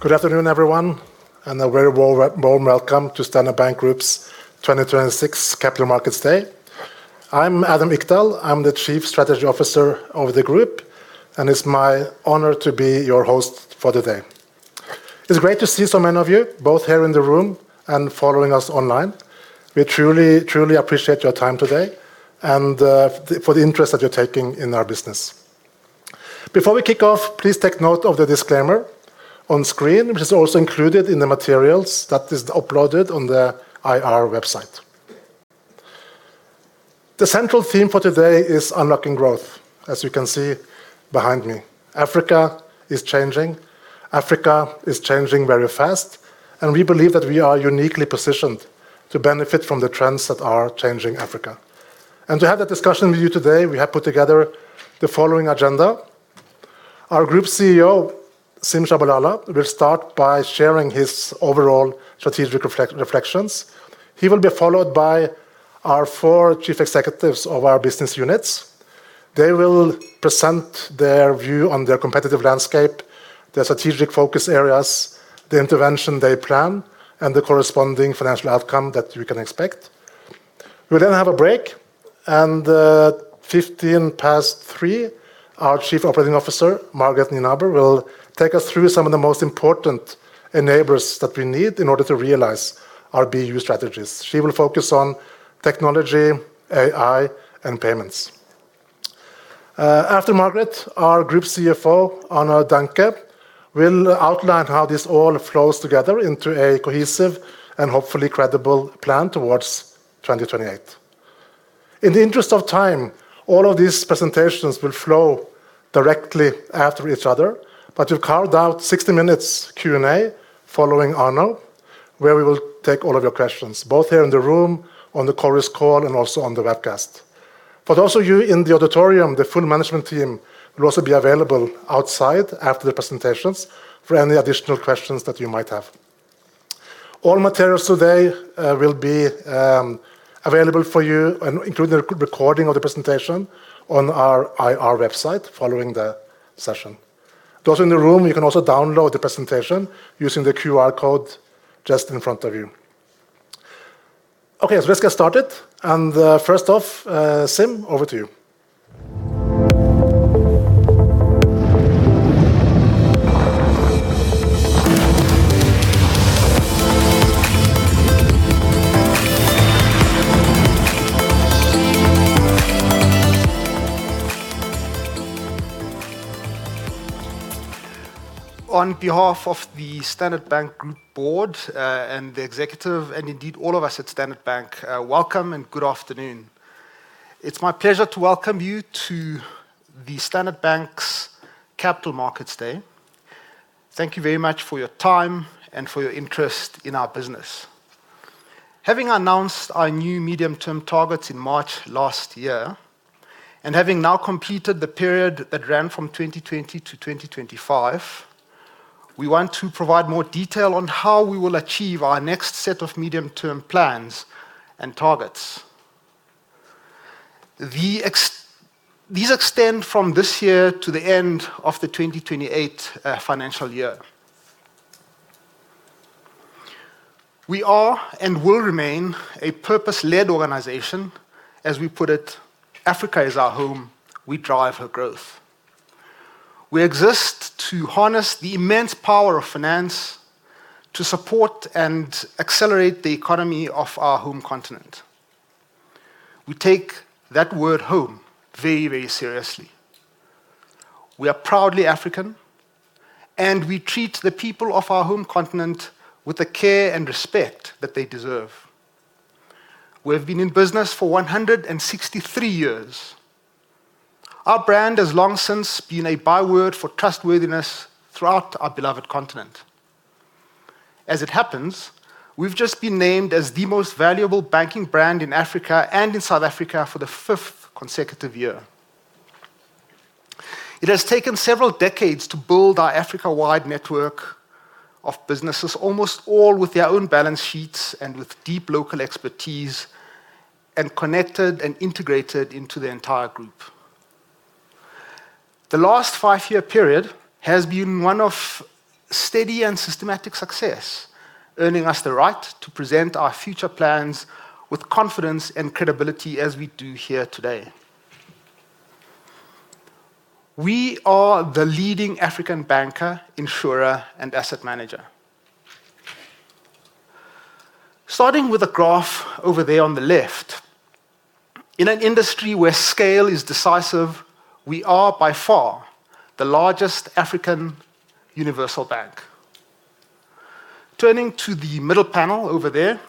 Good afternoon, everyone, and a very warm welcome to Standard Bank Group's 2026 Capital Markets Day. I'm Adam Ikdal. I'm the Chief Strategy Officer of the group, and it's my honor to be your host for the day. It's great to see so many of you both here in the room and following us online. We truly appreciate your time today and for the interest that you're taking in our business. Before we kick off, please take note of the disclaimer on screen, which is also included in the materials that is uploaded on the IR website. The central theme for today is Unlocking Growth, as you can see behind me. Africa is changing. Africa is changing very fast, and we believe that we are uniquely positioned to benefit from the trends that are changing Africa. To have that discussion with you today, we have put together the following agenda. Our Group CEO, Sim Tshabalala, will start by sharing his overall strategic reflections. He will be followed by our four chief executives of our business units. They will present their view on their competitive landscape, their strategic focus areas, the intervention they plan, and the corresponding financial outcome that we can expect. We'll then have a break and at 3:15 P.M., our Chief Operating Officer, Margaret Nienaber, will take us through some of the most important enablers that we need in order to realize our BU strategies. She will focus on technology, AI, and payments. After Margaret, our Group CFO, Arno Daehnke, will outline how this all flows together into a cohesive and hopefully credible plan towards 2028. In the interest of time, all of these presentations will flow directly after each other. We've carved out 60 minutes' Q&A following Arno, where we will take all of your questions, both here in the room, on the Chorus Call, and also on the webcast. For those of you in the auditorium, the full management team will also be available outside after the presentations for any additional questions that you might have. All materials today will be available for you and including a recording of the presentation on our IR website following the session. Those in the room, you can also download the presentation using the QR code just in front of you. Okay, let's get started and first off, Sim, over to you. On behalf of the Standard Bank Group board, and the executive, and indeed all of us at Standard Bank, welcome and good afternoon. It's my pleasure to welcome you to the Standard Bank's Capital Markets Day. Thank you very much for your time and for your interest in our business. Having announced our new medium-term targets in March last year, and having now completed the period that ran from 2020-2025, we want to provide more detail on how we will achieve our next set of medium-term plans and targets. These extend from this year to the end of the 2028 financial year. We are and will remain a purpose-led organization. As we put it, "Africa is our home. We drive her growth." We exist to harness the immense power of finance to support and accelerate the economy of our home continent. We take that word "home" very, very seriously. We are proudly African, and we treat the people of our home continent with the care and respect that they deserve. We have been in business for 163 years. Our brand has long since been a byword for trustworthiness throughout our beloved continent. As it happens, we've just been named as the most valuable banking brand in Africa and in South Africa for the fifth consecutive year. It has taken several decades to build our Africa-wide network of businesses, almost all with their own balance sheets and with deep local expertise, and connected and integrated into the entire group. The last five-year period has been one of steady and systematic success, earning us the right to present our future plans with confidence and credibility as we do here today. We are the leading African banker, insurer, and asset manager. Starting with the graph over there on the left, in an industry where scale is decisive, we are by far the largest African universal bank. Turning to the middle panel over there,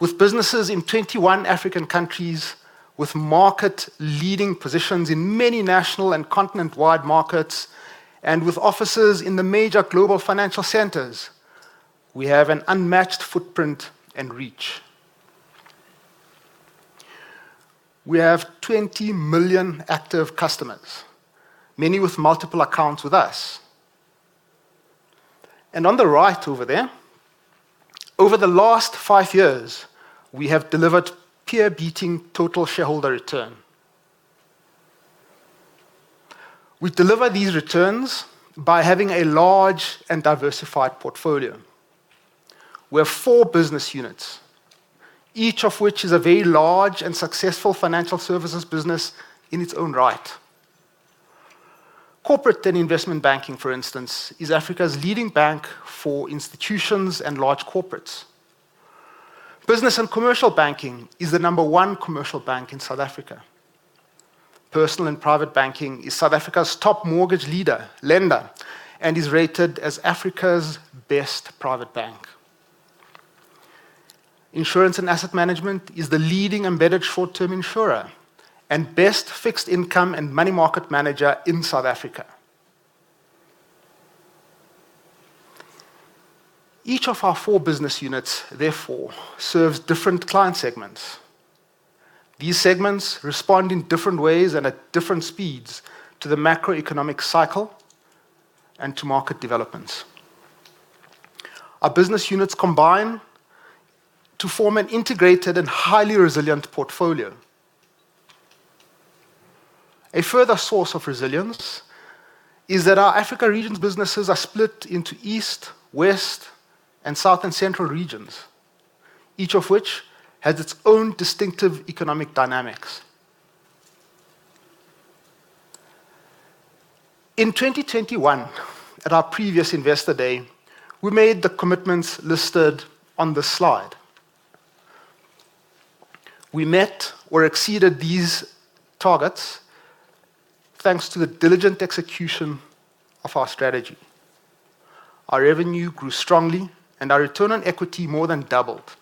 with businesses in 21 African countries, with market-leading positions in many national and continent-wide markets, and with offices in the major global financial centers, we have an unmatched footprint and reach. We have 20 million active customers, many with multiple accounts with us. On the right over there, over the last five years, we have delivered peer-beating total shareholder return. We deliver these returns by having a large and diversified portfolio. We have four business units, each of which is a very large and successful financial services business in its own right. Corporate and Investment Banking, for instance, is Africa's leading bank for institutions and large corporates. Business and Commercial Banking is the number one commercial bank in South Africa. Personal and Private Banking is South Africa's top mortgage leader, lender, and is rated as Africa's best private bank. Insurance and Asset Management is the leading embedded short-term insurer and best fixed income and money market manager in South Africa. Each of our four business units, therefore, serves different client segments. These segments respond in different ways and at different speeds to the macroeconomic cycle and to market developments. Our business units combine to form an integrated and highly resilient portfolio. A further source of resilience is that our Africa regions businesses are split into east, west, and south and central regions, each of which has its own distinctive economic dynamics. In 2021, at our previous Investor Day, we made the commitments listed on this slide. We met or exceeded these targets thanks to the diligent execution of our strategy. Our revenue grew strongly, and our return on equity more than doubled.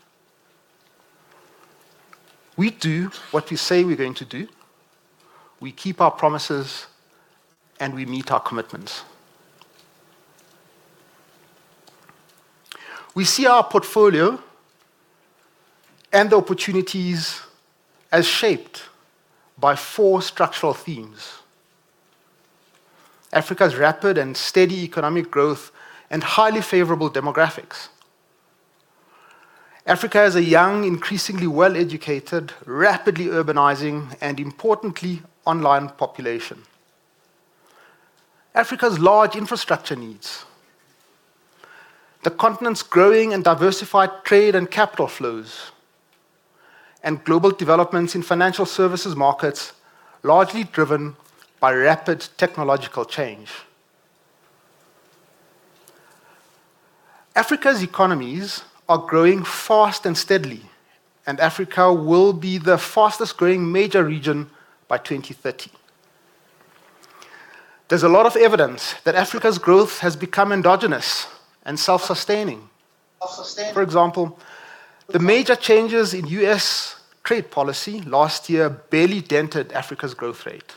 We do what we say we're going to do. We keep our promises, and we meet our commitments. We see our portfolio and the opportunities as shaped by four structural themes, Africa's rapid and steady economic growth and highly favorable demographics. Africa is a young, increasingly well-educated, rapidly urbanizing, and importantly, online population. Africa's large infrastructure needs. The continent's growing and diversified trade and capital flows, and global developments in financial services markets, largely driven by rapid technological change. Africa's economies are growing fast and steadily, and Africa will be the fastest-growing major region by 2030. There's a lot of evidence that Africa's growth has become endogenous and self-sustaining. For example, the major changes in U.S. trade policy last year barely dented Africa's growth rate.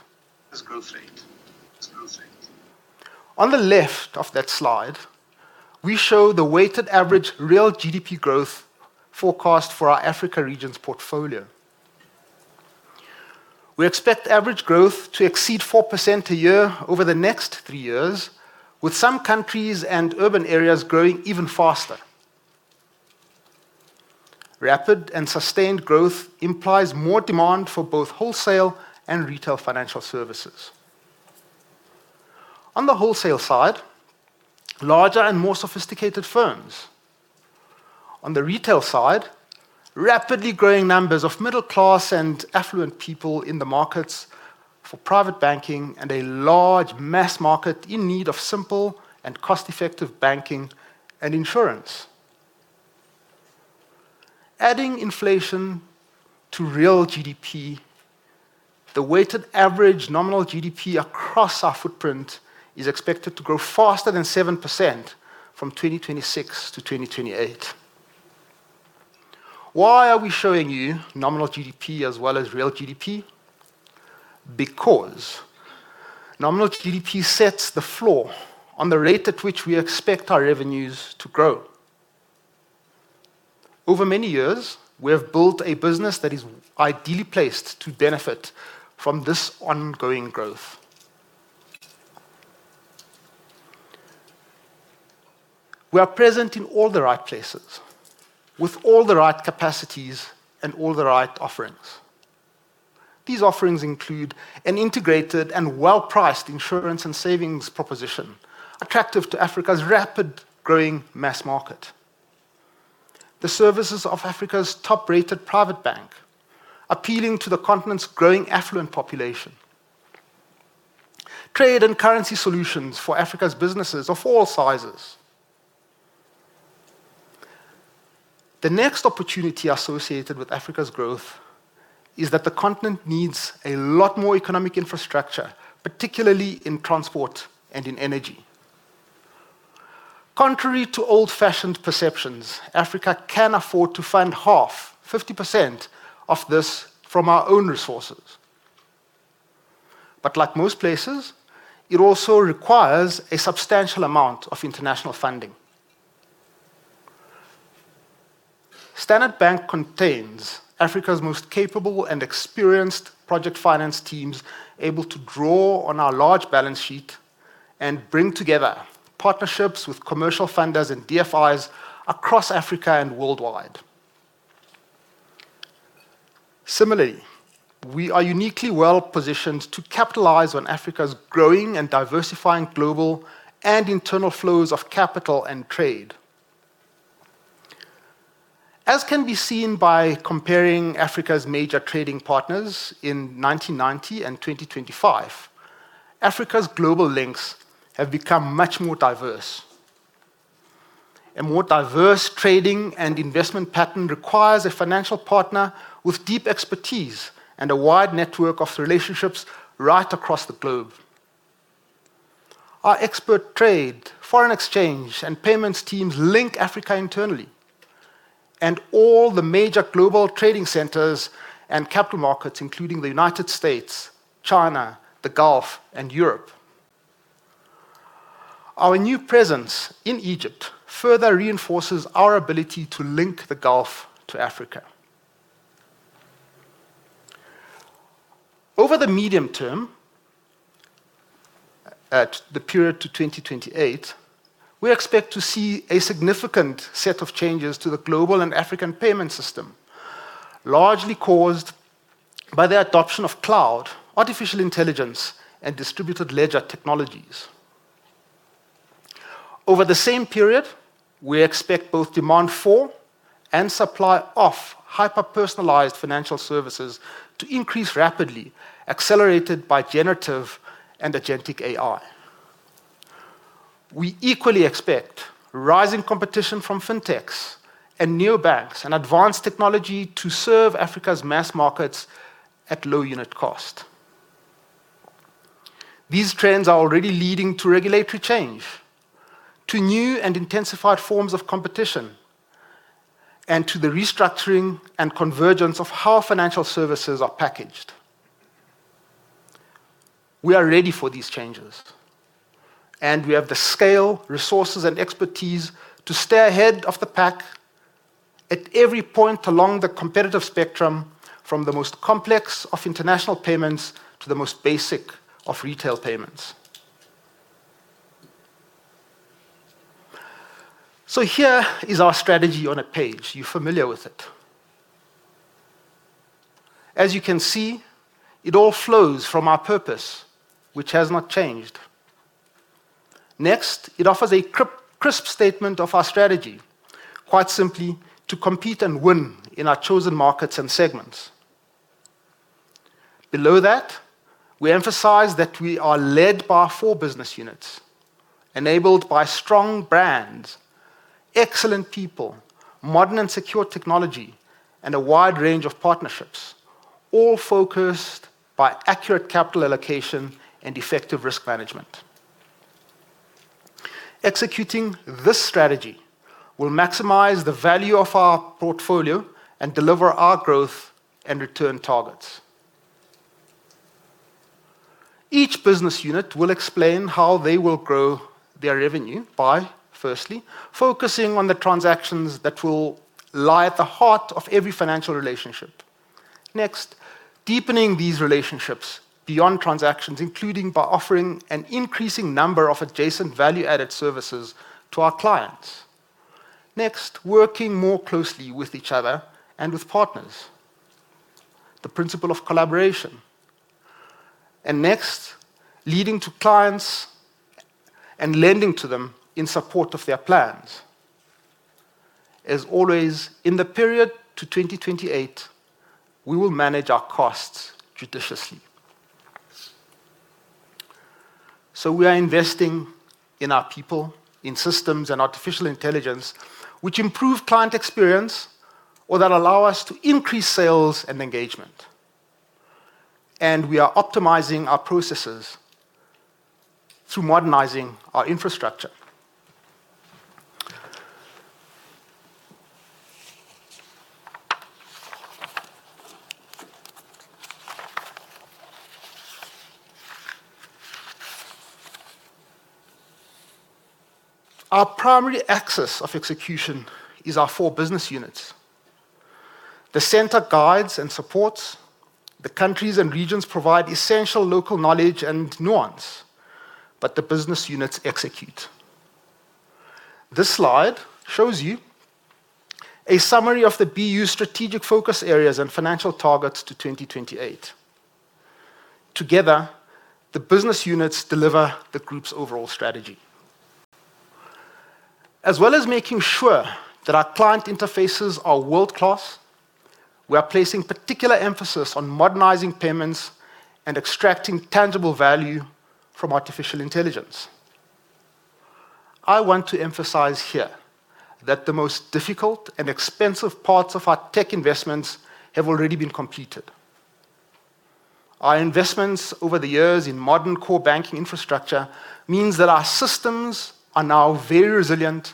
On the left of that slide, we show the weighted average real GDP growth forecast for our Africa regions portfolio. We expect average growth to exceed 4% a year over the next three years, with some countries and urban areas growing even faster. Rapid and sustained growth implies more demand for both Wholesale and Retail financial services, on the Wholesale side larger and more sophisticated firms, on the retail side rapidly growing numbers of middle class and affluent people in the markets for private banking and a large mass market in need of simple and cost-effective banking and insurance. Adding inflation to real GDP, the weighted average nominal GDP across our footprint is expected to grow faster than 7% from 2026-2028. Why are we showing you nominal GDP as well as real GDP? Because nominal GDP sets the floor on the rate at which we expect our revenues to grow. Over many years, we have built a business that is ideally placed to benefit from this ongoing growth. We are present in all the right places with all the right capacities and all the right offerings. These offerings include an integrated and well-priced insurance and savings proposition attractive to Africa's rapid growing mass market, the services of Africa's top-rated private bank appealing to the continent's growing affluent population, and trade and currency solutions for Africa's businesses of all sizes. The next opportunity associated with Africa's growth is that the continent needs a lot more economic infrastructure, particularly in transport and in energy. Contrary to old-fashioned perceptions, Africa can afford to fund half, 50%, of this from our own resources. Like most places, it also requires a substantial amount of international funding. Standard Bank contains Africa's most capable and experienced project finance teams able to draw on our large balance sheet and bring together partnerships with commercial funders and DFIs across Africa and worldwide. Similarly, we are uniquely well-positioned to capitalize on Africa's growing and diversifying global and internal flows of capital and trade. As can be seen by comparing Africa's major trading partners in 1990 and 2025, Africa's global links have become much more diverse. A more diverse trading and investment pattern requires a financial partner with deep expertise and a wide network of relationships right across the globe. Our expert trade, foreign exchange, and payments teams link Africa internally and all the major global trading centers and capital markets, including the United States, China, the Gulf, and Europe. Our new presence in Egypt further reinforces our ability to link the Gulf to Africa. Over the medium term, at the period to 2028, we expect to see a significant set of changes to the global and African payment system, largely caused by the adoption of cloud, artificial intelligence, and distributed ledger technologies. Over the same period, we expect both demand for and supply of hyper-personalized financial services to increase rapidly, accelerated by generative and agentic AI. We equally expect rising competition from fintechs and neobanks and advanced technology to serve Africa's mass markets at low unit cost. These trends are already leading to regulatory change, to new and intensified forms of competition, and to the restructuring and convergence of how financial services are packaged. We are ready for these changes, and we have the scale, resources, and expertise to stay ahead of the pack at every point along the competitive spectrum from the most complex of international payments to the most basic of retail payments. Here is our strategy on a page. You're familiar with it. As you can see, it all flows from our purpose, which has not changed. Next, it offers a crisp statement of our strategy, quite simply to compete and win in our chosen markets and segments. Below that, we emphasize that we are led by four business units enabled by strong brands, excellent people, modern and secure technology, and a wide range of partnerships, all focused by accurate capital allocation and effective risk management. Executing this strategy will maximize the value of our portfolio and deliver our growth and return targets. Each business unit will explain how they will grow their revenue by, firstly, focusing on the transactions that will lie at the heart of every financial relationship. Next, deepening these relationships beyond transactions, including by offering an increasing number of adjacent value-added services to our clients. Next, working more closely with each other and with partners. The principle of collaboration. Next, leading to clients and lending to them in support of their plans. As always, in the period to 2028, we will manage our costs judiciously. We are investing in our people, in systems and artificial intelligence which improve client experience or that allow us to increase sales and engagement. We are optimizing our processes through modernizing our infrastructure. Our primary axis of execution is our four business units. The center guides and supports. The countries and regions provide essential local knowledge and nuance, but the business units execute. This slide shows you a summary of the BU strategic focus areas and financial targets to 2028. Together, the business units deliver the group's overall strategy. As well as making sure that our client interfaces are world-class, we are placing particular emphasis on modernizing payments and extracting tangible value from artificial intelligence. I want to emphasize here that the most difficult and expensive parts of our tech investments have already been completed. Our investments over the years in modern core banking infrastructure means that our systems are now very resilient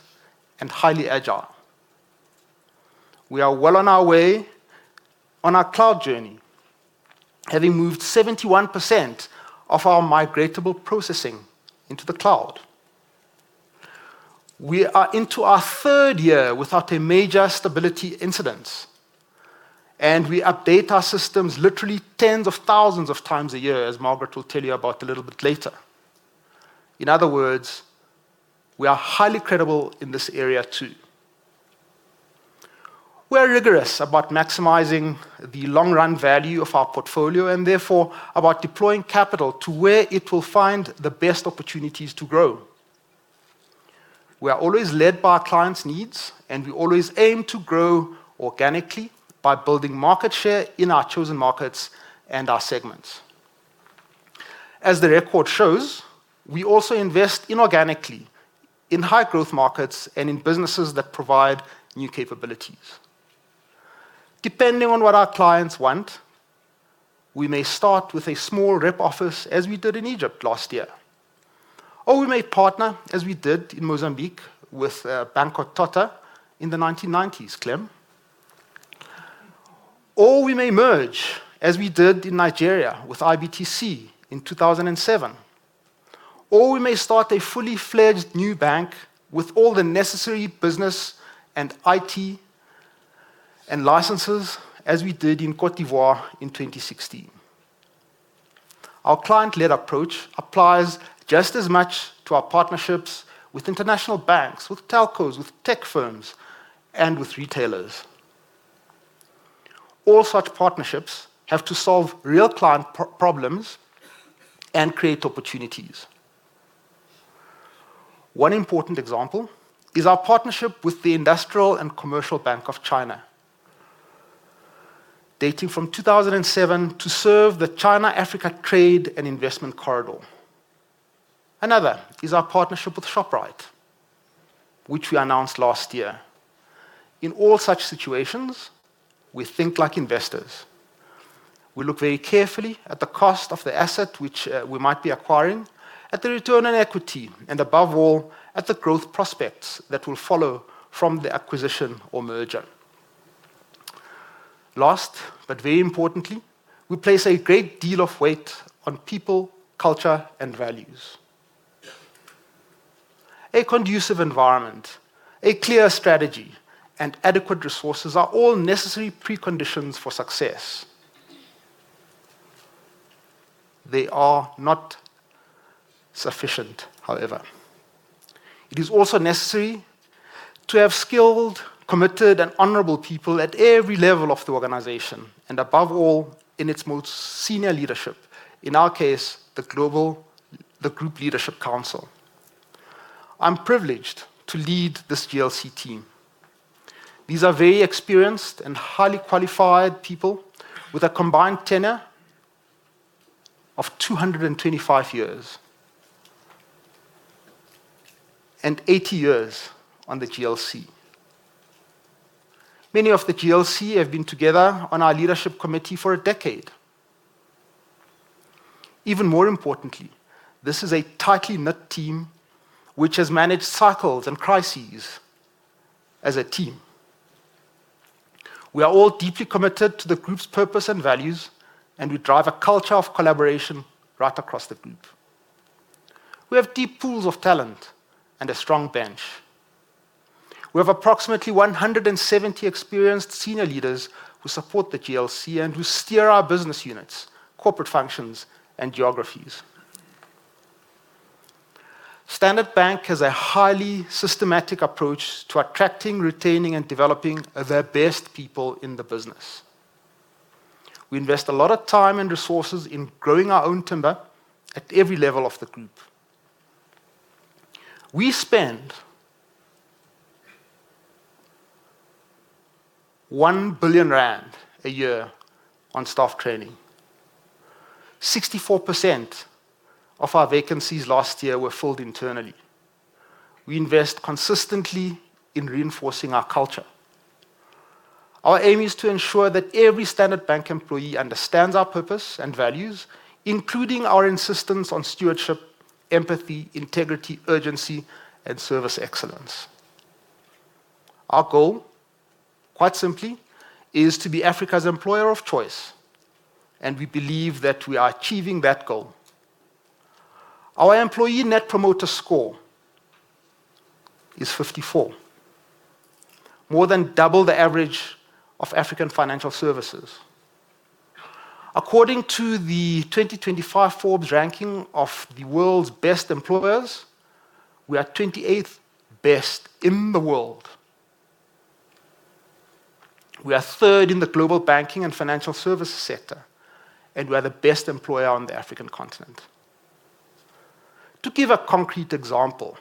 and highly agile. We are well on our way on our cloud journey, having moved 71% of our migratable processing into the cloud. We are into our third year without a major stability incidence, and we update our systems literally tens of thousands of times a year, as Margaret will tell you about a little bit later. In other words, we are highly credible in this area too. We are rigorous about maximizing the long run value of our portfolio and therefore about deploying capital to where it will find the best opportunities to grow. We are always led by our clients' needs, and we always aim to grow organically by building market share in our chosen markets and our segments. As the record shows, we also invest inorganically in high growth markets and in businesses that provide new capabilities. Depending on what our clients want, we may start with a small rep office, as we did in Egypt last year. We may partner, as we did in Mozambique with Banco Totta in the 1990s, Clem. We may merge, as we did in Nigeria with IBTC in 2007. We may start a fully-fledged new bank with all the necessary business and IT and licenses, as we did in Côte d'Ivoire in 2016. Our client-led approach applies just as much to our partnerships with international banks, with telcos, with tech firms, and with retailers. All such partnerships have to solve real client problems and create opportunities. One important example is our partnership with the Industrial and Commercial Bank of China, dating from 2007 to serve the China-Africa Trade and Investment Corridor. Another is our partnership with Shoprite, which we announced last year. In all such situations, we think like investors. We look very carefully at the cost of the asset which we might be acquiring, at the return on equity, and above all, at the growth prospects that will follow from the acquisition or merger. Last, but very importantly, we place a great deal of weight on people, culture, and values. A conducive environment, a clear strategy, and adequate resources are all necessary preconditions for success. They are not sufficient, however. It is also necessary to have skilled, committed, and honorable people at every level of the organization, and above all, in its most senior leadership. In our case, the Group Leadership Council. I'm privileged to lead this GLC team. These are very experienced and highly qualified people with a combined tenure of 225 years and 80 years on the GLC. Many of the GLC have been together on our leadership committee for a decade. Even more importantly, this is a tightly-knit team which has managed cycles and crises as a team. We are all deeply committed to the group's purpose and values, and we drive a culture of collaboration right across the group. We have deep pools of talent and a strong bench. We have approximately 170 experienced senior leaders who support the GLC and who steer our business units, corporate functions, and geographies. Standard Bank has a highly systematic approach to attracting, retaining, and developing the best people in the business. We invest a lot of time and resources in growing our own timber at every level of the group. We spend 1 billion rand a year on staff training. 64% of our vacancies last year were filled internally. We invest consistently in reinforcing our culture. Our aim is to ensure that every Standard Bank employee understands our purpose and values, including our insistence on stewardship, empathy, integrity, urgency, and service excellence. Our goal, quite simply, is to be Africa's employer of choice, and we believe that we are achieving that goal. Our employee net promoter score is 54, more than double the average of African financial services. According to the 2025 Forbes ranking of the world's best employers, we are 28th best in the world. We are third in the global banking and financial services sector, and we are the best employer on the African continent. To give a concrete example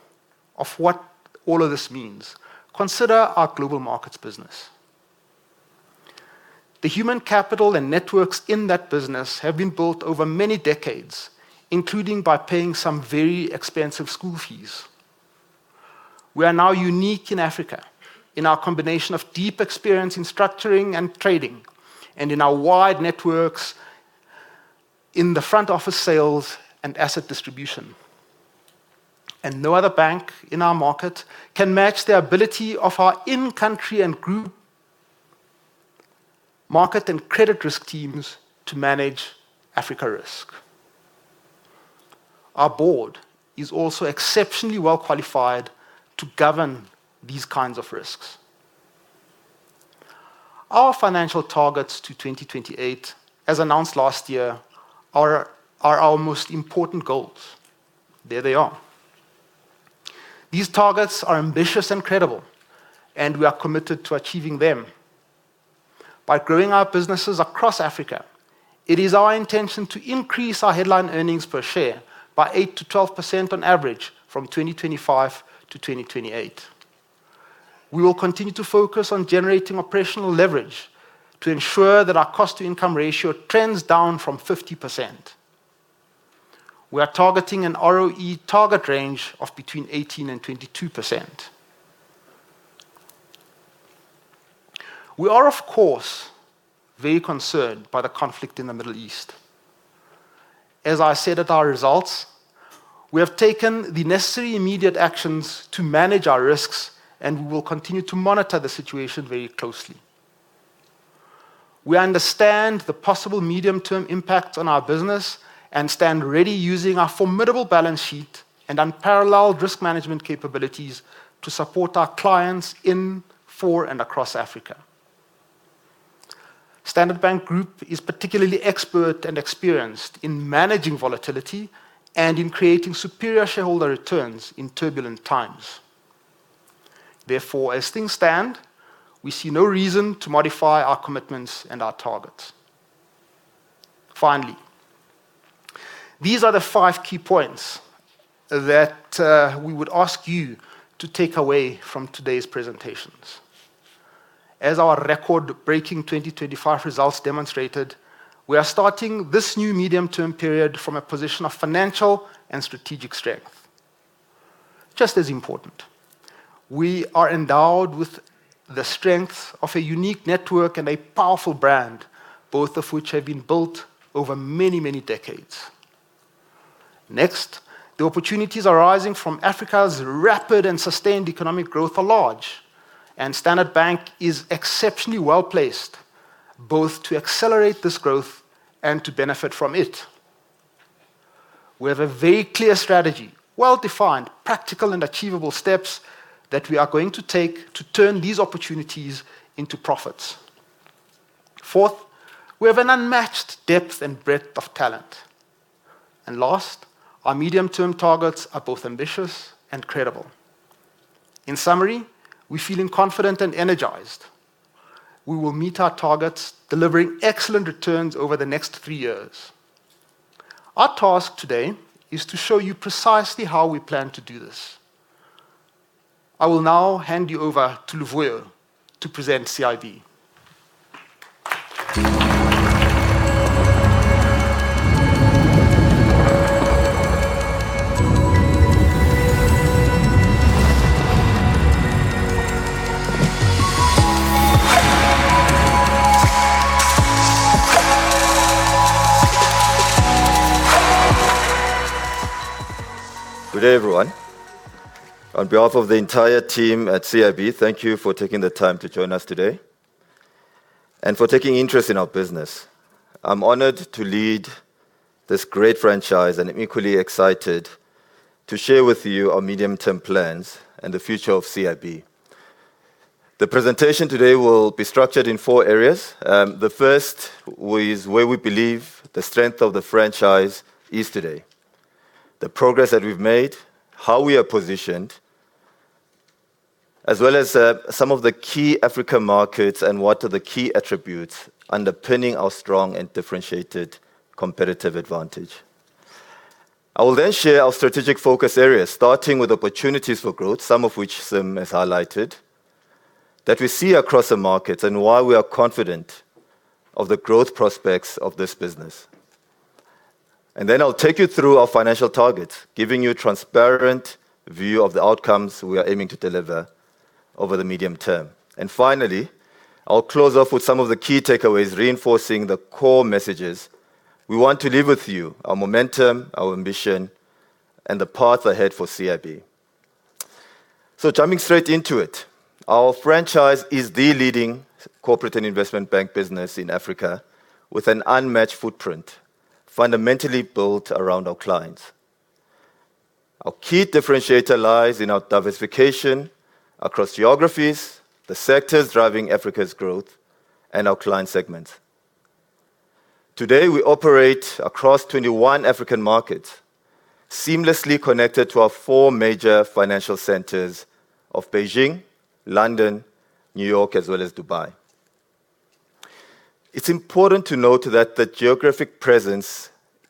of what all of this means, consider our global markets business. The human capital and networks in that business have been built over many decades, including by paying some very expensive school fees. We are now unique in Africa in our combination of deep experience in structuring and trading and in our wide networks in the front office sales and asset distribution. No other bank in our market can match the ability of our in-country and group market and credit risk teams to manage Africa risk. Our board is also exceptionally well qualified to govern these kinds of risks. Our financial targets to 2028, as announced last year, are our most important goals. There they are. These targets are ambitious and credible, and we are committed to achieving them. By growing our businesses across Africa, it is our intention to increase our headline earnings per share by 8%-12% on average from 2025-2028. We will continue to focus on generating operational leverage to ensure that our cost-to-income ratio trends down from 50%. We are targeting an ROE target range of between 18% and 22%. We are, of course, very concerned by the conflict in the Middle East. As I said at our results, we have taken the necessary immediate actions to manage our risks, and we will continue to monitor the situation very closely. We understand the possible medium-term impacts on our business and stand ready using our formidable balance sheet and unparalleled risk management capabilities to support our clients in, for, and across Africa. Standard Bank Group is particularly expert and experienced in managing volatility and in creating superior shareholder returns in turbulent times. Therefore, as things stand, we see no reason to modify our commitments and our targets. Finally, these are the five key points that we would ask you to take away from today's presentations. As our record-breaking 2025 results demonstrated, we are starting this new medium-term period from a position of financial and strategic strength. Just as important, we are endowed with the strength of a unique network and a powerful brand, both of which have been built over many, many decades. Next, the opportunities arising from Africa's rapid and sustained economic growth are large, and Standard Bank is exceptionally well-placed both to accelerate this growth and to benefit from it. We have a very clear strategy, well-defined, practical, and achievable steps that we are going to take to turn these opportunities into profits. Fourth, we have an unmatched depth and breadth of talent. Last, our medium-term targets are both ambitious and credible. In summary, we're feeling confident and energized. We will meet our targets, delivering excellent returns over the next three years. Our task today is to show you precisely how we plan to do this. I will now hand you over to Luvuyo to present CIB. Good day, everyone. On behalf of the entire team at CIB, thank you for taking the time to join us today and for taking interest in our business. I'm honored to lead this great franchise, and I'm equally excited to share with you our medium-term plans and the future of CIB. The presentation today will be structured in four areas. The first is where we believe the strength of the franchise is today, the progress that we've made, how we are positioned, as well as some of the key Africa markets and what are the key attributes underpinning our strong and differentiated competitive advantage. I will then share our strategic focus areas, starting with opportunities for growth, some of which Sim has highlighted, that we see across the markets and why we are confident of the growth prospects of this business. I'll take you through our financial targets, giving you a transparent view of the outcomes we are aiming to deliver over the medium term. Finally, I'll close off with some of the key takeaways, reinforcing the core messages we want to leave with you, our momentum, our ambition, and the path ahead for CIB. Jumping straight into it, our franchise is the leading corporate and investment bank business in Africa with an unmatched footprint fundamentally built around our clients. Our key differentiator lies in our diversification across geographies, the sectors driving Africa's growth, and our client segments. Today, we operate across 21 African markets, seamlessly connected to our four major financial centers of Beijing, London, New York, as well as Dubai. It's important to note that the geographic presence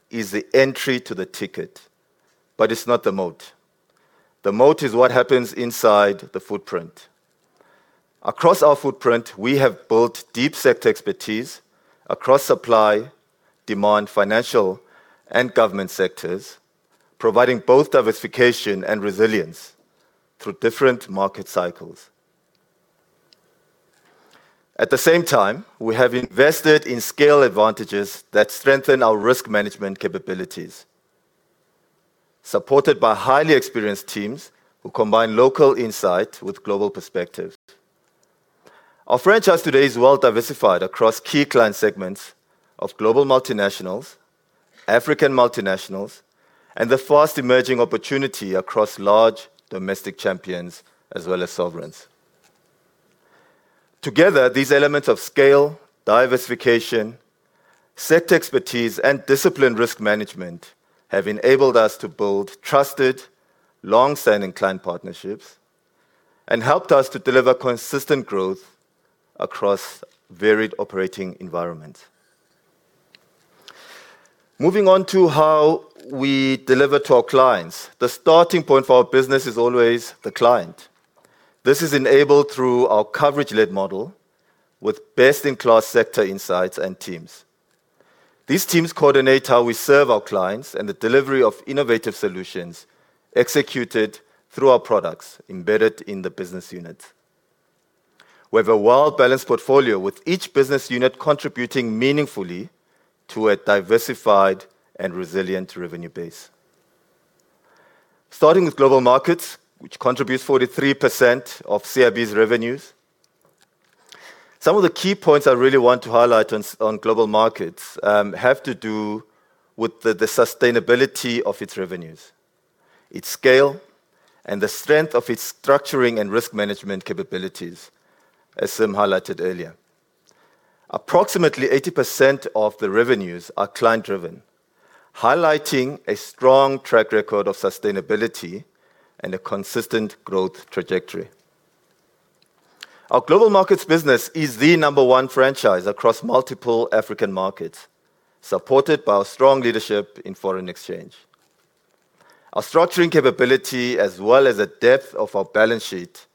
is the entry ticket, but it's not the moat. The moat is what happens inside the footprint. Across our footprint, we have built deep sector expertise across supply, demand, financial, and government sectors, providing both diversification and resilience through different market cycles. At the same time, we have invested in scale advantages that strengthen our risk management capabilities, supported by highly experienced teams who combine local insight with global perspectives. Our franchise today is well diversified across key client segments of global multinationals, African multinationals, and the fast-emerging opportunity across large domestic champions, as well as sovereigns. Together, these elements of scale, diversification, sector expertise, and disciplined risk management have enabled us to build trusted, long-standing client partnerships and helped us to deliver consistent growth across varied operating environments. Moving on to how we deliver to our clients. The starting point for our business is always the client. This is enabled through our coverage-led model with best-in-class sector insights and teams. These teams coordinate how we serve our clients and the delivery of innovative solutions executed through our products embedded in the business units. We have a well-balanced portfolio, with each business unit contributing meaningfully to a diversified and resilient revenue base. Starting with Global Markets, which contributes 43% of CIB's revenues. Some of the key points I really want to highlight on Global Markets have to do with the sustainability of its revenues, its scale, and the strength of its structuring and risk management capabilities, as Sim highlighted earlier. Approximately 80% of the revenues are client-driven, highlighting a strong track record of sustainability and a consistent growth trajectory. Our Global Markets business is the number one franchise across multiple African markets, supported by our strong leadership in foreign exchange. Our structuring capability as well as the depth of our balance sheet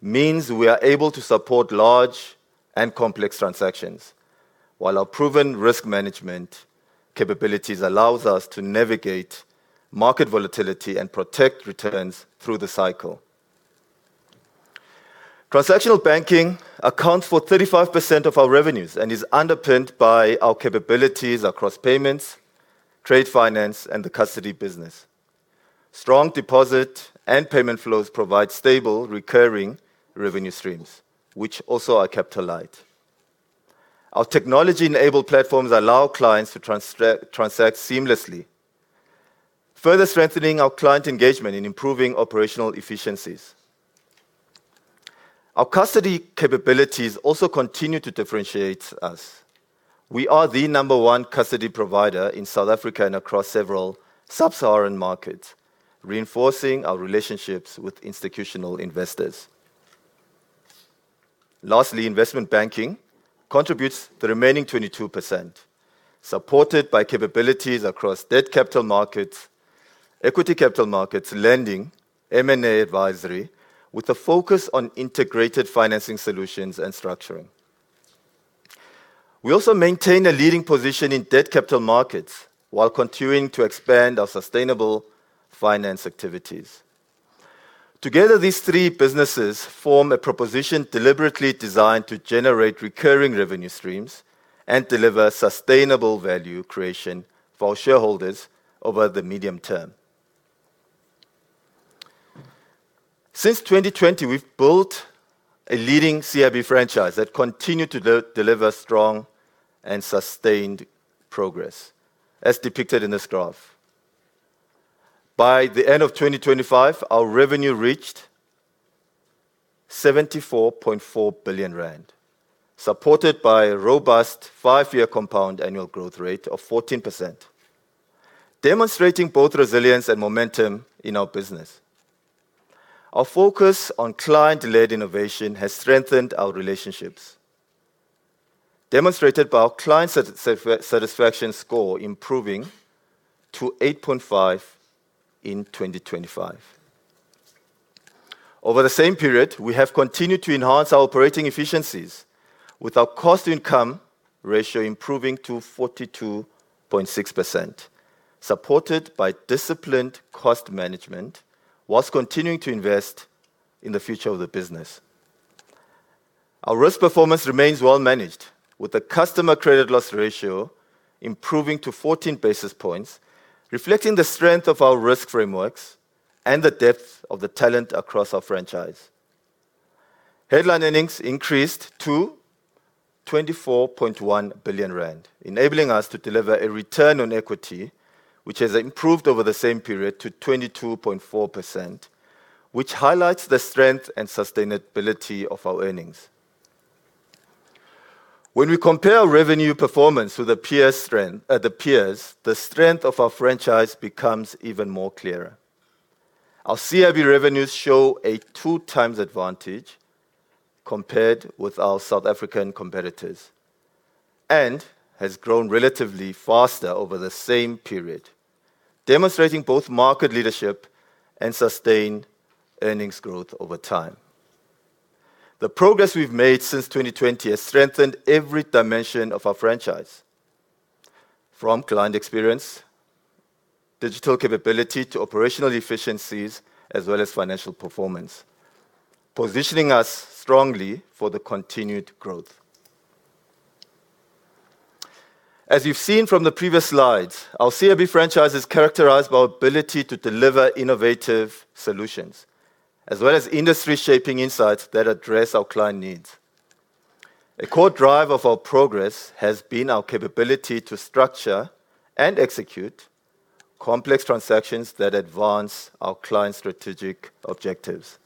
means we are able to support large and complex transactions, while our proven risk management capabilities allows us to navigate market volatility and protect returns through the cycle. Transactional banking accounts for 35% of our revenues and is underpinned by our capabilities across payments, trade finance, and the custody business. Strong deposit and payment flows provide stable recurring revenue streams, which also are capital light. Our technology-enabled platforms allow clients to transact seamlessly, further strengthening our client engagement in improving operational efficiencies. Our custody capabilities also continue to differentiate us. We are the number one custody provider in South Africa and across several sub-Saharan markets, reinforcing our relationships with institutional investors. Lastly, Investment Banking contributes the remaining 22%, supported by capabilities across debt capital markets, equity capital markets, lending, M&A advisory, with a focus on integrated financing solutions and structuring. We also maintain a leading position in debt capital markets while continuing to expand our sustainable finance activities. Together, these three businesses form a proposition deliberately designed to generate recurring revenue streams and deliver sustainable value creation for our shareholders over the medium term. Since 2020, we've built a leading CIB franchise that continued to deliver strong and sustained progress, as depicted in this graph. By the end of 2025, our revenue reached 74.4 billion rand, supported by a robust 5-year compound annual growth rate of 14%, demonstrating both resilience and momentum in our business. Our focus on client-led innovation has strengthened our relationships, demonstrated by our client satisfaction score improving to 8.5 in 2025. Over the same period, we have continued to enhance our operating efficiencies with our cost-to-income ratio improving to 42.6%, supported by disciplined cost management whilst continuing to invest in the future of the business. Our risk performance remains well managed, with the customer credit loss ratio improving to 14 basis points, reflecting the strength of our risk frameworks and the depth of the talent across our franchise. Headline earnings increased to 24.1 billion rand, enabling us to deliver a return on equity which has improved over the same period to 22.4%, which highlights the strength and sustainability of our earnings. When we compare revenue performance with the peers, the strength of our franchise becomes even more clearer. Our CIB revenues show a 2x advantage compared with our South African competitors and has grown relatively faster over the same period, demonstrating both market leadership and sustained earnings growth over time. The progress we've made since 2020 has strengthened every dimension of our franchise from client experience, digital capability, to operational efficiencies, as well as financial performance, positioning us strongly for the continued growth. As you've seen from the previous slides, our CIB franchise is characterized by our ability to deliver innovative solutions as well as industry-shaping insights that address our client needs. A core drive of our progress has been our capability to structure and execute complex transactions that advance our clients' strategic objectives.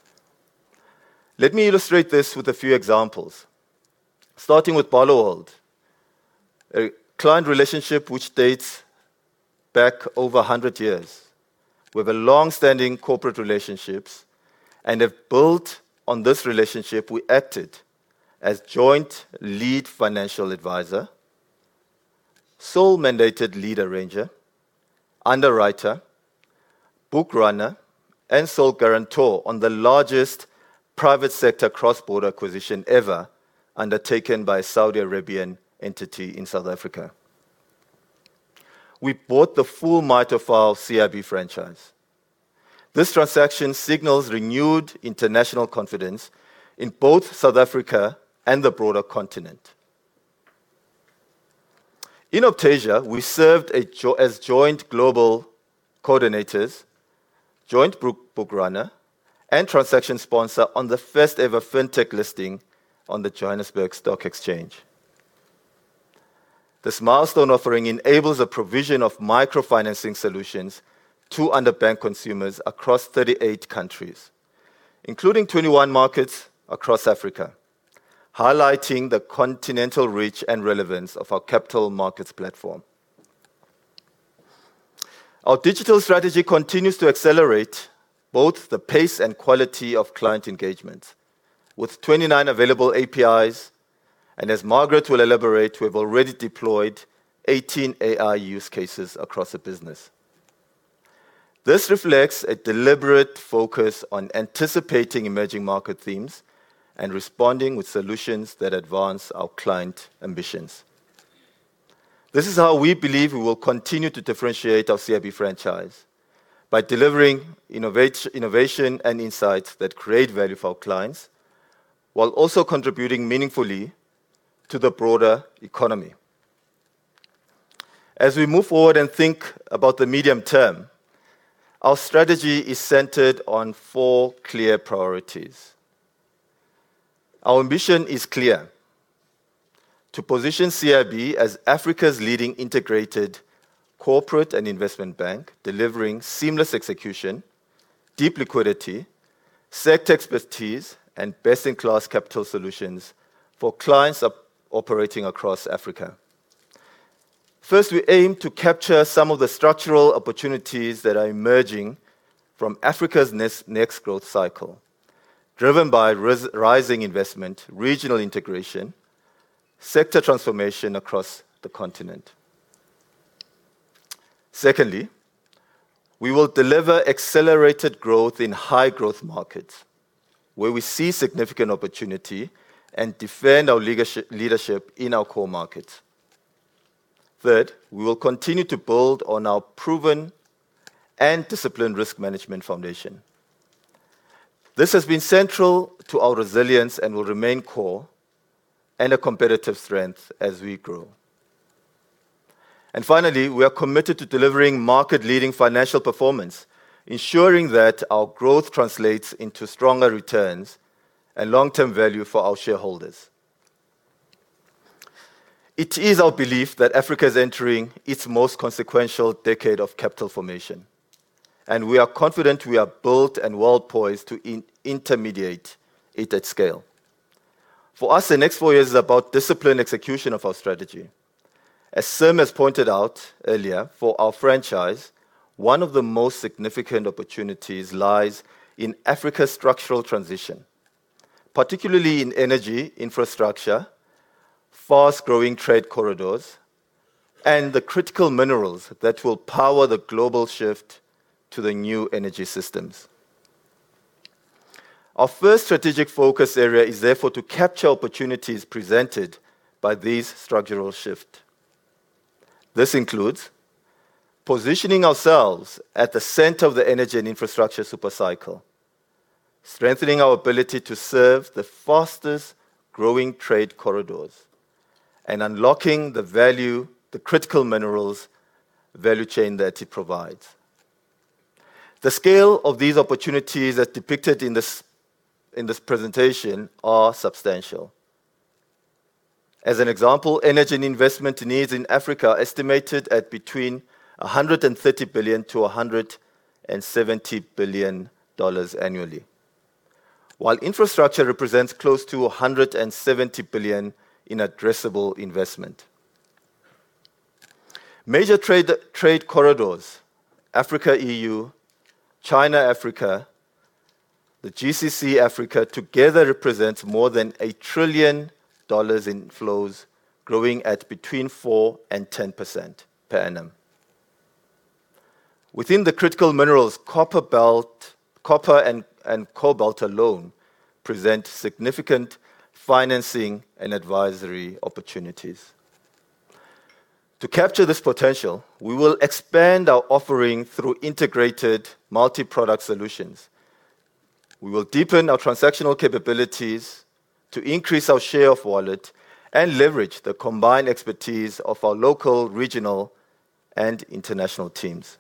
Let me illustrate this with a few examples, starting with Barloworld, a client relationship which dates back over 100 years. We have a longstanding corporate relationships and have built on this relationship. We acted as joint lead financial advisor, sole mandated lead arranger, underwriter, bookrunner, and sole guarantor on the largest private sector cross-border acquisition ever undertaken by a Saudi Arabian entity in South Africa. We bought the full [Mitofile] CIB franchise. This transaction signals renewed international confidence in both South Africa and the broader continent. In Optasia, we served as joint global coordinators, joint bookrunner, and transaction sponsor on the first-ever fintech listing on the Johannesburg Stock Exchange. This milestone offering enables a provision of microfinancing solutions to underbanked consumers across 38 countries, including 21 markets across Africa, highlighting the continental reach and relevance of our capital markets platform. Our digital strategy continues to accelerate both the pace and quality of client engagement with 29 available APIs, and as Margaret will elaborate, we have already deployed 18 AI use cases across the business. This reflects a deliberate focus on anticipating emerging market themes and responding with solutions that advance our client ambitions. This is how we believe we will continue to differentiate our CIB franchise, by delivering innovation and insights that create value for our clients while also contributing meaningfully to the broader economy. As we move forward and think about the medium term, our strategy is centered on four clear priorities. Our ambition is clear: to position CIB as Africa's leading integrated corporate and investment bank, delivering seamless execution, deep liquidity, sector expertise, and best-in-class capital solutions for clients operating across Africa. First, we aim to capture some of the structural opportunities that are emerging from Africa's next growth cycle, driven by rising investment, regional integration, sector transformation across the continent. Secondly, we will deliver accelerated growth in high-growth markets where we see significant opportunity and defend our leadership in our core markets. Third, we will continue to build on our proven and disciplined risk management foundation. This has been central to our resilience and will remain core and a competitive strength as we grow. Finally, we are committed to delivering market-leading financial performance, ensuring that our growth translates into stronger returns and long-term value for our shareholders. It is our belief that Africa is entering its most consequential decade of capital formation, and we are confident we are built and well-poised to intermediate it at scale. For us, the next four years is about disciplined execution of our strategy. As Sim has pointed out earlier, for our franchise, one of the most significant opportunities lies in Africa's structural transition, particularly in energy, infrastructure, fast-growing trade corridors, and the critical minerals that will power the global shift to the new energy systems. Our first strategic focus area is therefore to capture opportunities presented by these structural shift. This includes positioning ourselves at the center of the energy and infrastructure super cycle, strengthening our ability to serve the fastest-growing trade corridors, and unlocking the value, the critical minerals value chain that it provides. The scale of these opportunities as depicted in this presentation are substantial. As an example, energy and investment needs in Africa are estimated at between $130 billion-$170 billion annually. While infrastructure represents close to $170 billion in addressable investment. Major trade corridors, Africa-EU, China-Africa, the GCC-Africa together represent more than $1 trillion in flows growing at between 4% and 10% per annum. Within the critical minerals, copper belt, copper and cobalt alone present significant financing and advisory opportunities. To capture this potential, we will expand our offering through integrated multi-product solutions. We will deepen our transactional capabilities to increase our share of wallet and leverage the combined expertise of our local, regional, and international teams.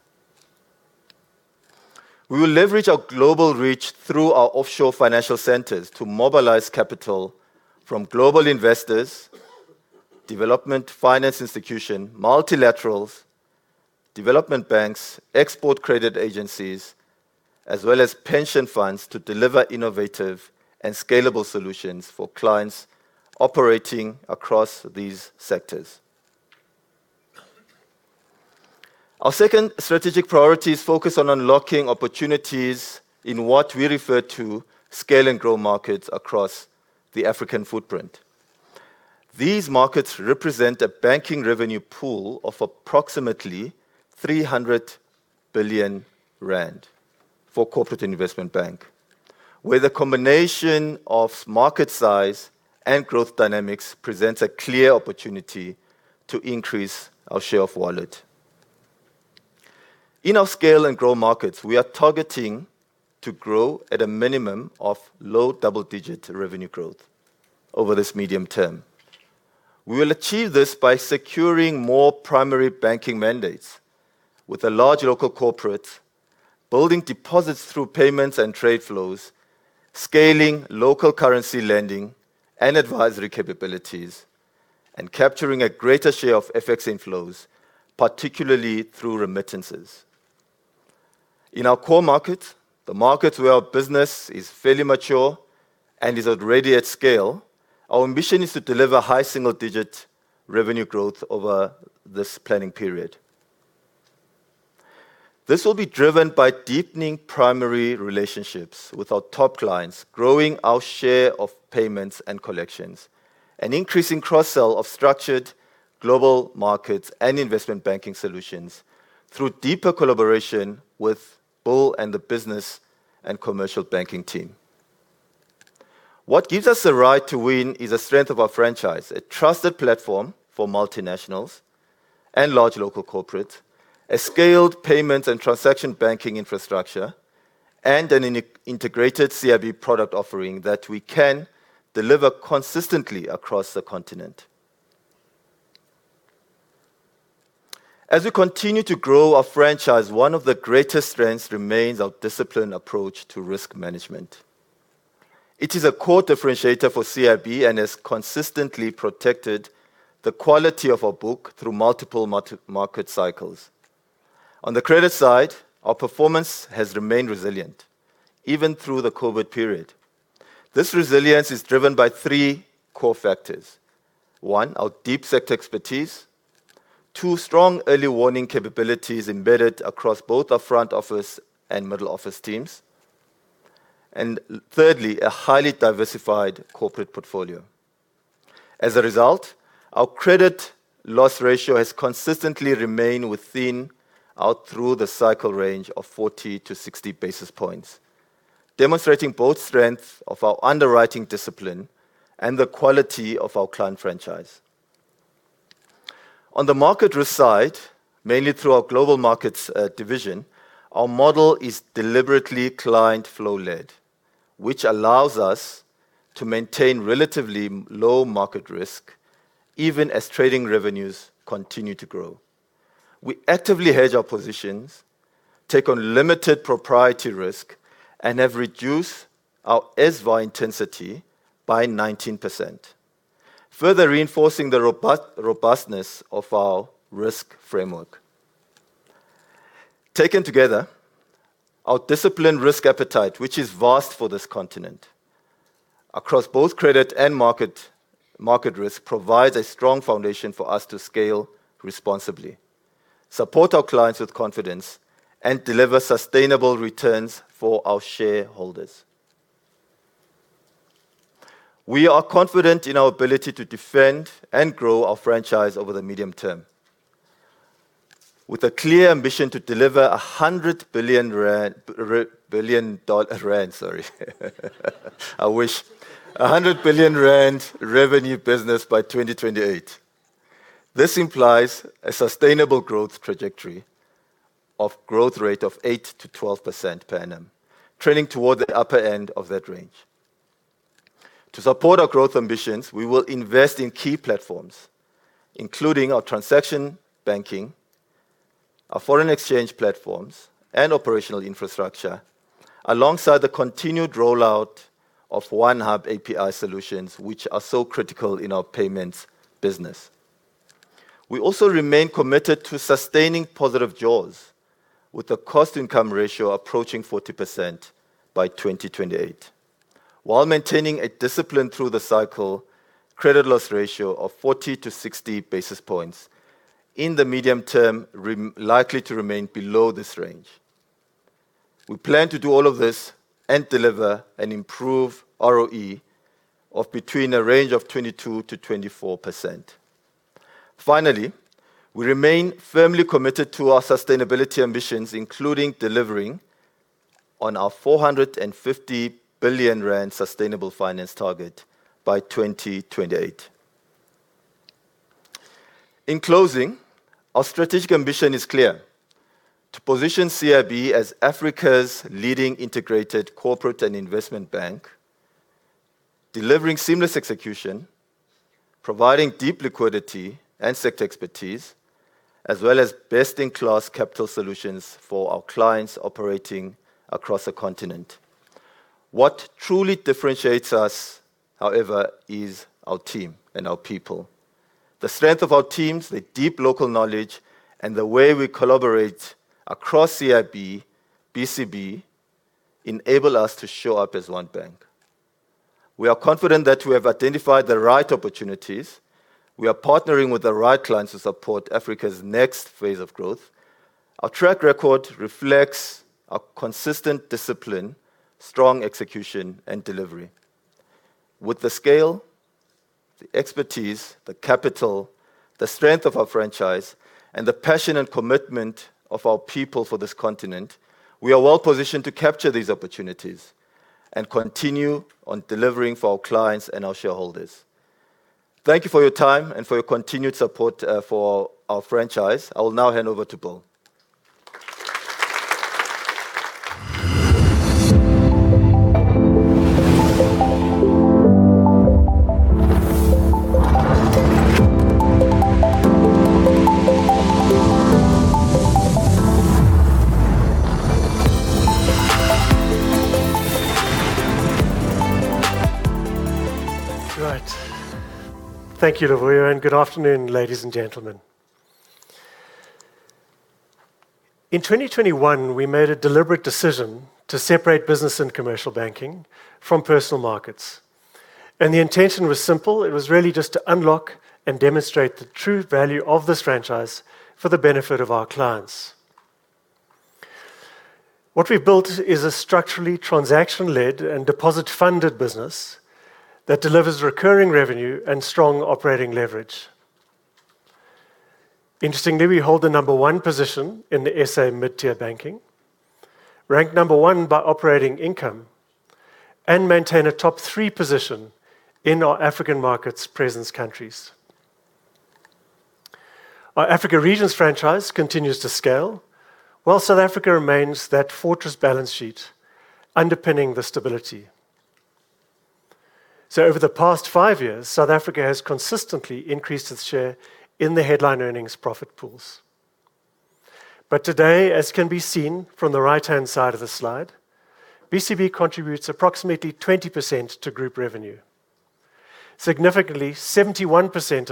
We will leverage our global reach through our offshore financial centers to mobilize capital from global investors, development finance institution, multilaterals, development banks, export credit agencies, as well as pension funds to deliver innovative and scalable solutions for clients operating across these sectors. Our second strategic priority is focused on unlocking opportunities in what we refer to scale and grow markets across the African footprint. These markets represent a banking revenue pool of approximately 300 billion rand for Corporate and Investment Banking, where the combination of market size and growth dynamics presents a clear opportunity to increase our share of wallet. In our scale and grow markets, we are targeting to grow at a minimum of low double-digit revenue growth over this medium term. We will achieve this by securing more primary banking mandates with the large local corporates, building deposits through payments and trade flows, scaling local currency lending and advisory capabilities, and capturing a greater share of FX inflows, particularly through remittances. In our core market, the market where our business is fairly mature and is already at scale, our ambition is to deliver high single-digit revenue growth over this planning period. This will be driven by deepening primary relationships with our top clients, growing our share of payments and collections, and increasing cross-sell of structured global markets and investment banking solutions through deeper collaboration with Bill Blackie and the Business and Commercial Banking team. What gives us the right to win is the strength of our franchise, a trusted platform for multinationals and large local corporates, a scaled payments and transaction banking infrastructure, and an integrated CIB product offering that we can deliver consistently across the continent. As we continue to grow our franchise, one of the greatest strengths remains our disciplined approach to risk management. It is a core differentiator for CIB and has consistently protected the quality of our book through multiple market cycles. On the credit side, our performance has remained resilient even through the COVID period. This resilience is driven by three core factors. One, our deep sector expertise. Two, strong early warning capabilities embedded across both our front office and middle office teams. Thirdly, a highly diversified corporate portfolio. As a result, our credit loss ratio has consistently remained within our through-the-cycle range of 40-60 basis points, demonstrating both strength of our underwriting discipline and the quality of our client franchise. On the market risk side, mainly through our global markets division, our model is deliberately client flow led, which allows us to maintain relatively low market risk even as trading revenues continue to grow. We actively hedge our positions, take on limited proprietary risk, and have reduced our SVaR intensity by 19%, further reinforcing the robustness of our risk framework. Taken together, our disciplined risk appetite, which is vast for this continent, across both credit and market risk, provides a strong foundation for us to scale responsibly, support our clients with confidence, and deliver sustainable returns for our shareholders. We are confident in our ability to defend and grow our franchise over the medium term with a clear ambition to deliver 100 billion rand revenue business by 2028. I wish. This implies a sustainable growth trajectory of 8%-12% per annum, trending toward the upper end of that range. To support our growth ambitions, we will invest in key platforms, including our transaction banking, our foreign exchange platforms, and operational infrastructure alongside the continued rollout of OneHub API solutions, which are so critical in our payments business. We also remain committed to sustaining positive jaws with a cost income ratio approaching 40% by 2028, while maintaining a discipline through the cycle credit loss ratio of 40-60 basis points in the medium term, likely to remain below this range. We plan to do all of this and deliver an improved ROE of between a range of 22%-24%. Finally, we remain firmly committed to our sustainability ambitions, including delivering on our 450 billion rand sustainable finance target by 2028. In closing, our strategic ambition is clear to position CIB as Africa's leading integrated corporate and investment bank, delivering seamless execution, providing deep liquidity and sector expertise, as well as best-in-class capital solutions for our clients operating across the continent. What truly differentiates us, however, is our team and our people. The strength of our teams, the deep local knowledge, and the way we collaborate across CIB, BCB enable us to show up as one bank. We are confident that we have identified the right opportunities. We are partnering with the right clients to support Africa's next phase of growth. Our track record reflects a consistent discipline, strong execution and delivery. With the scale, the expertise, the capital, the strength of our franchise, and the passion and commitment of our people for this continent, we are well-positioned to capture these opportunities and continue on delivering for our clients and our shareholders. Thank you for your time and for your continued support for our franchise. I will now hand over to Bill. Right. Thank you, Luvuyo, and good afternoon, ladies and gentlemen. In 2021, we made a deliberate decision to separate Business and Commercial Banking from Personal and Private Banking. The intention was simple. It was really just to unlock and demonstrate the true value of this franchise for the benefit of our clients. What we built is a structurally transaction-led and deposit-funded business that delivers recurring revenue and strong operating leverage. Interestingly, we hold the number one position in the SA mid-tier banking, ranked number one by operating income, and maintain a top three position in our African markets presence countries. Our Africa regions franchise continues to scale, while South Africa remains the fortress balance sheet underpinning the stability. Over the past five years, South Africa has consistently increased its share in the headline earnings profit pools. Today, as can be seen from the right-hand side of the slide, BCB contributes approximately 20% to Group revenue. Significantly, 71%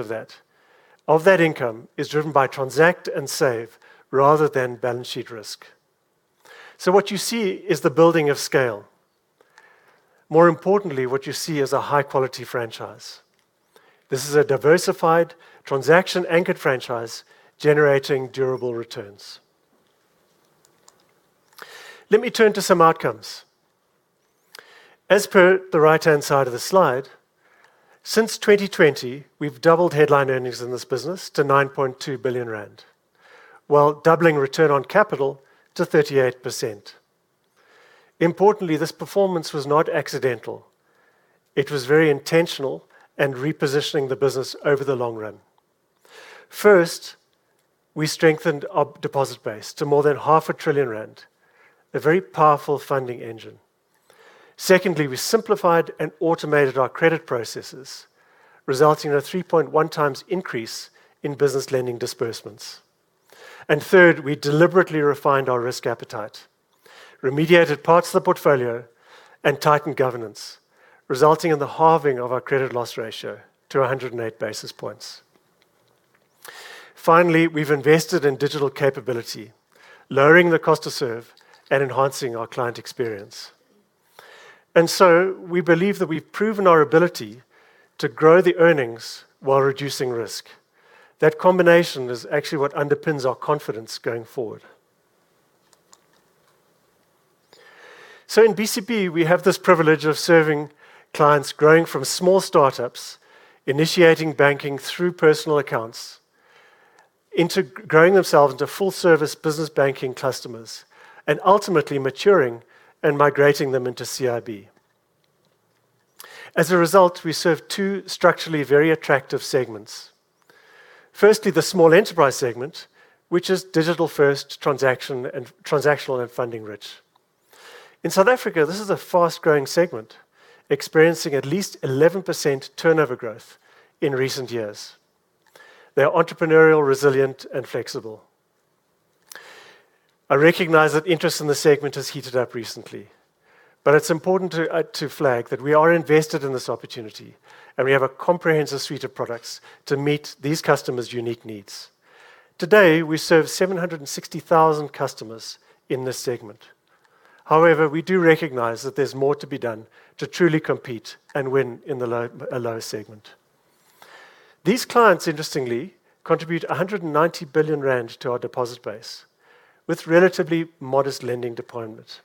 of that income is driven by transact and save rather than balance sheet risk. What you see is the building of scale. More importantly, what you see is a high-quality franchise. This is a diversified transaction-anchored franchise generating durable returns. Let me turn to some outcomes. As per the right-hand side of the slide, since 2020, we've doubled headline earnings in this business to 9.2 billion rand, while doubling return on capital to 38%. Importantly, this performance was not accidental. It was very intentional and repositioning the business over the long run. First, we strengthened our deposit base to more than 500 billion rand, a very powerful funding engine. Secondly, we simplified and automated our credit processes, resulting in a 3.1x increase in business lending disbursements. Third, we deliberately refined our risk appetite, remediated parts of the portfolio and tightened governance, resulting in the halving of our credit loss ratio to 108 basis points. Finally, we've invested in digital capability, lowering the cost to serve and enhancing our client experience. We believe that we've proven our ability to grow the earnings while reducing risk. That combination is actually what underpins our confidence going forward. In BCB, we have this privilege of serving clients growing from small startups, initiating banking through personal accounts, into growing themselves into full-service business banking customers, and ultimately maturing and migrating them into CIB. As a result, we serve two structurally very attractive segments. Firstly, the Small Enterprise segment, which is digital first transaction and transactional and funding rich. In South Africa, this is a fast-growing segment, experiencing at least 11% turnover growth in recent years. They are entrepreneurial, resilient and flexible. I recognize that interest in this segment has heated up recently, but it's important to flag that we are invested in this opportunity and we have a comprehensive suite of products to meet these customers' unique needs. Today, we serve 760,000 customers in this segment. However, we do recognize that there's more to be done to truly compete and win in the lower segment. These clients, interestingly, contribute 190 billion rand to our deposit base with relatively modest lending deployment.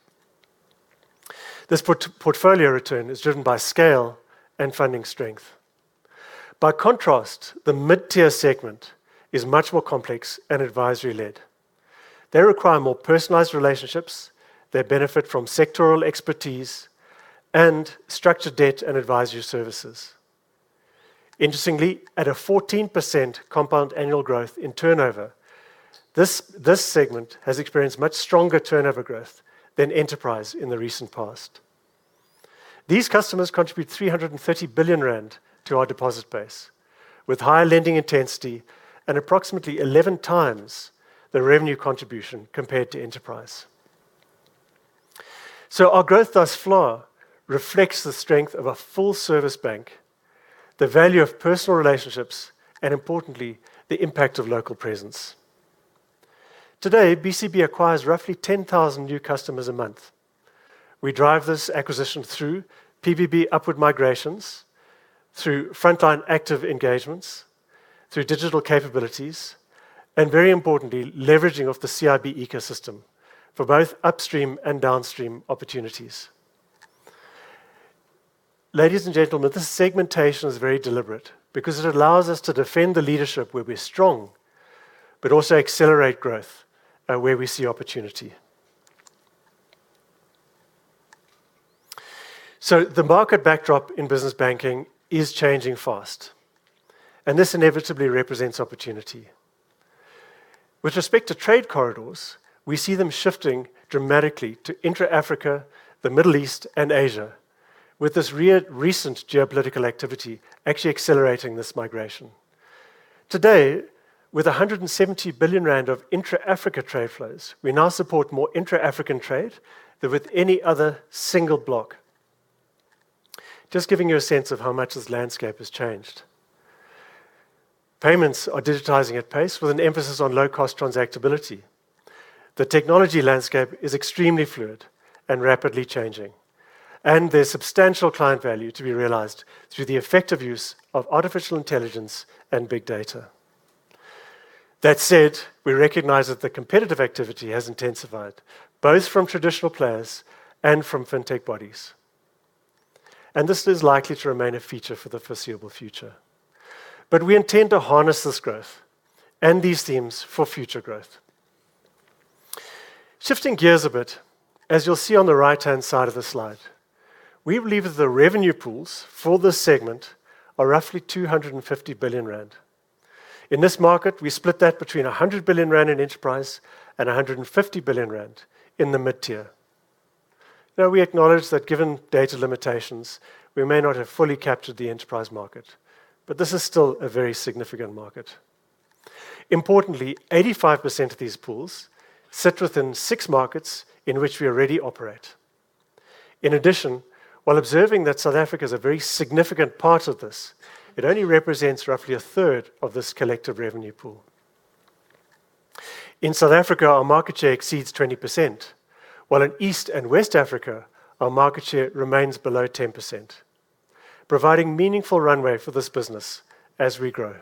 This portfolio return is driven by scale and funding strength. By contrast, the mid-tier segment is much more complex and advisory-led. They require more personalized relationships. They benefit from sectoral expertise and structured debt and advisory services. Interestingly, at a 14% compound annual growth in turnover, this segment has experienced much stronger turnover growth than enterprise in the recent past. These customers contribute 330 billion rand to our deposit base, with higher lending intensity and approximately 11x the revenue contribution compared to enterprise. Our growth thus far reflects the strength of a full-service bank, the value of personal relationships, and importantly, the impact of local presence. Today, BCB acquires roughly 10,000 new customers a month. We drive this acquisition through PPB upward migrations, through frontline active engagements, through digital capabilities, and very importantly, leveraging of the CIB ecosystem for both upstream and downstream opportunities. Ladies and gentlemen, this segmentation is very deliberate because it allows us to defend the leadership where we're strong, but also accelerate growth where we see opportunity. The market backdrop in business banking is changing fast, and this inevitably represents opportunity. With respect to trade corridors, we see them shifting dramatically to intra-African, the Middle East, and Asia, with this recent geopolitical activity actually accelerating this migration. Today, with 170 billion rand of intra-African trade flows, we now support more intra-African trade than with any other single bloc. Just giving you a sense of how much this landscape has changed. Payments are digitizing at pace with an emphasis on low-cost transactability. The technology landscape is extremely fluid and rapidly changing, and there's substantial client value to be realized through the effective use of artificial intelligence and big data. That said, we recognize that the competitive activity has intensified, both from traditional players and from fintech bodies. This is likely to remain a feature for the foreseeable future. We intend to harness this growth and these themes for future growth. Shifting gears a bit, as you'll see on the right-hand side of the slide, we believe that the revenue pools for this segment are roughly 250 billion rand. In this market, we split that between 100 billion rand in enterprise and 150 billion rand in the mid-tier. Now we acknowledge that given data limitations, we may not have fully captured the enterprise market, but this is still a very significant market. Importantly, 85% of these pools sit within six markets in which we already operate. In addition, while observing that South Africa is a very significant part of this, it only represents roughly 1/3 of this collective revenue pool. In South Africa, our market share exceeds 20%, while in East and West Africa, our market share remains below 10%, providing meaningful runway for this business as we grow.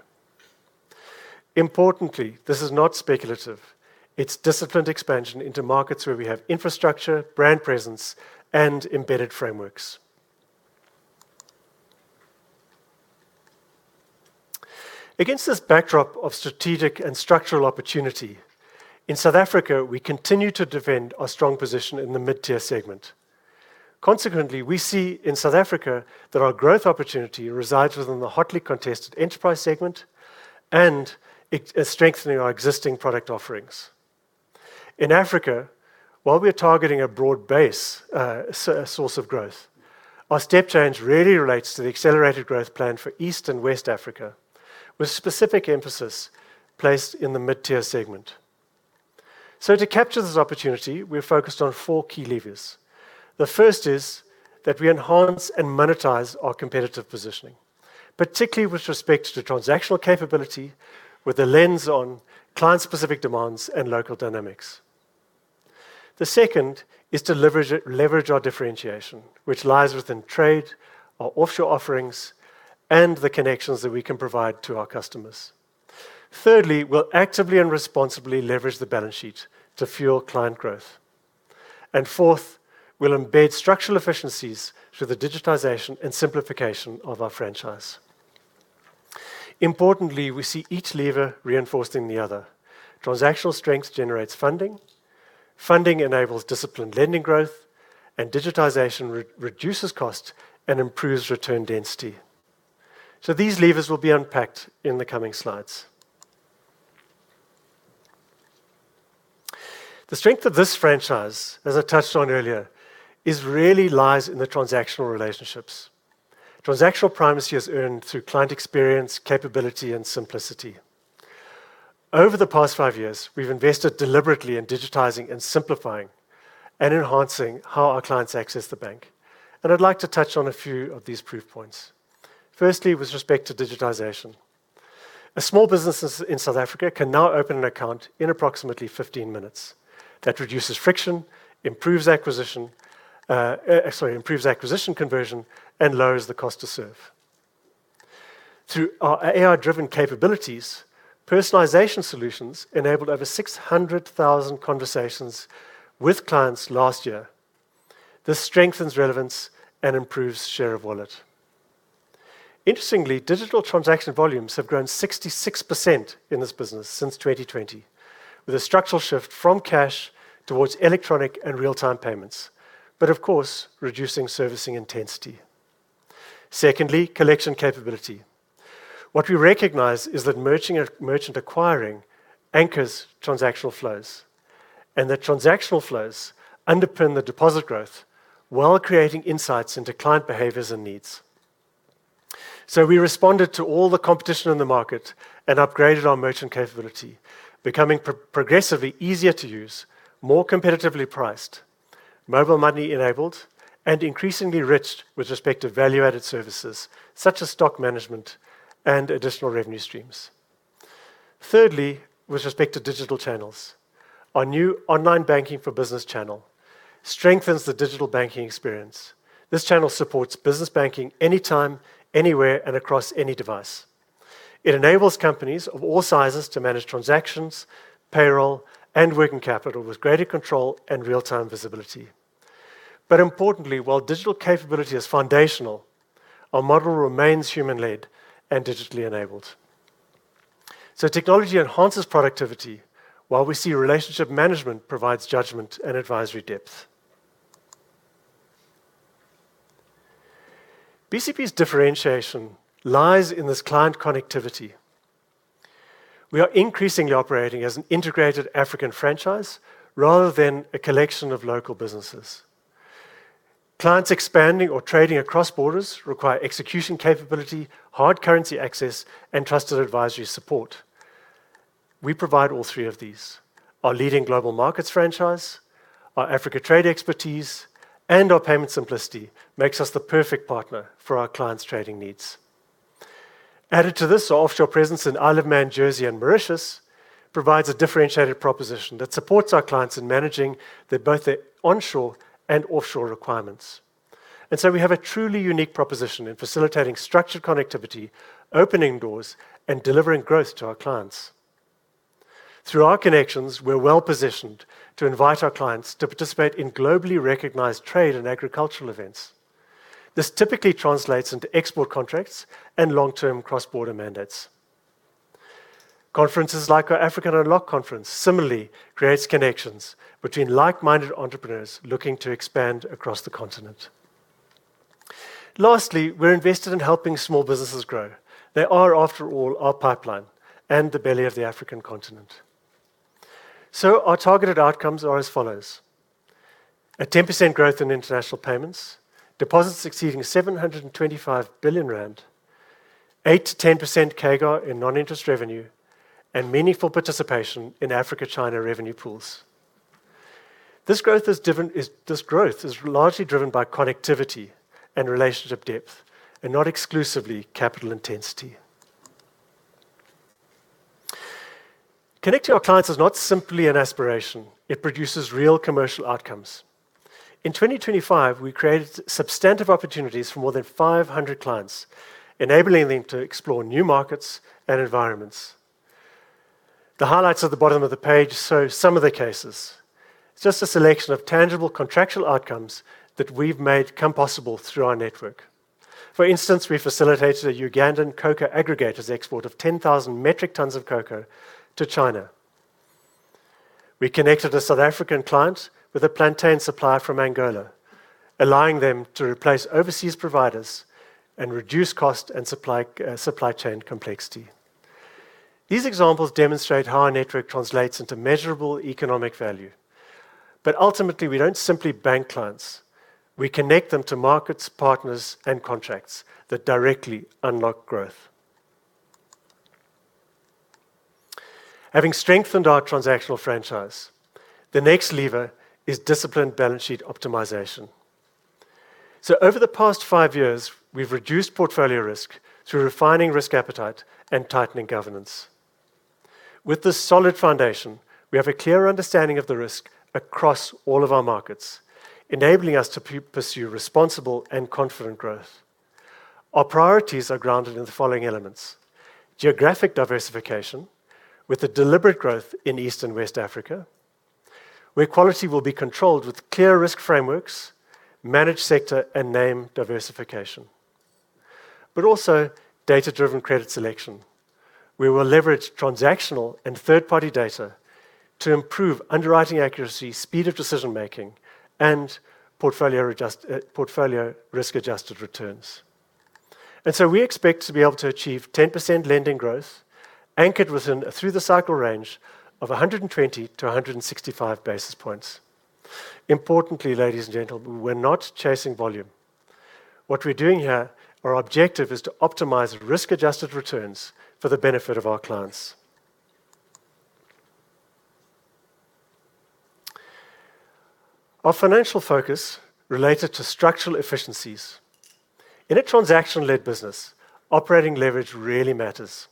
Importantly, this is not speculative. It's disciplined expansion into markets where we have infrastructure, brand presence, and embedded frameworks. Against this backdrop of strategic and structural opportunity, in South Africa, we continue to defend our strong position in the mid-tier segment. Consequently, we see in South Africa that our growth opportunity resides within the hotly contested enterprise segment and it, strengthening our existing product offerings. In Africa, while we're targeting a broad base, source of growth, our step change really relates to the accelerated growth plan for East and West Africa, with specific emphasis placed in the mid-tier segment. To capture this opportunity, we're focused on four key levers. The first is that we enhance and monetize our competitive positioning, particularly with respect to transactional capability with a lens on client-specific demands and local dynamics. The second is to leverage our differentiation, which lies within trade, our offshore offerings, and the connections that we can provide to our customers. Thirdly, we'll actively and responsibly leverage the balance sheet to fuel client growth. Fourth, we'll embed structural efficiencies through the digitization and simplification of our franchise. Importantly, we see each lever reinforcing the other. Transactional strength generates funding enables disciplined lending growth, and digitization reduces cost and improves return density. These levers will be unpacked in the coming slides. The strength of this franchise, as I touched on earlier, is really lies in the transactional relationships. Transactional primacy is earned through client experience, capability and simplicity. Over the past five years, we've invested deliberately in digitizing and simplifying and enhancing how our clients access the bank. I'd like to touch on a few of these proof points. Firstly, with respect to digitization. A small business in South Africa can now open an account in approximately 15 minutes. That reduces friction, improves acquisition conversion, and lowers the cost to serve. Through our AI-driven capabilities, personalization solutions enabled over 600,000 conversations with clients last year. This strengthens relevance and improves share of wallet. Interestingly, digital transaction volumes have grown 66% in this business since 2020, with a structural shift from cash towards electronic and real-time payments, but of course, reducing servicing intensity. Secondly, collection capability. What we recognize is that merchant acquiring anchors transactional flows, and that transactional flows underpin the deposit growth while creating insights into client behaviors and needs. So we responded to all the competition in the market and upgraded our merchant capability, becoming progressively easier to use, more competitively priced, mobile money enabled, and increasingly rich with respect to value-added services such as stock management and additional revenue streams. Thirdly, with respect to digital channels, our new online banking for business channel strengthens the digital banking experience. This channel supports business banking anytime, anywhere, and across any device. It enables companies of all sizes to manage transactions, payroll, and working capital with greater control and real-time visibility. Importantly, while digital capability is foundational, our model remains human-led and digitally enabled. Technology enhances productivity while we see relationship management provides judgment and advisory depth. BCB's differentiation lies in this client connectivity. We are increasingly operating as an integrated African franchise rather than a collection of local businesses. Clients expanding or trading across borders require execution capability, hard currency access, and trusted advisory support. We provide all three of these. Our leading global markets franchise, our Africa trade expertise, and our payment simplicity makes us the perfect partner for our clients' trading needs. Added to this, our offshore presence in Isle of Man, Jersey, and Mauritius provides a differentiated proposition that supports our clients in managing both their onshore and offshore requirements. We have a truly unique proposition in facilitating structured connectivity, opening doors, and delivering growth to our clients. Through our connections, we're well-positioned to invite our clients to participate in globally recognized trade and agricultural events. This typically translates into export contracts and long-term cross-border mandates. Conferences like our Africa Unlocked conference similarly creates connections between like-minded entrepreneurs looking to expand across the continent. Lastly, we're invested in helping small businesses grow. They are, after all, our pipeline and the belly of the African continent. Our targeted outcomes are as follows. A 10% growth in international payments, deposits exceeding 725 billion rand, 8%-10% CAGR in non-interest revenue, and meaningful participation in Africa-China revenue pools. This growth is largely driven by connectivity and relationship depth, and not exclusively capital intensity. Connecting our clients is not simply an aspiration, it produces real commercial outcomes. In 2025, we created substantive opportunities for more than 500 clients, enabling them to explore new markets and environments. The highlights at the bottom of the page show some of the cases. It's just a selection of tangible contractual outcomes that we've made come possible through our network. For instance, we facilitated a Ugandan cocoa aggregator's export of 10,000 metric tons of cocoa to China. We connected a South African client with a plantain supplier from Angola, allowing them to replace overseas providers and reduce cost and supply chain complexity. These examples demonstrate how our network translates into measurable economic value. Ultimately, we don't simply bank clients, we connect them to markets, partners, and contracts that directly unlock growth. Having strengthened our transactional franchise, the next lever is disciplined balance sheet optimization. Over the past five years, we've reduced portfolio risk through refining risk appetite and tightening governance. With this solid foundation, we have a clear understanding of the risk across all of our markets, enabling us to pursue responsible and confident growth. Our priorities are grounded in the following elements. Geographic diversification with a deliberate growth in East and West Africa, where quality will be controlled with clear risk frameworks, managed sector and name diversification. Data-driven credit selection, where we'll leverage transactional and third-party data to improve underwriting accuracy, speed of decision-making, and portfolio risk-adjusted returns. We expect to be able to achieve 10% lending growth anchored within a through-the-cycle range of 120-165 basis points. Importantly, ladies and gentlemen, we're not chasing volume. What we're doing here, our objective is to optimize risk-adjusted returns for the benefit of our clients. Our financial focus is related to structural efficiencies. In a transaction-led business, operating leverage really matters.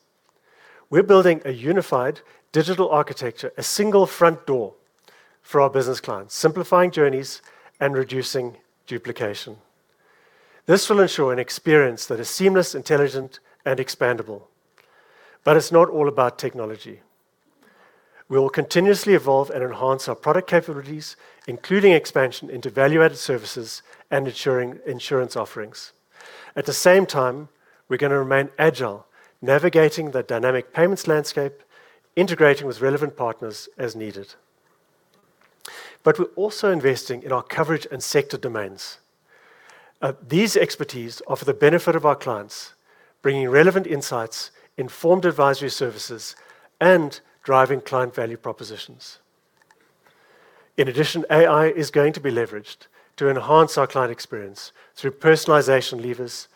We're building a unified digital architecture, a single front door for our business clients, simplifying journeys and reducing duplication. This will ensure an experience that is seamless, intelligent, and expandable. It's not all about technology. We will continuously evolve and enhance our product capabilities, including expansion into value-added services and ensuring insurance offerings. At the same time, we're gonna remain agile, navigating the dynamic payments landscape, integrating with relevant partners as needed. We're also investing in our coverage and sector domains. These expertise are for the benefit of our clients, bringing relevant insights, informed advisory services, and driving client value propositions. In addition, AI is going to be leveraged to enhance our client experience through personalization levers,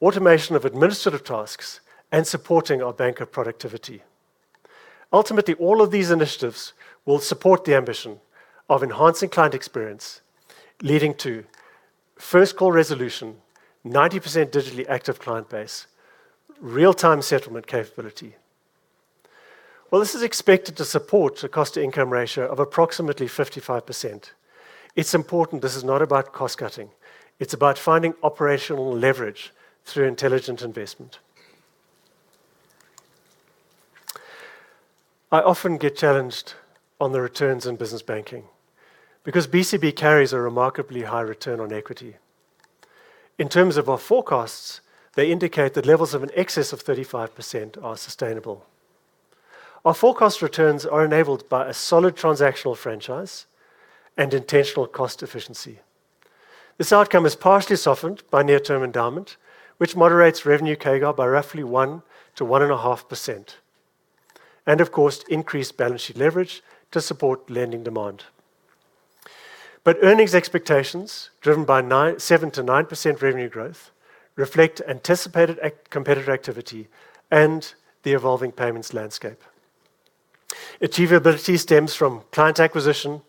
automation of administrative tasks, and supporting our banker productivity. Ultimately, all of these initiatives will support the ambition of enhancing client experience, leading to first call resolution, 90% digitally active client base, real-time settlement capability. While this is expected to support the cost-to-income ratio of approximately 55%, it's important this is not about cost-cutting. It's about finding operational leverage through intelligent investment. I often get challenged on the returns in business banking because BCB carries a remarkably high return on equity. In terms of our forecasts, they indicate that levels of an excess of 35% are sustainable. Our forecast returns are enabled by a solid transactional franchise and intentional cost efficiency. This outcome is partially softened by near-term endowment, which moderates revenue CAGR by roughly 1%-1.5%, and of course, increased balance sheet leverage to support lending demand. Earnings expectations driven by 7%-9% revenue growth reflect anticipated competitor activity and the evolving payments landscape. Achievability stems from client acquisition,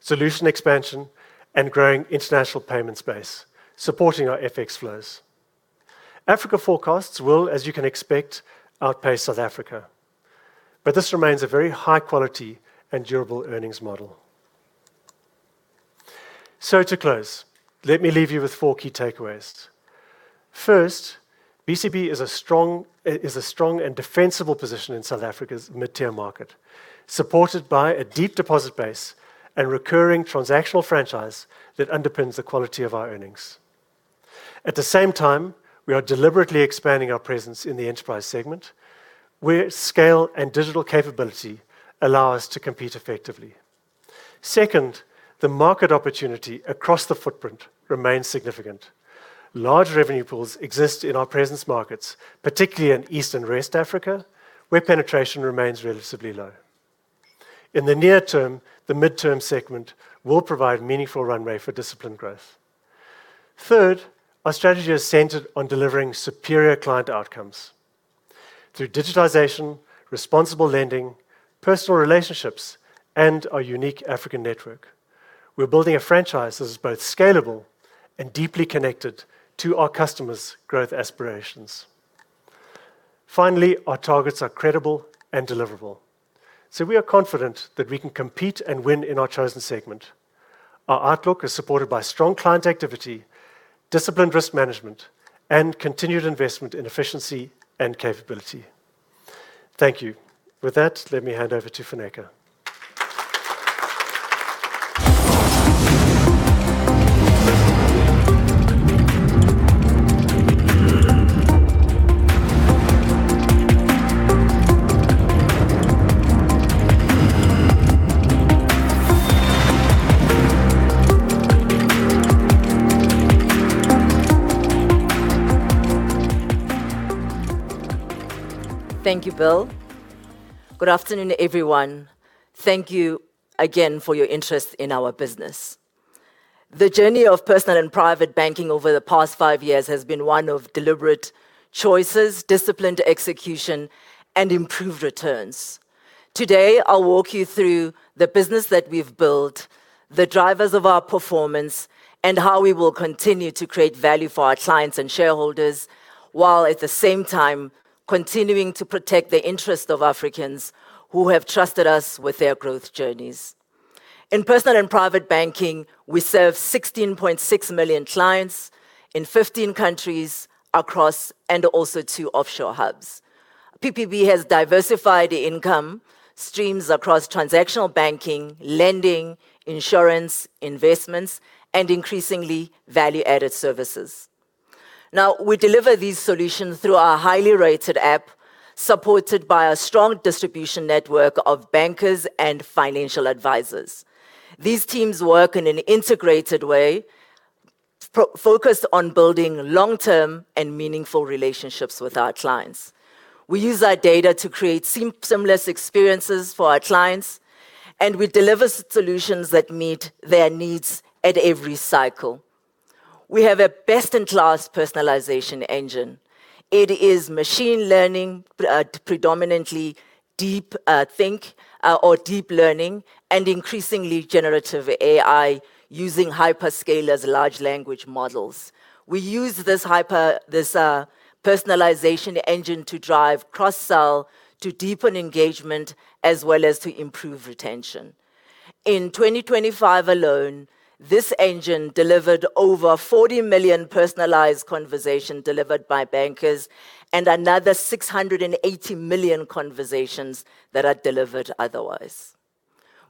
solution expansion, and growing international payment space, supporting our FX flows. Africa forecasts will, as you can expect, outpace South Africa, but this remains a very high quality and durable earnings model. To close, let me leave you with four key takeaways. First, BCB is a strong and defensible position in South Africa's mid-tier market, supported by a deep deposit base and recurring transactional franchise that underpins the quality of our earnings. At the same time, we are deliberately expanding our presence in the enterprise segment, where scale and digital capability allow us to compete effectively. Second, the market opportunity across the footprint remains significant. Large revenue pools exist in our presence markets, particularly in East and West Africa, where penetration remains relatively low. In the near term, the mid-term segment will provide meaningful runway for disciplined growth. Third, our strategy is centered on delivering superior client outcomes through digitization, responsible lending, personal relationships, and our unique African network. We're building a franchise that is both scalable and deeply connected to our customers' growth aspirations. Finally, our targets are credible and deliverable, so we are confident that we can compete and win in our chosen segment. Our outlook is supported by strong client activity, disciplined risk management, and continued investment in efficiency and capability. Thank you. With that, let me hand over to Funeka. Thank you, Bill. Good afternoon, everyone. Thank you again for your interest in our business. The journey of Personal and Private Banking over the past five years has been one of deliberate choices, disciplined execution, and improved returns. Today, I'll walk you through the business that we've built, the drivers of our performance, and how we will continue to create value for our clients and shareholders while at the same time continuing to protect the interest of Africans who have trusted us with their growth journeys. In Personal and Private Banking, we serve 16.6 million clients in 15 countries across and also two offshore hubs. PPB has diversified income streams across transactional banking, lending, insurance, investments, and increasingly value-added services. Now, we deliver these solutions through our highly rated app, supported by a strong distribution network of bankers and financial advisors. These teams work in an integrated way focused on building long-term and meaningful relationships with our clients. We use our data to create seamless experiences for our clients, and we deliver solutions that meet their needs at every cycle. We have a best-in-class personalization engine. It is machine learning, predominantly deep learning and increasingly generative AI using hyperscalers large language models. We use this personalization engine to drive cross-sell to deepen engagement as well as to improve retention. In 2025 alone, this engine delivered over 40 million personalized conversation delivered by bankers and another 680 million conversations that are delivered otherwise.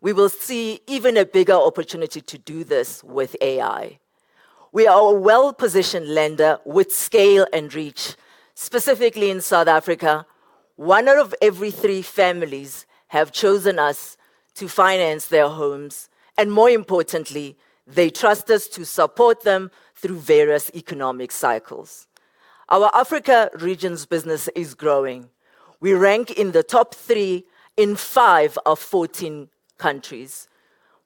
We will see even a bigger opportunity to do this with AI. We are a well-positioned lender with scale and reach. Specifically in South Africa, one out of every three families have chosen us to finance their homes, and more importantly, they trust us to support them through various economic cycles. Our Africa regions business is growing. We rank in the top three in five of 14 countries.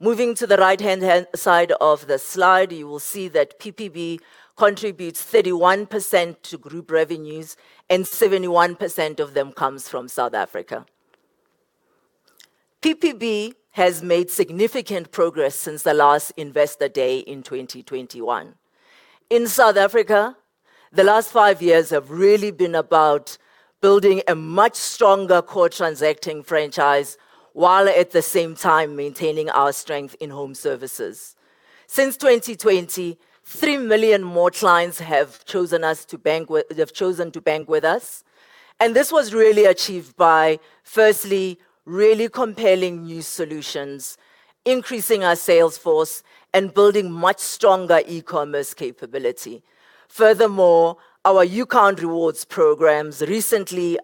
Moving to the right-hand side of the slide, you will see that PPB contributes 31% to group revenues and 71% of them comes from South Africa. PPB has made significant progress since the last Investor Day in 2021. In South Africa, the last five years have really been about building a much stronger core transacting franchise while at the same time maintaining our strength in home services. Since 2020, 3 million more clients have chosen to bank with us. This was really achieved by, firstly, really compelling new solutions, increasing our sales force, and building much stronger e-commerce capability. Furthermore, our UCount Rewards programs, recently,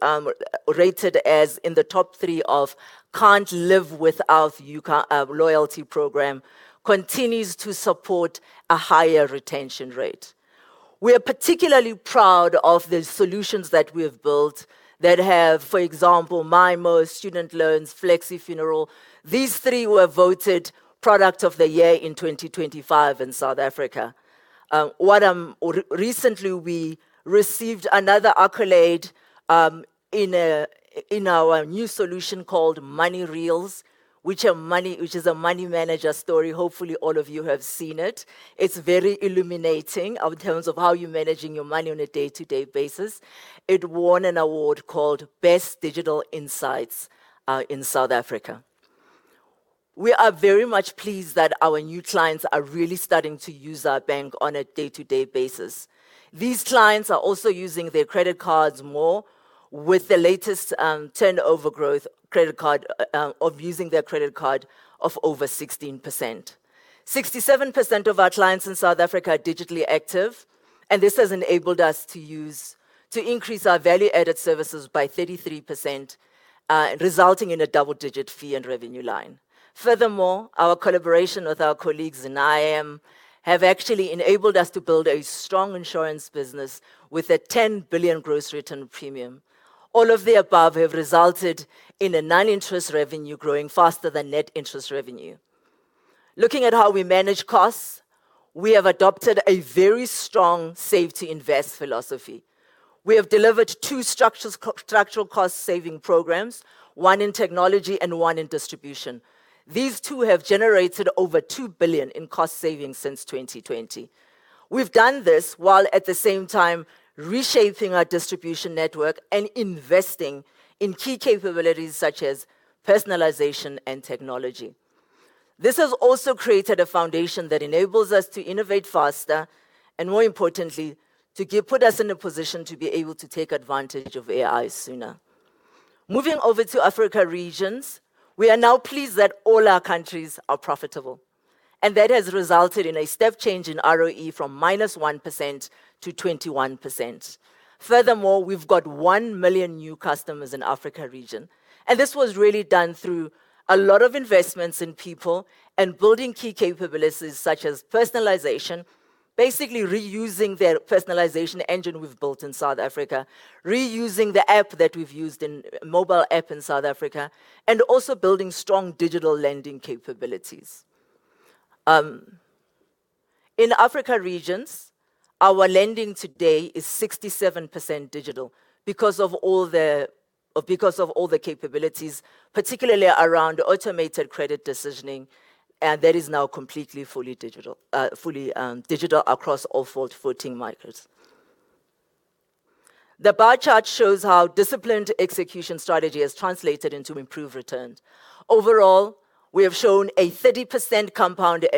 rated as in the top three of can't-live-without UCount Loyalty Program, continues to support a higher retention rate. We are particularly proud of the solutions that we have built that have, for example, MyMo, student loans, Flexi Funeral. These three were voted Product of the Year in 2025 in South Africa. Recently we received another accolade in our new solution called Money Reels, which is a money manager story. Hopefully, all of you have seen it. It's very illuminating in terms of how you're managing your money on a day-to-day basis. It won an award called Best Digital Insights in South Africa. We are very much pleased that our new clients are really starting to use our bank on a day-to-day basis. These clients are also using their credit cards more with the latest credit card turnover growth of over 16%. 67% of our clients in South Africa are digitally active, and this has enabled us to increase our value-added services by 33%, resulting in a double-digit fee and revenue line. Furthermore, our collaboration with our colleagues in IAM has actually enabled us to build a strong insurance business with a 10 billion gross written premium. All of the above have resulted in a non-interest revenue growing faster than net interest revenue. Looking at how we manage costs, we have adopted a very strong save to invest philosophy. We have delivered two structures, structural cost-saving programs, one in technology and one in distribution. These two have generated over 2 billion in cost savings since 2020. We've done this while at the same time reshaping our distribution network and investing in key capabilities such as personalization and technology. This has also created a foundation that enables us to innovate faster and, more importantly, put us in a position to be able to take advantage of AI sooner. Moving over to African regions, we are now pleased that all our countries are profitable, and that has resulted in a step change in ROE from -1% to 21%. Furthermore, we've got 1 million new customers in Africa region, and this was really done through a lot of investments in people and building key capabilities such as personalization, basically reusing the personalization engine we've built in South Africa, reusing the app that we've used in mobile app in South Africa, and also building strong digital lending capabilities. In Africa regions, our lending today is 67% digital because of all the capabilities, particularly around automated credit decisioning, and that is now completely digital across all 14 markets. The bar chart shows how disciplined execution strategy has translated into improved returns. Overall, we have shown a 30% compound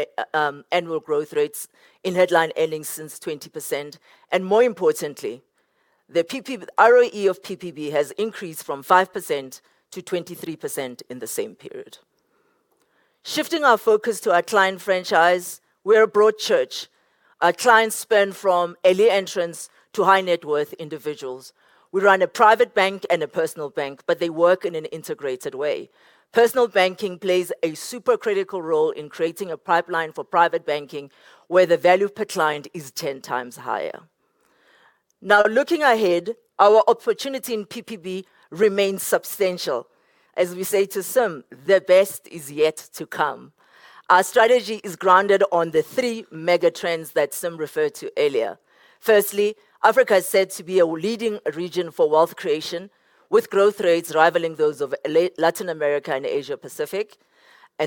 annual growth rates in headline earnings since 2010. More importantly, the ROE of PPB has increased from 5% to 23% in the same period. Shifting our focus to our client franchise, we're a broad church. Our clients span from early entrants to high-net-worth individuals. We run a private bank and a personal bank, but they work in an integrated way. Personal banking plays a super critical role in creating a pipeline for private banking, where the value per client is 10 times higher. Now, looking ahead, our opportunity in PPB remains substantial. As we say to Sim, "The best is yet to come." Our strategy is grounded on the three mega trends that Sim referred to earlier. Firstly, Africa is set to be a leading region for wealth creation, with growth rates rivaling those of Latin America and Asia-Pacific.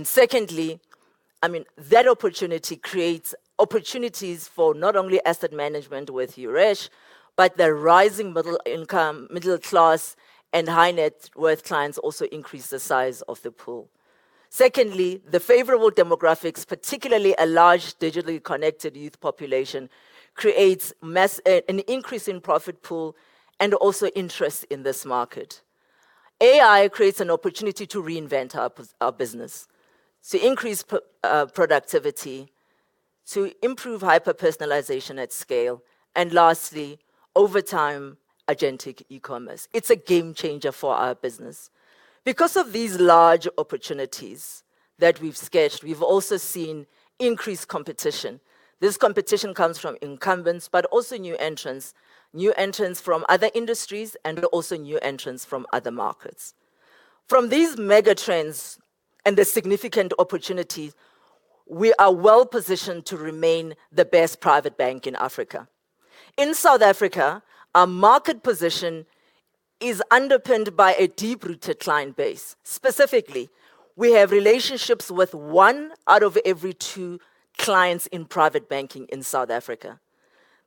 Secondly, I mean, that opportunity creates opportunities for not only asset management with Yuresh, but the rising middle income, middle class, and high-net-worth clients also increase the size of the pool. Secondly, the favorable demographics, particularly a large digitally connected youth population, creates massive increase in profit pool and also interest in this market. AI creates an opportunity to reinvent our business, to increase productivity, to improve hyper-personalization at scale, and lastly, over time, agentic e-commerce. It's a game changer for our business. Because of these large opportunities that we've sketched, we've also seen increased competition. This competition comes from incumbents, but also new entrants, new entrants from other industries, and also new entrants from other markets. From these mega trends and the significant opportunities, we are well-positioned to remain the best private bank in Africa. In South Africa, our market position is underpinned by a deep-rooted client base. Specifically, we have relationships with one out of every two clients in private banking in South Africa.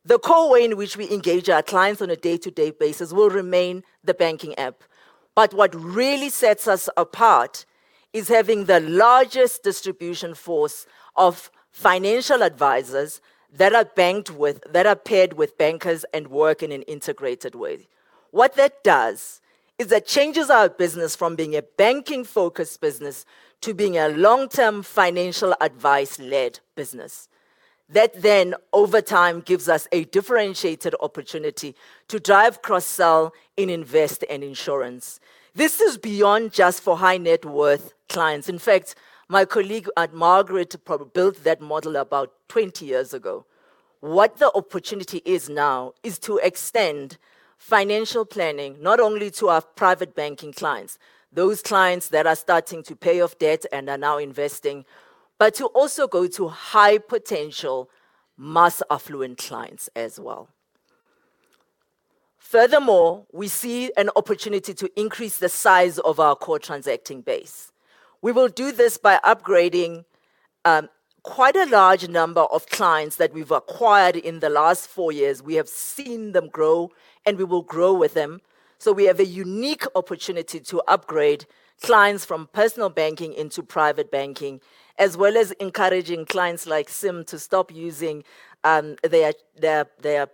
The core way in which we engage our clients on a day-to-day basis will remain the banking app. What really sets us apart is having the largest distribution force of financial advisors that are banked with that are paired with bankers and work in an integrated way. What that does is it changes our business from being a banking-focused business to being a long-term financial advice-led business. That then, over time, gives us a differentiated opportunity to drive cross-sell in invest and insurance. This is beyond just for high net worth clients. In fact, my colleague, Margaret Nienaber, probably built that model about 20 years ago. What the opportunity is now is to extend financial planning, not only to our private banking clients, those clients that are starting to pay off debt and are now investing, but to also go to high potential mass affluent clients as well. Furthermore, we see an opportunity to increase the size of our core transacting base. We will do this by upgrading quite a large number of clients that we've acquired in the last four years. We have seen them grow, and we will grow with them. We have a unique opportunity to upgrade clients from personal banking into private banking, as well as encouraging clients like Sim to stop using their debit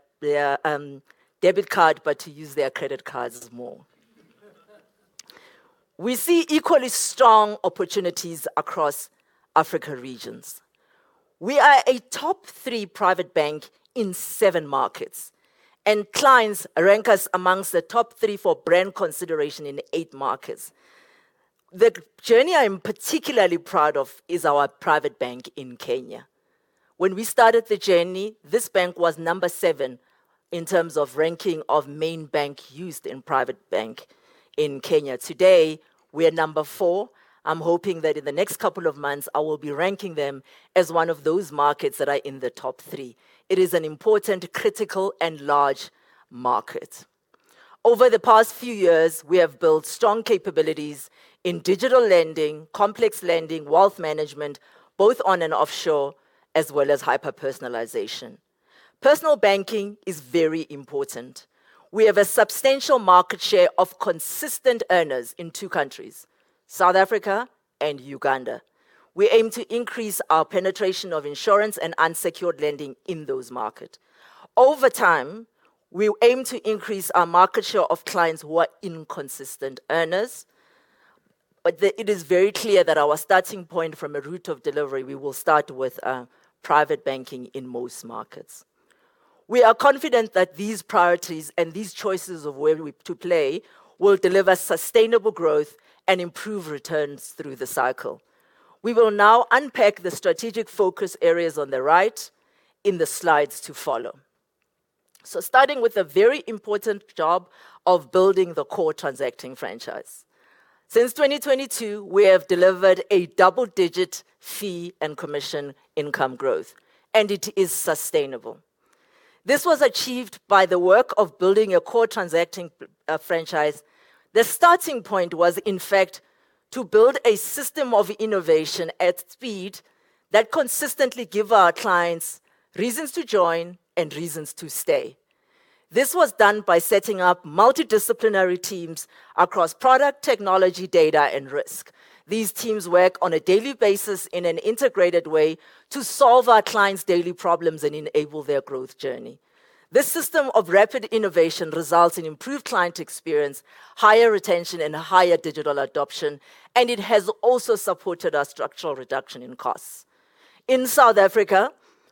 card, but to use their credit cards more. We see equally strong opportunities across Africa regions. We are a top three private bank in seven markets, and clients rank us amongst the top three for brand consideration in eight markets. The journey I'm particularly proud of is our private bank in Kenya. When we started the journey, this bank was number seven in terms of ranking of main bank used in private bank in Kenya. Today, we are number four. I'm hoping that in the next couple of months, I will be ranking them as one of those markets that are in the top three. It is an important, critical, and large market. Over the past few years, we have built strong capabilities in digital lending, complex lending, wealth management, both on and offshore, as well as hyper-personalization. Personal banking is very important. We have a substantial market share of consistent earners in two countries, South Africa and Uganda. We aim to increase our penetration of insurance and unsecured lending in those markets. Over time, we'll aim to increase our market share of clients who are inconsistent earners. It is very clear that our starting point from a route of delivery, we will start with Private Banking in most markets. We are confident that these priorities and these choices of where to play will deliver sustainable growth and improve returns through the cycle. We will now unpack the strategic focus areas on the right in the slides to follow. Starting with the very important job of building the core transacting franchise. Since 2022, we have delivered a double-digit fee and commission income growth, and it is sustainable. This was achieved by the work of building a core transacting franchise. The starting point was, in fact, to build a system of innovation at speed that consistently give our clients reasons to join and reasons to stay. This was done by setting up multidisciplinary teams across product, technology, data, and risk. These teams work on a daily basis in an integrated way to solve our clients' daily problems and enable their growth journey. This system of rapid innovation results in improved client experience, higher retention and higher digital adoption, and it has also supported our structural reduction in costs. In South Africa,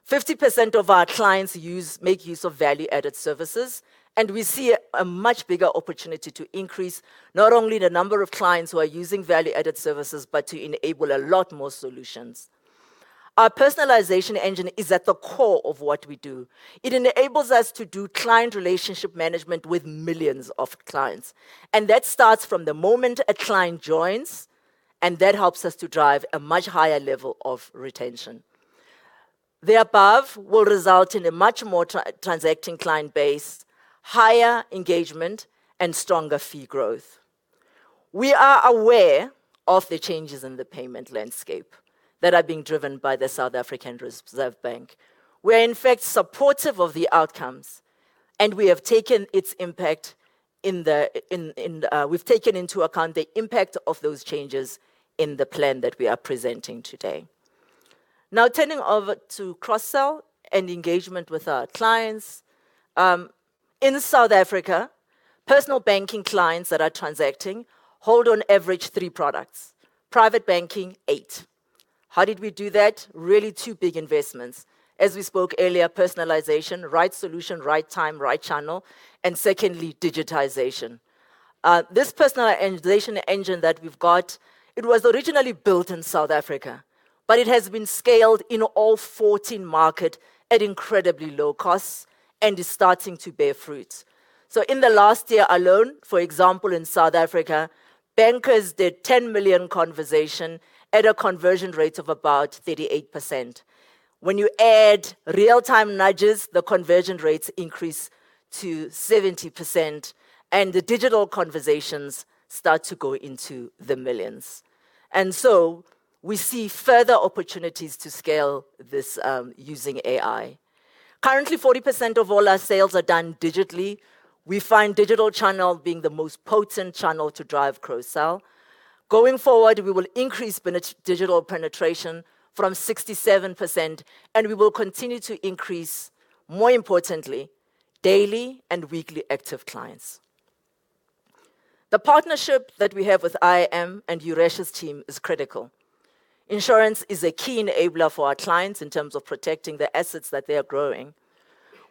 50% of our clients make use of value-added services, and we see a much bigger opportunity to increase not only the number of clients who are using value-added services, but to enable a lot more solutions. Our personalization engine is at the core of what we do. It enables us to do client relationship management with millions of clients, and that starts from the moment a client joins, and that helps us to drive a much higher level of retention. The above will result in a much more transacting client base, higher engagement, and stronger fee growth. We are aware of the changes in the payment landscape that are being driven by the South African Reserve Bank. We are, in fact, supportive of the outcomes, and we've taken into account the impact of those changes in the plan that we are presenting today. Now turning over to cross-sell and engagement with our clients. In South Africa, Personal Banking clients that are transacting hold on average three products. Private Banking, eight. How did we do that? Really two big investments. As we spoke earlier, personalization, right solution, right time, right channel, and secondly, digitization. This personalization engine that we've got, it was originally built in South Africa, but it has been scaled in all 14 markets at incredibly low costs and is starting to bear fruit. In the last year alone, for example, in South Africa, bankers did 10 million conversations at a conversion rate of about 38%. When you add real-time nudges, the conversion rates increase to 70% and the digital conversations start to go into the millions. We see further opportunities to scale this using AI. Currently, 40% of all our sales are done digitally. We find digital channel being the most potent channel to drive cross-sell. Going forward, we will increase digital penetration from 67%, and we will continue to increase, more importantly, daily and weekly active clients. The partnership that we have with IAM and Yuresh's team is critical. Insurance is a key enabler for our clients in terms of protecting the assets that they are growing.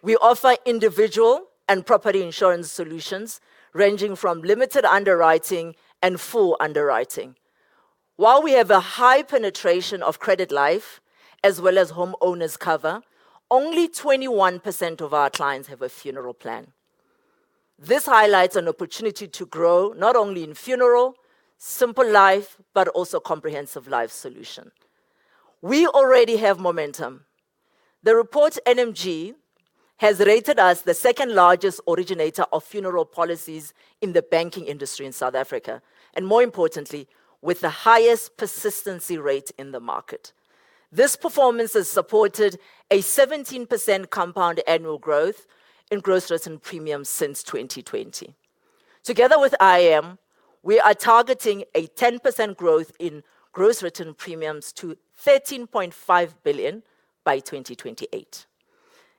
We offer individual and property insurance solutions ranging from limited underwriting and full underwriting. While we have a high penetration of Credit Life as well as homeowners cover, only 21% of our clients have a funeral plan. This highlights an opportunity to grow, not only in funeral, simple life, but also comprehensive life solution. We already have momentum. The report NMG has rated us the second-largest originator of funeral policies in the banking industry in South Africa, and more importantly, with the highest persistency rate in the market. This performance has supported a 17% compound annual growth in gross written premiums since 2020. Together with IAM, we are targeting a 10% growth in gross written premiums to 13.5 billion by 2028.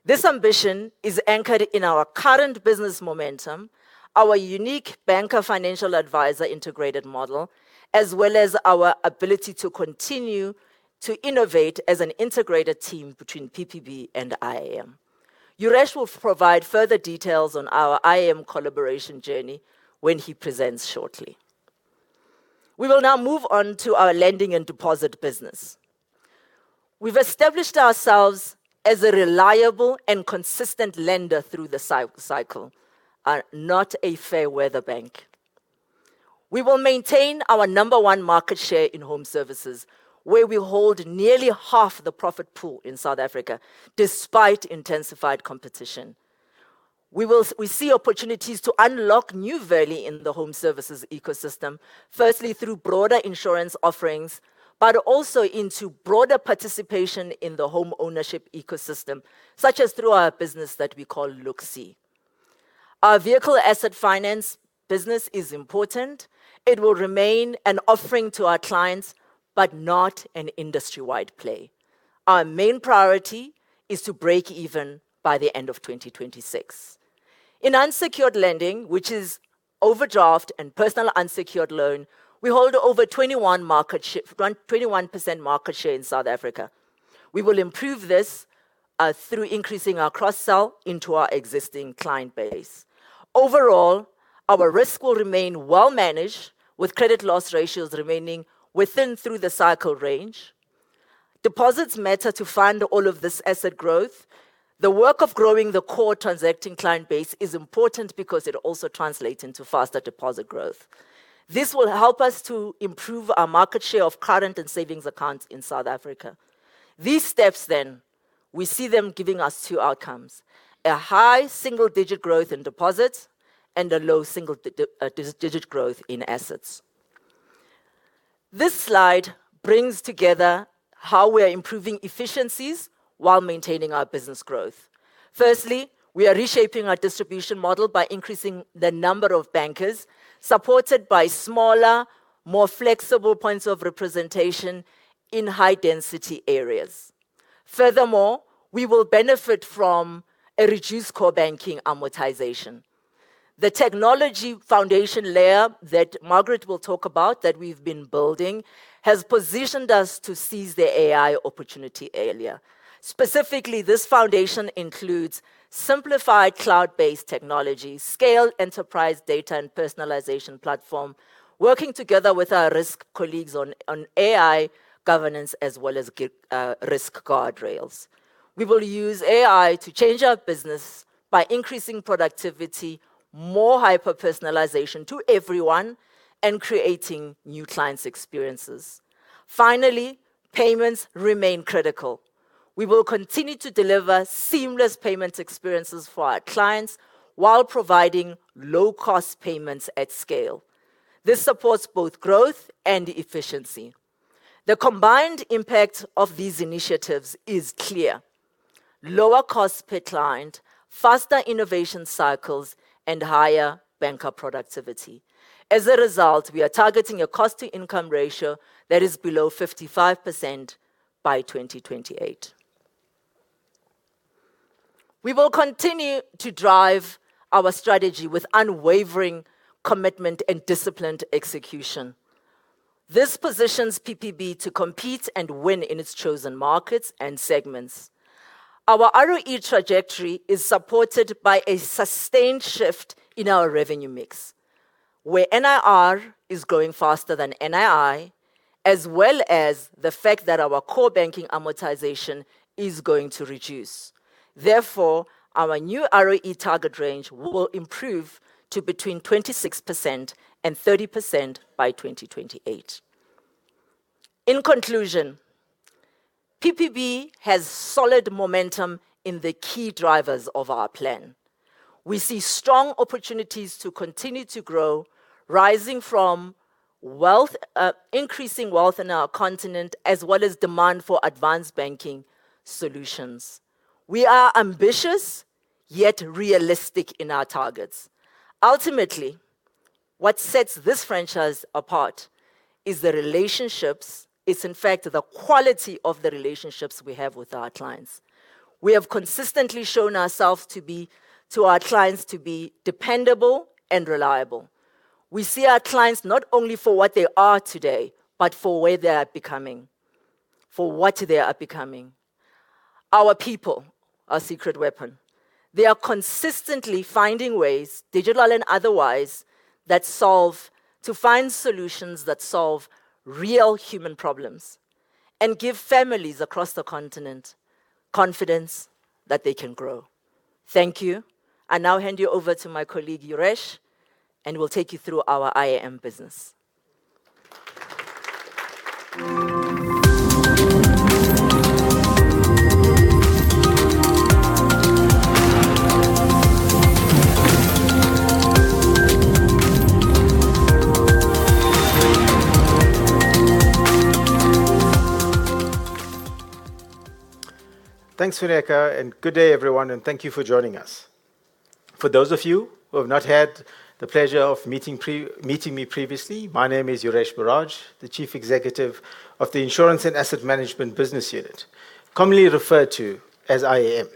This ambition is anchored in our current business momentum, our unique banker financial advisor integrated model, as well as our ability to continue to innovate as an integrated team between PPB and IAM. Yuresh will provide further details on our IAM collaboration journey when he presents shortly. We will now move on to our lending and deposit business. We've established ourselves as a reliable and consistent lender through the cycle, not a fair-weather bank. We will maintain our number one market share in home services, where we hold nearly half the profit pool in South Africa despite intensified competition. We see opportunities to unlock new value in the home services ecosystem. Firstly, through broader insurance offerings, but also into broader participation in the home ownership ecosystem, such as through our business that we call LookSee. Our vehicle asset finance business is important. It will remain an offering to our clients, but not an industry-wide play. Our main priority is to break even by the end of 2026. In unsecured lending, which is overdraft and personal unsecured loan, we hold over 21% market share in South Africa. We will improve this through increasing our cross-sell into our existing client base. Overall, our risk will remain well managed with credit loss ratios remaining within through-the-cycle range. Deposits matter to fund all of this asset growth. The work of growing the core transacting client base is important because it also translates into faster deposit growth. This will help us to improve our market share of current and savings accounts in South Africa. These steps, we see them giving us two outcomes, a high single-digit growth in deposits and a low single-digit growth in assets. This slide brings together how we are improving efficiencies while maintaining our business growth. Firstly, we are reshaping our distribution model by increasing the number of bankers, supported by smaller, more flexible points of representation in high-density areas. Furthermore, we will benefit from a reduced core banking amortization. The technology foundation layer that Margaret will talk about that we've been building has positioned us to seize the AI opportunity earlier. Specifically, this foundation includes simplified cloud-based technology, scaled enterprise data and personalization platform, working together with our risk colleagues on AI governance as well as risk guardrails. We will use AI to change our business by increasing productivity, more hyper-personalization to everyone, and creating new clients' experiences. Finally, payments remain critical. We will continue to deliver seamless payment experiences for our clients while providing low-cost payments at scale. This supports both growth and efficiency. The combined impact of these initiatives is clear. Lower costs per client, faster innovation cycles, and higher banker productivity. As a result, we are targeting a cost-to-income ratio that is below 55% by 2028. We will continue to drive our strategy with unwavering commitment and disciplined execution. This positions PPB to compete and win in its chosen markets and segments. Our ROE trajectory is supported by a sustained shift in our revenue mix, where NIR is growing faster than NII, as well as the fact that our core banking amortization is going to reduce. Therefore, our new ROE target range will improve to between 26% and 30% by 2028. In conclusion, PPB has solid momentum in the key drivers of our plan. We see strong opportunities to continue to grow, rising from wealth, increasing wealth in our continent as well as demand for advanced banking solutions. We are ambitious, yet realistic in our targets. Ultimately, what sets this franchise apart is the relationships. It's in fact the quality of the relationships we have with our clients. We have consistently shown ourselves to our clients to be dependable and reliable. We see our clients not only for what they are today, but for where they are becoming, for what they are becoming. Our people, our secret weapon. They are consistently finding ways, digital and otherwise, solutions that solve real human problems and give families across the continent confidence that they can grow. Thank you. I now hand you over to my colleague, Yuresh, and will take you through our IAM business. Thanks, Funeka, and good day, everyone, and thank you for joining us. For those of you who have not had the pleasure of meeting me previously, my name is Yuresh Maharaj, the Chief Executive of the Insurance and Asset Management business unit, commonly referred to as IAM.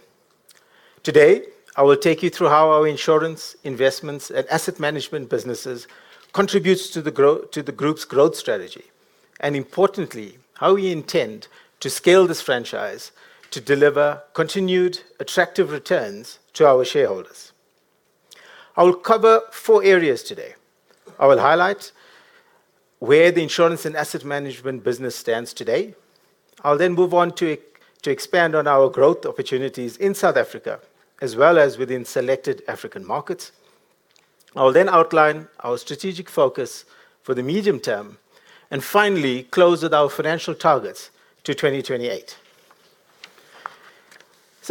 Today, I will take you through how our insurance investments and asset management businesses contributes to the group's growth strategy, and importantly, how we intend to scale this franchise to deliver continued attractive returns to our shareholders. I will cover four areas today. I will highlight where the Insurance and Asset Management business stands today. I'll then move on to expand on our growth opportunities in South Africa, as well as within selected African markets. I will then outline our strategic focus for the medium term, and finally close with our financial targets to 2028.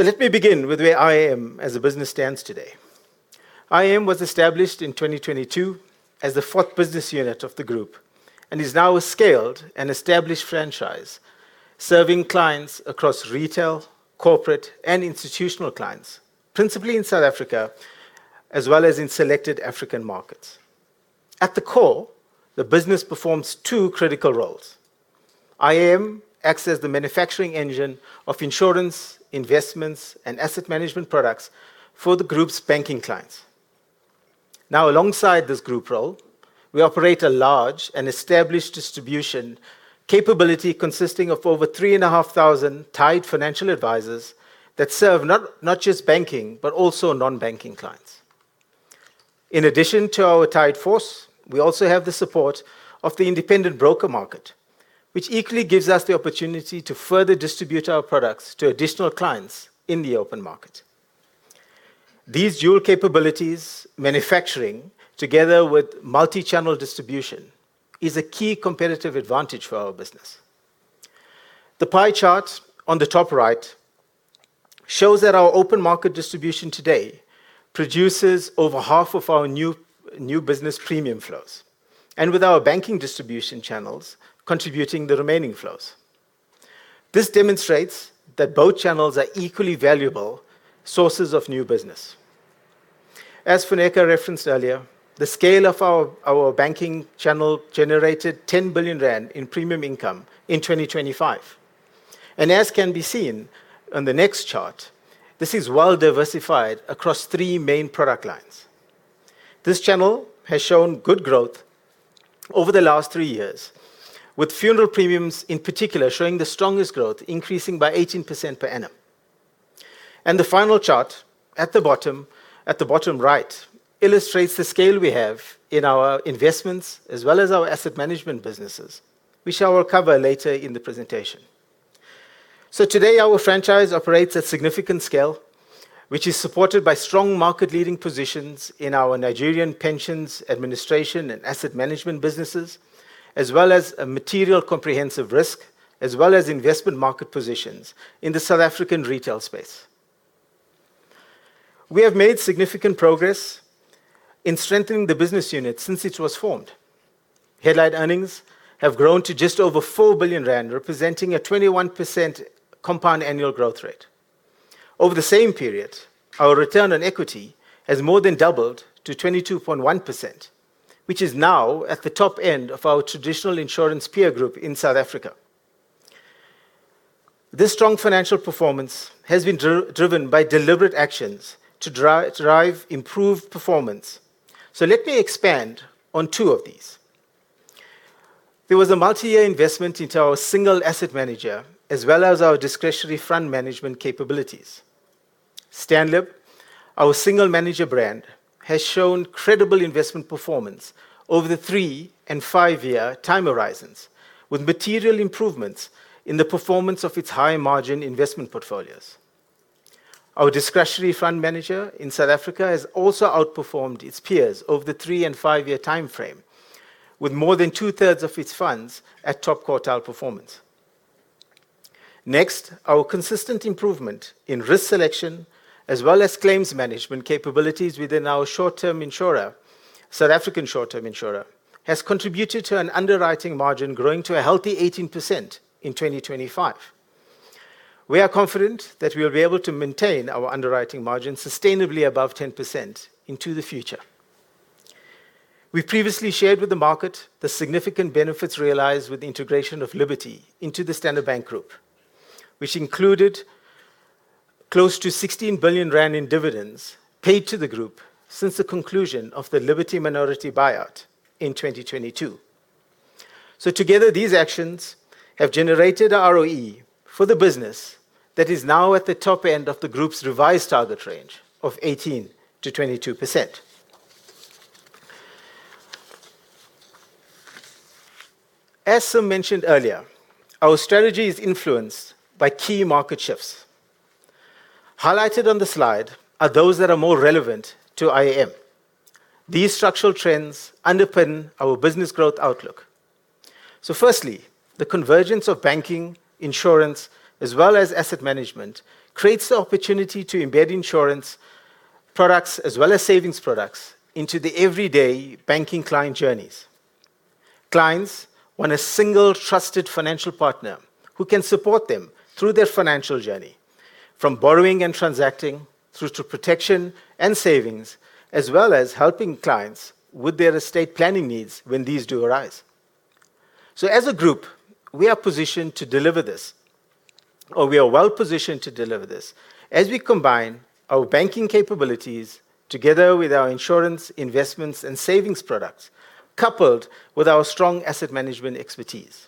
Let me begin with where IAM as a business stands today. IAM was established in 2022 as the fourth business unit of the group and is now a scaled and established franchise, serving clients across retail, corporate, and institutional clients, principally in South Africa, as well as in selected African markets. At the core, the business performs two critical roles. IAM acts as the manufacturing engine of insurance, investments, and asset management products for the group's banking clients. Now, alongside this group role, we operate a large and established distribution capability consisting of over 3,500 tied financial advisors that serve not just banking, but also non-banking clients. In addition to our tied force, we also have the support of the independent broker market, which equally gives us the opportunity to further distribute our products to additional clients in the open market. These dual capabilities, manufacturing, together with multi-channel distribution, is a key competitive advantage for our business. The pie chart on the top right shows that our open market distribution today produces over half of our new business premium flows, and with our banking distribution channels contributing the remaining flows. This demonstrates that both channels are equally valuable sources of new business. As Funeka referenced earlier, the scale of our banking channel generated 10 billion rand in premium income in 2025. As can be seen on the next chart, this is well diversified across three main product lines. This channel has shown good growth over the last three years, with funeral premiums in particular showing the strongest growth, increasing by 18% per annum. The final chart at the bottom, at the bottom right illustrates the scale we have in our investments as well as our asset management businesses, which I will cover later in the presentation. Today, our franchise operates at significant scale, which is supported by strong market-leading positions in our Nigerian pensions, administration, and asset management businesses, as well as a material comprehensive insurance, as well as investment market positions in the South African retail space. We have made significant progress in strengthening the business unit since it was formed. Headline earnings have grown to just over 4 billion rand, representing a 21% compound annual growth rate. Over the same period, our return on equity has more than doubled to 22.1%, which is now at the top end of our traditional insurance peer group in South Africa. This strong financial performance has been driven by deliberate actions to drive improved performance. Let me expand on two of these. There was a multi-year investment into our single asset manager as well as our discretionary fund management capabilities. STANLIB, our single manager brand, has shown credible investment performance over the three and five-year time horizons, with material improvements in the performance of its high margin investment portfolios. Our discretionary fund manager in South Africa has also outperformed its peers over the three and five-year timeframe, with more than two-thirds of its funds at top quartile performance. Next, our consistent improvement in risk selection as well as claims management capabilities within our short-term insurer, South African short-term insurer, has contributed to an underwriting margin growing to a healthy 18% in 2025. We are confident that we will be able to maintain our underwriting margin sustainably above 10% into the future. We previously shared with the market the significant benefits realized with the integration of Liberty into the Standard Bank Group, which included close to 16 billion rand in dividends paid to the group since the conclusion of the Liberty minority buyout in 2022. Together, these actions have generated a ROE for the business that is now at the top end of the group's revised target range of 18%-22%. As Sim mentioned earlier, our strategy is influenced by key market shifts. Highlighted on the slide are those that are more relevant to IAM. These structural trends underpin our business growth outlook. Firstly, the convergence of banking, insurance as well as asset management creates the opportunity to embed insurance products as well as savings products into the everyday banking client journeys. Clients want a single trusted financial partner who can support them through their financial journey, from borrowing and transacting through to protection and savings, as well as helping clients with their estate planning needs when these do arise. As a group, we are positioned to deliver this, or we are well positioned to deliver this as we combine our banking capabilities together with our insurance, investments and savings products, coupled with our strong asset management expertise.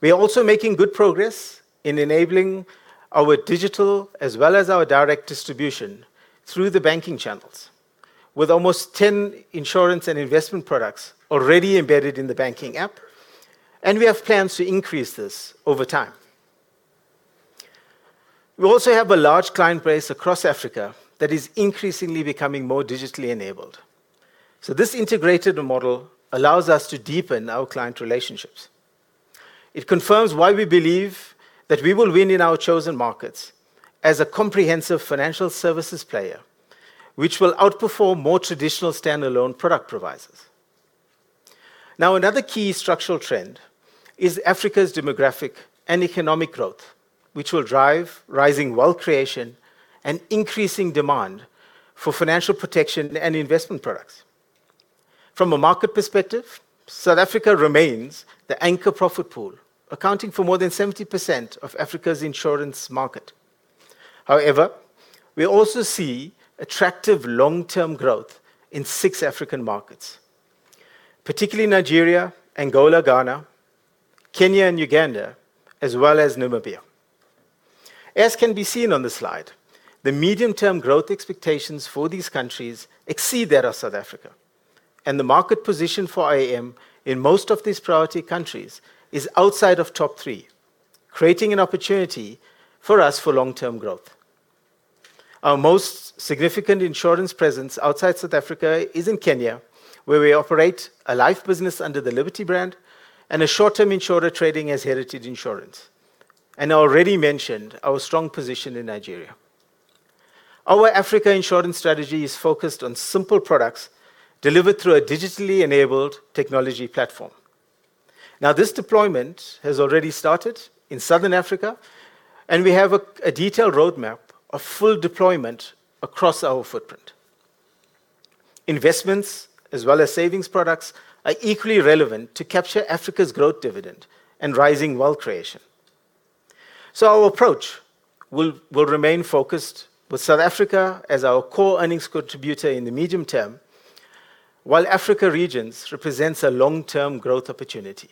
We are also making good progress in enabling our digital as well as our direct distribution through the banking channels with almost 10 insurance and investment products already embedded in the banking app, and we have plans to increase this over time. We also have a large client base across Africa that is increasingly becoming more digitally enabled. This integrated model allows us to deepen our client relationships. It confirms why we believe that we will win in our chosen markets as a comprehensive financial services player, which will outperform more traditional standalone product providers. Now, another key structural trend is Africa's demographic and economic growth, which will drive rising wealth creation and increasing demand for financial protection and investment products. From a market perspective, South Africa remains the anchor profit pool, accounting for more than 70% of Africa's insurance market. However, we also see attractive long term growth in six African markets, particularly Nigeria, Angola, Ghana, Kenya and Uganda, as well as Namibia. As can be seen on the slide, the medium-term growth expectations for these countries exceed that of South Africa, and the market position for IAM in most of these priority countries is outside of top three, creating an opportunity for us for long term growth. Our most significant insurance presence outside South Africa is in Kenya, where we operate a life business under the Liberty brand and a short-term insurer trading as Heritage Insurance. I already mentioned our strong position in Nigeria. Our Africa insurance strategy is focused on simple products delivered through a digitally enabled technology platform. Now, this deployment has already started in Southern Africa, and we have a detailed roadmap of full deployment across our footprint. Investments as well as savings products are equally relevant to capture Africa's growth dividend and rising wealth creation. Our approach will remain focused with South Africa as our core earnings contributor in the medium term, while Africa regions represents a long term growth opportunity.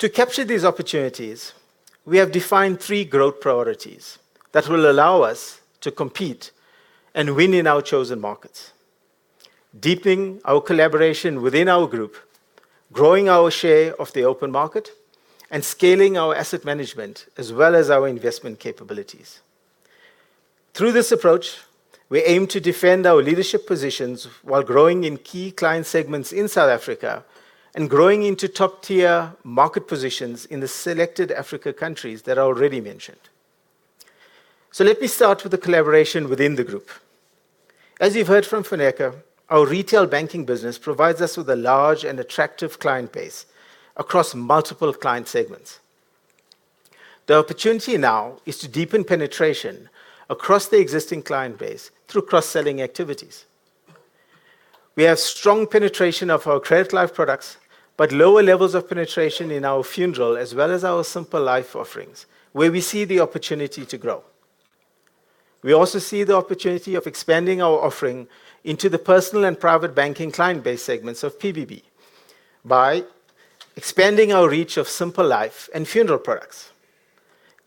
To capture these opportunities, we have defined three growth priorities that will allow us to compete and win in our chosen markets. Deepening our collaboration within our group, growing our share of the open market, and scaling our asset management as well as our investment capabilities. Through this approach, we aim to defend our leadership positions while growing in key client segments in South Africa and growing into top-tier market positions in the selected Africa countries that are already mentioned. Let me start with the collaboration within the group. As you've heard from Funeka, our retail banking business provides us with a large and attractive client base across multiple client segments. The opportunity now is to deepen penetration across the existing client base through cross-selling activities. We have strong penetration of our Credit Life products, but lower levels of penetration in our funeral, as well as our Simple Life offerings, where we see the opportunity to grow. We also see the opportunity of expanding our offering into the Personal and Private Banking client base segments of PPB by expanding our reach of Simple Life and funeral products,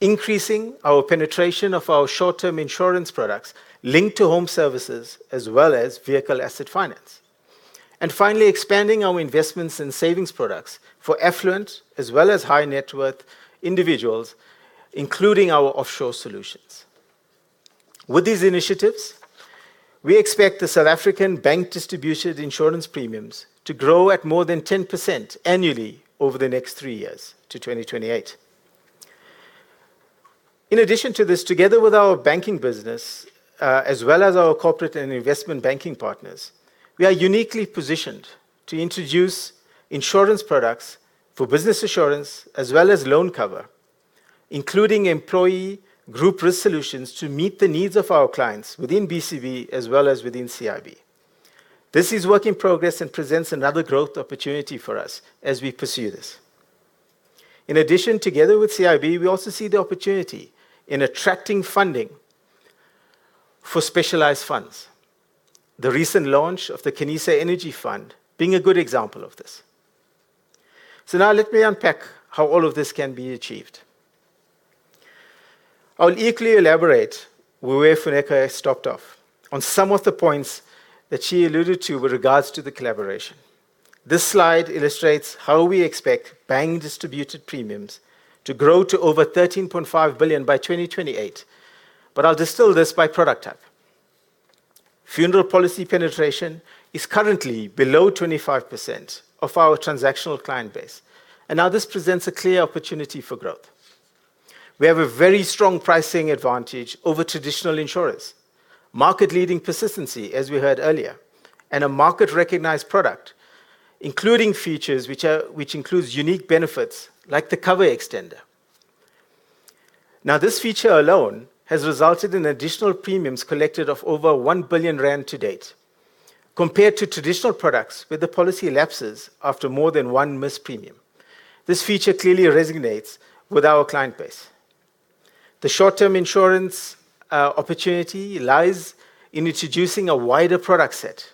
increasing our penetration of our short-term insurance products linked to Home Services as well as Vehicle and Asset Finance. Finally, expanding our investments in savings products for affluent as well as high net worth individuals, including our offshore solutions. With these initiatives, we expect the South African bank distribution insurance premiums to grow at more than 10% annually over the next three years to 2028. In addition to this, together with our banking business, as well as our Corporate and Investment Banking partners, we are uniquely positioned to introduce insurance products for business insurance as well as loan cover, including employee group risk solutions to meet the needs of our clients within BCB as well as within CIB. This is work in progress and presents another growth opportunity for us as we pursue this. In addition, together with CIB, we also see the opportunity in attracting funding for specialized funds, the recent launch of the Khanyisa Energy Fund being a good example of this. Now let me unpack how all of this can be achieved. I'll equally elaborate where Funeka has stopped off on some of the points that she alluded to with regards to the collaboration. This slide illustrates how we expect bank distributed premiums to grow to over 13.5 billion by 2028. I'll distill this by product type. Funeral policy penetration is currently below 25% of our transactional client base, and now this presents a clear opportunity for growth. We have a very strong pricing advantage over traditional insurance, market-leading persistency, as we heard earlier, and a market-recognized product, including features which includes unique benefits like the Cover Extender. Now, this feature alone has resulted in additional premiums collected of over 1 billion rand to date, compared to traditional products where the policy lapses after more than one missed premium. This feature clearly resonates with our client base. The short-term insurance opportunity lies in introducing a wider product set,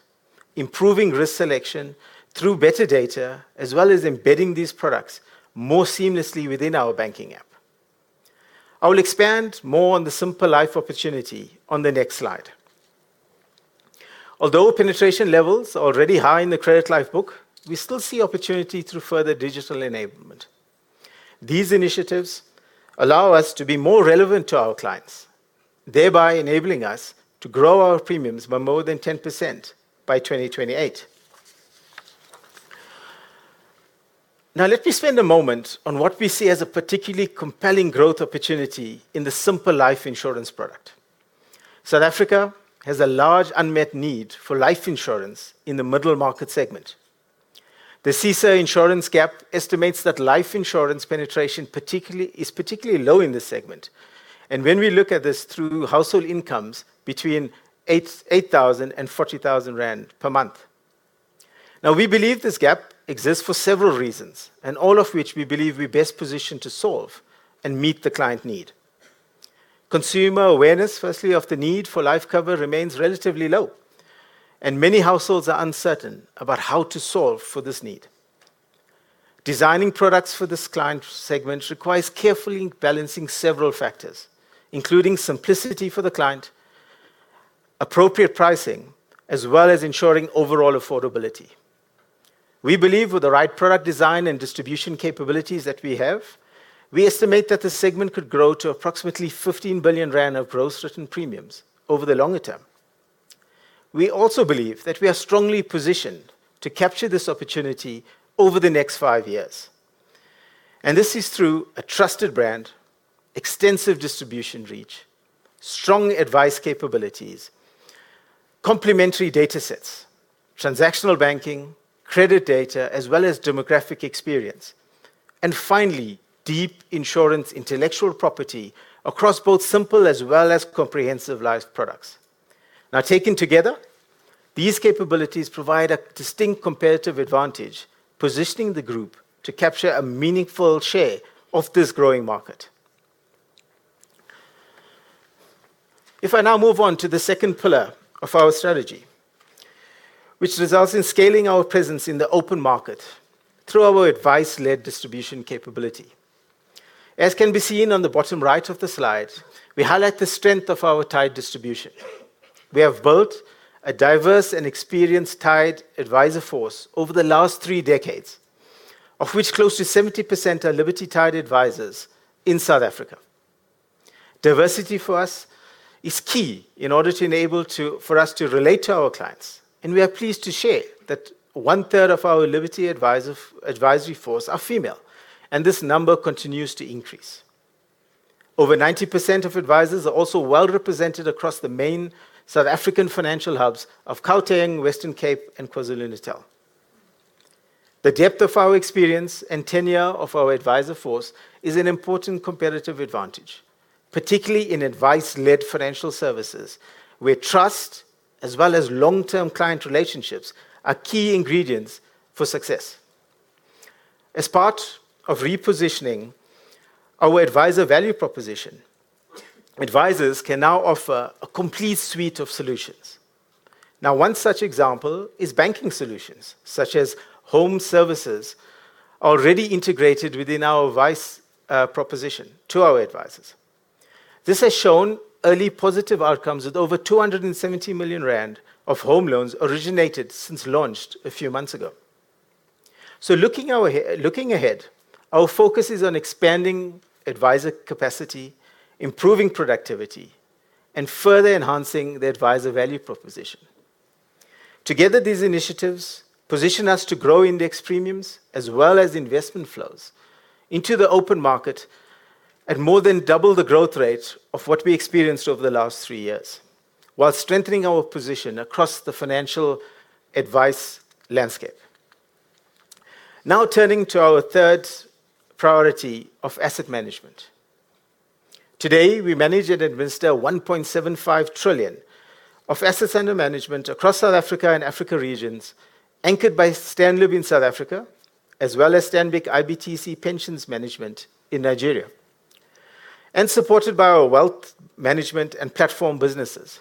improving risk selection through better data, as well as embedding these products more seamlessly within our banking app. I will expand more on the Simple Life opportunity on the next slide. Although penetration levels are already high in the Credit Life book, we still see opportunity through further digital enablement. These initiatives allow us to be more relevant to our clients, thereby enabling us to grow our premiums by more than 10% by 2028. Now, let me spend a moment on what we see as a particularly compelling growth opportunity in the Simple Life insurance product. South Africa has a large unmet need for life insurance in the middle market segment. The CSIR insurance gap estimates that life insurance penetration is particularly low in this segment, and when we look at this through household incomes between 8,000 and 40,000 rand per month. Now, we believe this gap exists for several reasons, and all of which we believe we're best positioned to solve and meet the client need. Consumer awareness, firstly, of the need for life cover remains relatively low, and many households are uncertain about how to solve for this need. Designing products for this client segment requires carefully balancing several factors, including simplicity for the client, appropriate pricing, as well as ensuring overall affordability. We believe with the right product design and distribution capabilities that we have, we estimate that the segment could grow to approximately 15 billion rand of gross written premiums over the longer term. We also believe that we are strongly positioned to capture this opportunity over the next five years. This is through a trusted brand, extensive distribution reach, strong advice capabilities, complimentary data sets, transactional banking, credit data, as well as demographic experience. Finally, deep insurance intellectual property across both Simple as well as comprehensive life products. Now, taken together, these capabilities provide a distinct competitive advantage, positioning the group to capture a meaningful share of this growing market. If I now move on to the second pillar of our strategy, which results in scaling our presence in the open market through our advice-led distribution capability. As can be seen on the bottom right of the slide, we highlight the strength of our tied distribution. We have built a diverse and experienced tied advisor force over the last three decades, of which close to 70% are Liberty Tied Advisors in South Africa. Diversity for us is key in order to enable for us to relate to our clients, and we are pleased to share that one-third of our Liberty Advisory Force are female, and this number continues to increase. Over 90% of advisors are also well represented across the main South African financial hubs of Gauteng, Western Cape, and KwaZulu-Natal. The depth of our experience and tenure of our advisor force is an important competitive advantage, particularly in advice-led financial services, where trust as well as long-term client relationships are key ingredients for success. As part of repositioning our advisor value proposition, advisors can now offer a complete suite of solutions. Now, one such example is banking solutions, such as home services already integrated within our advice, proposition to our advisors. This has shown early positive outcomes with over 270 million rand of home loans originated since launched a few months ago. Looking ahead, our focus is on expanding advisor capacity, improving productivity, and further enhancing the advisor value proposition. Together, these initiatives position us to grow index premiums as well as investment flows into the open market at more than double the growth rate of what we experienced over the last three years while strengthening our position across the financial advice landscape. Now turning to our third priority of asset management. Today, we manage and administer 1.75 trillion of assets under management across South Africa and Africa regions, anchored by STANLIB in South Africa, as well as Stanbic IBTC Pension Managers in Nigeria, and supported by our wealth management and platform businesses.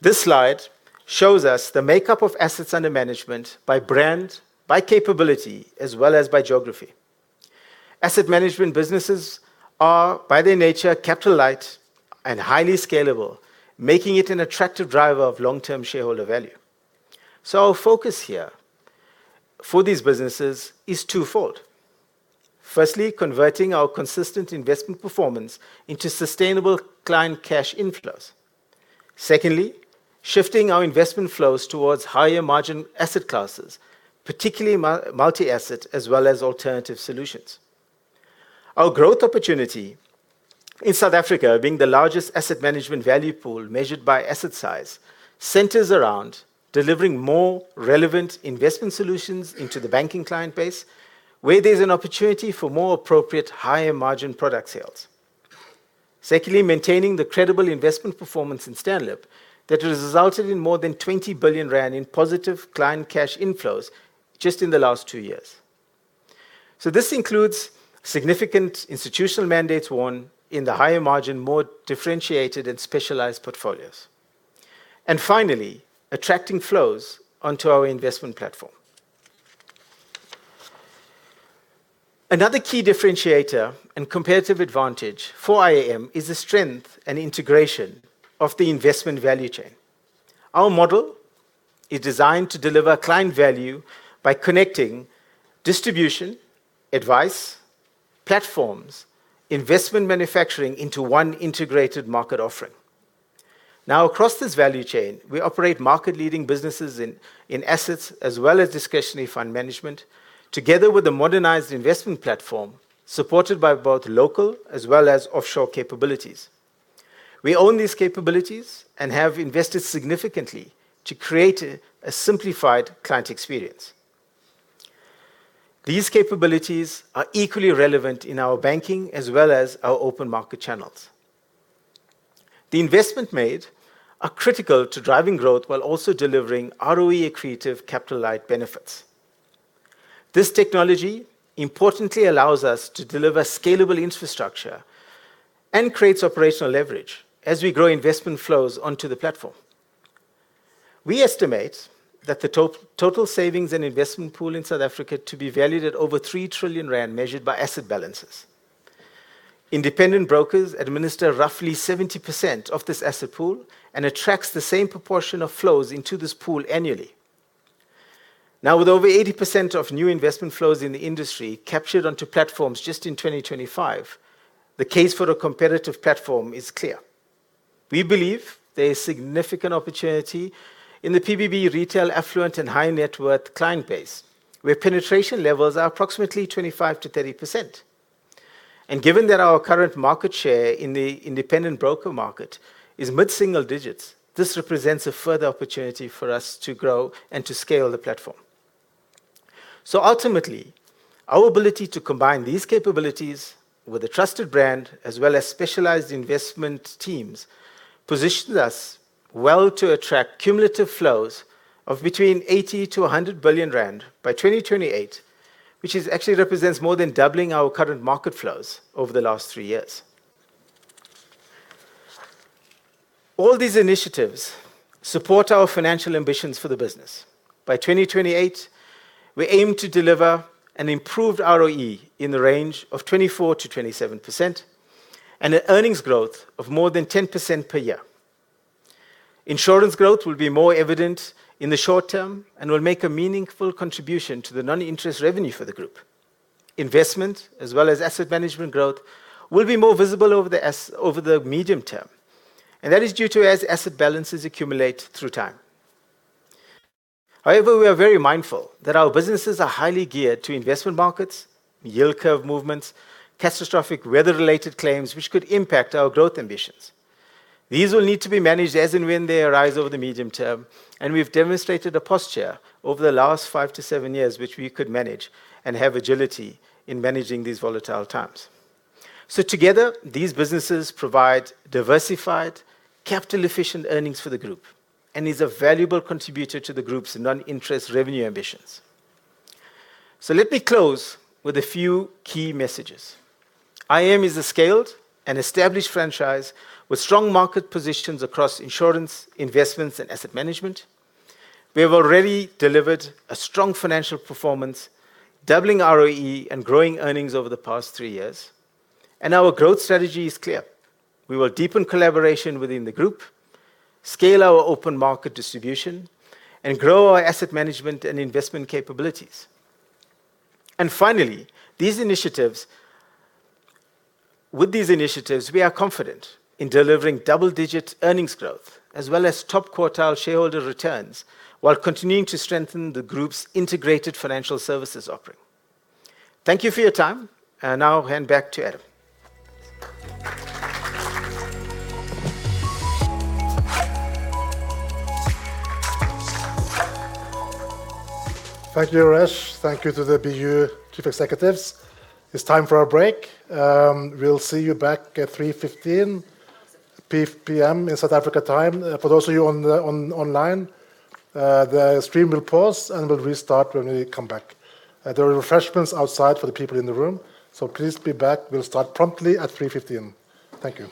This slide shows us the makeup of assets under management by brand, by capability, as well as by geography. Asset management businesses are, by their nature, capital light and highly scalable, making it an attractive driver of long-term shareholder value. Our focus here for these businesses is twofold. Firstly, converting our consistent investment performance into sustainable client cash inflows. Secondly, shifting our investment flows towards higher margin asset classes, particularly multi-asset as well as alternative solutions. Our growth opportunity in South Africa, being the largest asset management value pool measured by asset size, centers around delivering more relevant investment solutions into the banking client base, where there's an opportunity for more appropriate higher margin product sales. Secondly, maintaining the credible investment performance in STANLIB that has resulted in more than 20 billion rand in positive client cash inflows just in the last two years. This includes significant institutional mandates won in the higher margin, more differentiated and specialized portfolios. Finally, attracting flows onto our investment platform. Another key differentiator and competitive advantage for IAM is the strength and integration of the investment value chain. Our model is designed to deliver client value by connecting distribution, advice, platforms, investment manufacturing into one integrated market offering. Now, across this value chain, we operate market-leading businesses in assets as well as discretionary fund management, together with a modernized investment platform supported by both local as well as offshore capabilities. We own these capabilities and have invested significantly to create a simplified client experience. These capabilities are equally relevant in our banking as well as our open market channels. The investments made are critical to driving growth while also delivering ROE-accretive capital light benefits. This technology importantly allows us to deliver scalable infrastructure and creates operational leverage as we grow investment flows onto the platform. We estimate that the total savings and investment pool in South Africa to be valued at over 3 trillion rand measured by asset balances. Independent brokers administer roughly 70% of this asset pool and attracts the same proportion of flows into this pool annually. Now, with over 80% of new investment flows in the industry captured onto platforms just in 2025, the case for a competitive platform is clear. We believe there is significant opportunity in the PPB retail affluent and high net worth client base, where penetration levels are approximately 25%-30%. Given that our current market share in the independent broker market is mid-single digits, this represents a further opportunity for us to grow and to scale the platform. Ultimately, our ability to combine these capabilities with a trusted brand as well as specialized investment teams positions us well to attract cumulative flows of between 80 billion-100 billion rand by 2028, which actually represents more than doubling our current market flows over the last three years. All these initiatives support our financial ambitions for the business. By 2028, we aim to deliver an improved ROE in the range of 24%-27% and an earnings growth of more than 10% per year. Insurance growth will be more evident in the short term and will make a meaningful contribution to the non-interest revenue for the group. Investment as well as asset management growth will be more visible over the medium term, and that is due to asset balances accumulate through time. However, we are very mindful that our businesses are highly geared to investment markets, yield curve movements, catastrophic weather-related claims which could impact our growth ambitions. These will need to be managed as and when they arise over the medium term, and we've demonstrated a posture over the last 5-7 years which we could manage and have agility in managing these volatile times. Together, these businesses provide diversified capital-efficient earnings for the group and is a valuable contributor to the group's non-interest revenue ambitions. Let me close with a few key messages. IM is a scaled and established franchise with strong market positions across insurance, investments, and asset management. We have already delivered a strong financial performance, doubling ROE and growing earnings over the past three years. Our growth strategy is clear. We will deepen collaboration within the group, scale our open market distribution, and grow our asset management and investment capabilities. Finally, with these initiatives, we are confident in delivering double-digit earnings growth as well as top quartile shareholder returns while continuing to strengthen the group's integrated financial services offering. Thank you for your time. Now hand back to Adam Ikdal. Thank you, Yuresh. Thank you to the BU chief executives. It's time for our break. We'll see you back at 3:15 P.M. in South Africa time. For those of you online, the stream will pause and will restart when we come back. There are refreshments outside for the people in the room, so please be back. We'll start promptly at 3:15 P.M. Thank you.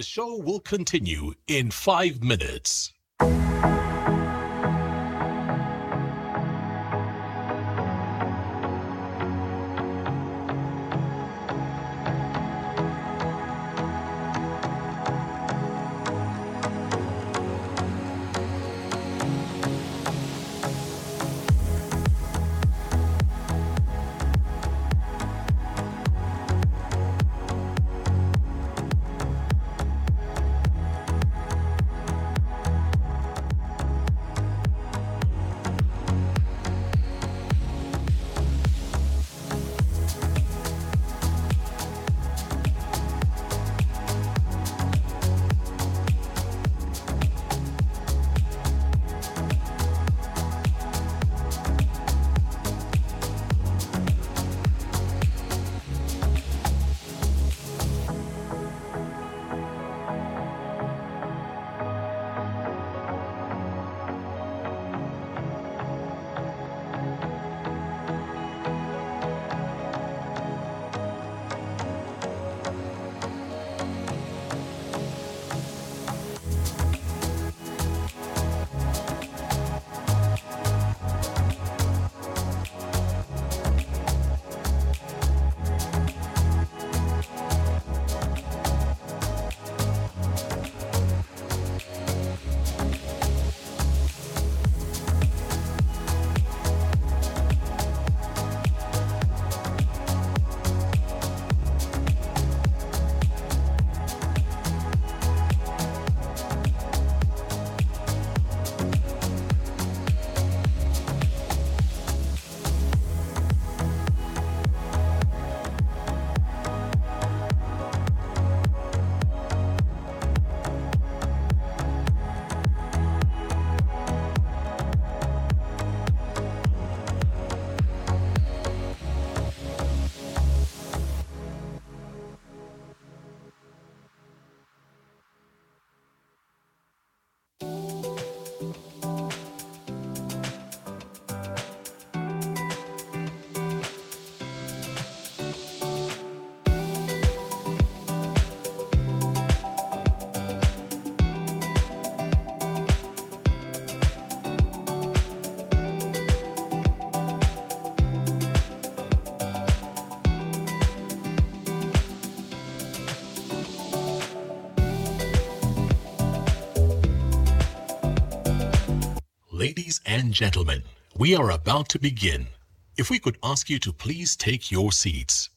The show will continue in five minutes. Ladies and gentlemen, we are about to begin. If we could ask you to please take your seats.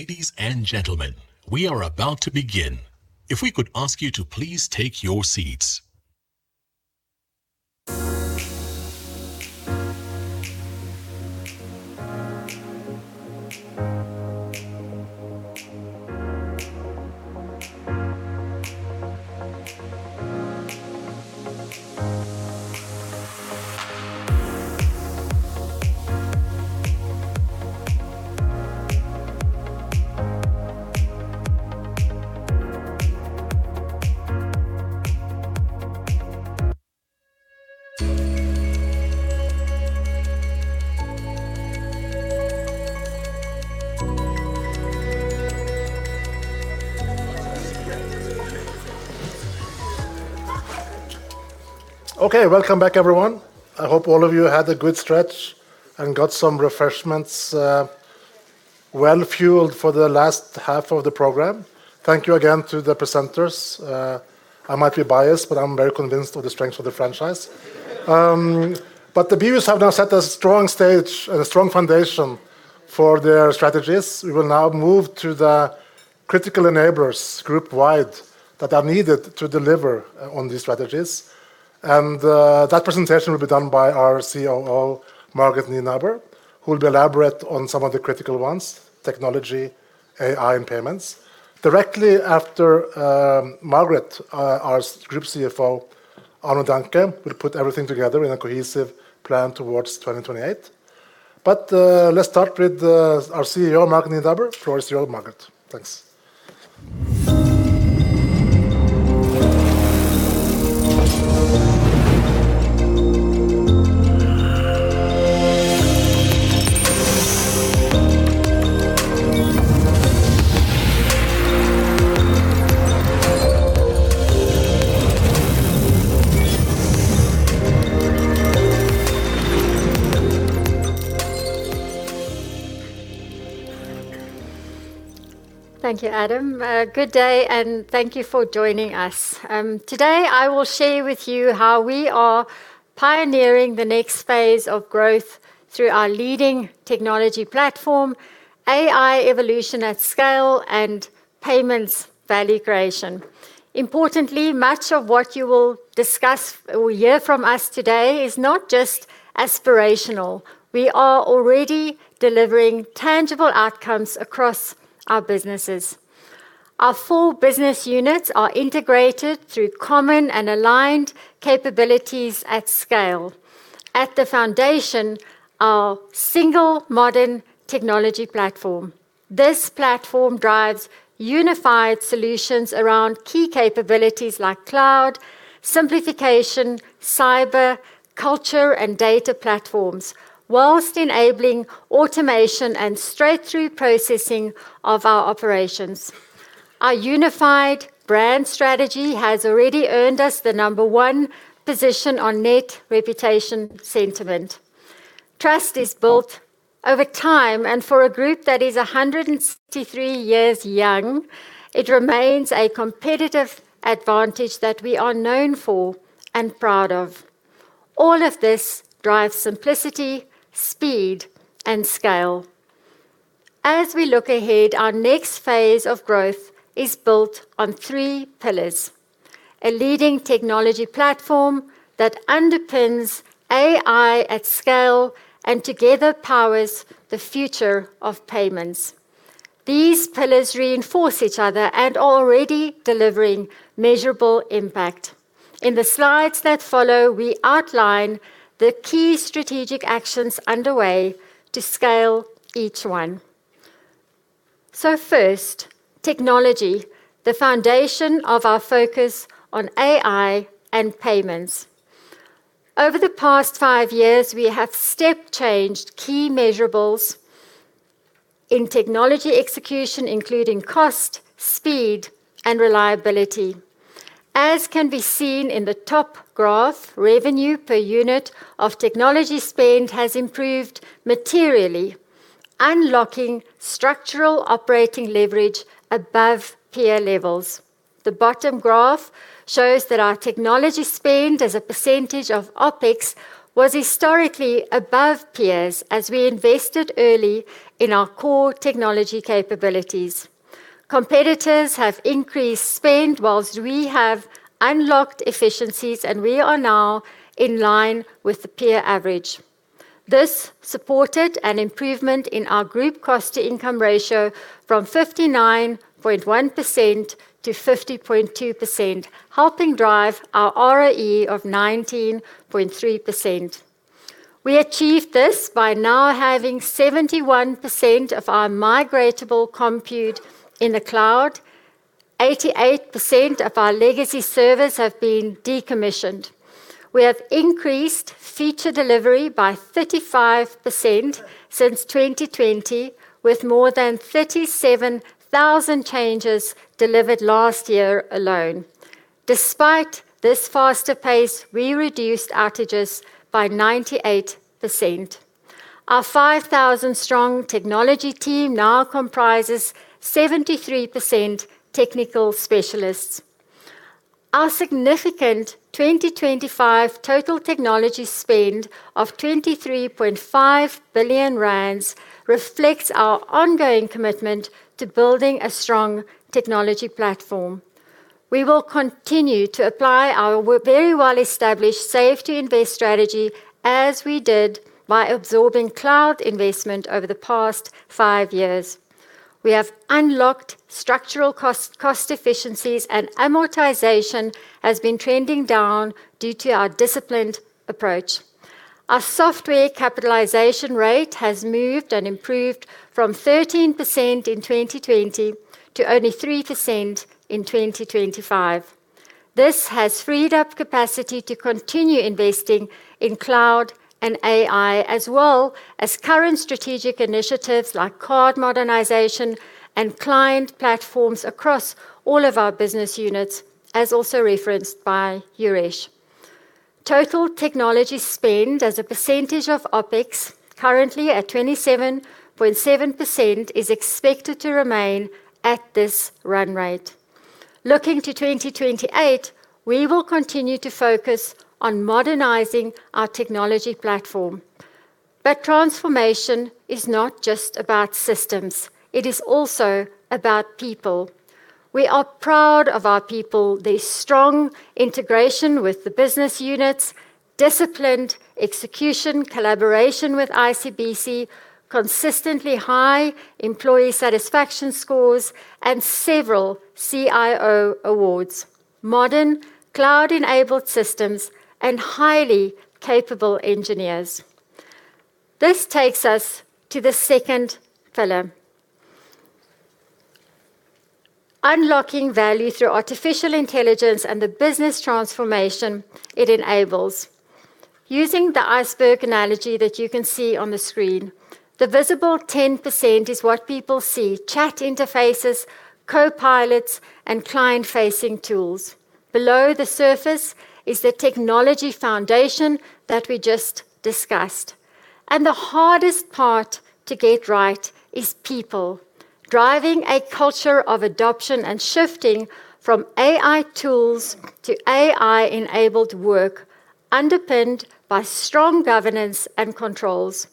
Ladies and gentlemen, we are about to begin. If we could ask you to please take your seats. Okay, welcome back, everyone. I hope all of you had a good stretch and got some refreshments, well fueled for the last half of the program. Thank you again to the presenters. I might be biased, but I'm very convinced of the strength of the franchise. The BUs have now set a strong stage and a strong foundation for their strategies. We will now move to the critical enablers group wide that are needed to deliver on these strategies. That presentation will be done by our COO, Margaret Nienaber, who will elaborate on some of the critical ones: technology, AI, and payments. Directly after, Margaret, our Group CFO, Arno Daehnke, will put everything together in a cohesive plan towards 2028. Let's start with our COO, Margaret Nienaber. Floor is yours, Margaret. Thanks. Thank you, Adam. Good day, and thank you for joining us. Today I will share with you how we are pioneering the next phase of growth through our leading technology platform, AI evolution at scale, and payments value creation. Importantly, much of what you will discuss or hear from us today is not just aspirational. We are already delivering tangible outcomes across our businesses. Our four business units are integrated through common and aligned capabilities at scale. At the foundation, our single modern technology platform. This platform drives unified solutions around key capabilities like cloud, simplification, cyber, culture, and data platforms, while enabling automation and straight-through processing of our operations. Our unified brand strategy has already earned us the number one position on net reputation sentiment. Trust is built over time, and for a group that is 163 years young, it remains a competitive advantage that we are known for and proud of. All of this drives simplicity, speed, and scale. As we look ahead, our next phase of growth is built on three pillars: a leading technology platform that underpins AI at scale and together powers the future of payments. These pillars reinforce each other and already delivering measurable impact. In the slides that follow, we outline the key strategic actions underway to scale each one. First, technology, the foundation of our focus on AI and payments. Over the past five years, we have step changed key measurables in technology execution, including cost, speed, and reliability. As can be seen in the top graph, revenue per unit of technology spend has improved materially, unlocking structural operating leverage above peer levels. The bottom graph shows that our technology spend as a percentage of OpEx was historically above peers as we invested early in our core technology capabilities. Competitors have increased spend while we have unlocked efficiencies, and we are now in line with the peer average. This supported an improvement in our group cost-to-income ratio from 59.1% to 50.2%, helping drive our ROE of 19.3%. We achieved this by now having 71% of our migratable compute in the cloud. 88% of our legacy servers have been decommissioned. We have increased feature delivery by 35% since 2020, with more than 37,000 changes delivered last year alone. Despite this faster pace, we reduced outages by 98%. Our 5,000-strong technology team now comprises 73% technical specialists. Our significant 2025 total technology spend of 23.5 billion rand reflects our ongoing commitment to building a strong technology platform. We will continue to apply our very well-established save to invest strategy as we did by absorbing cloud investment over the past five years. We have unlocked structural cost efficiencies and amortization has been trending down due to our disciplined approach. Our software capitalization rate has moved and improved from 13% in 2020 to only 3% in 2025. This has freed up capacity to continue investing in cloud and AI as well as current strategic initiatives like card modernization and client platforms across all of our business units, as also referenced by Yuresh. Total technology spend as a percentage of OpEx, currently at 27.7%, is expected to remain at this run rate. Looking to 2028, we will continue to focus on modernizing our technology platform. Transformation is not just about systems, it is also about people. We are proud of our people, their strong integration with the business units, disciplined execution, collaboration with ICBC, consistently high employee satisfaction scores and several CIO awards, modern cloud-enabled systems and highly capable engineers. This takes us to the second pillar. Unlocking value through artificial intelligence and the business transformation it enables. Using the iceberg analogy that you can see on the screen, the visible 10% is what people see, chat interfaces, copilots and client facing tools. Below the surface is the technology foundation that we just discussed. The hardest part to get right is people. Driving a culture of adoption and shifting from AI tools to AI enabled work underpinned by strong governance and controls.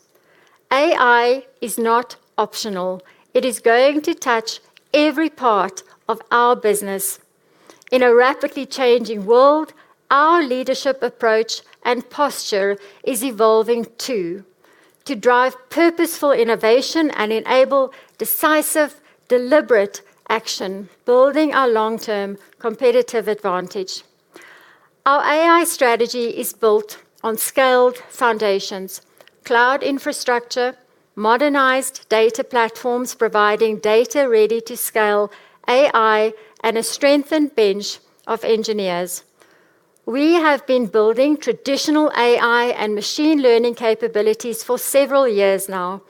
AI is not optional. It is going to touch every part of our business. In a rapidly changing world, our leadership approach and posture is evolving too, to drive purposeful innovation and enable decisive, deliberate action, building our long-term competitive advantage. Our AI strategy is built on scaled foundations, cloud infrastructure, modernized data platforms providing data ready to scale AI and a strengthened bench of engineers. We have been building traditional AI and machine learning capabilities for several years now,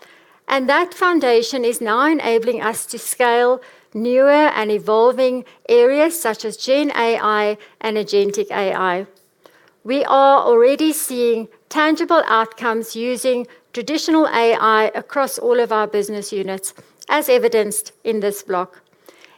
and that foundation is now enabling us to scale newer and evolving areas such as GenAI and agentic AI. We are already seeing tangible outcomes using traditional AI across all of our business units, as evidenced in this block.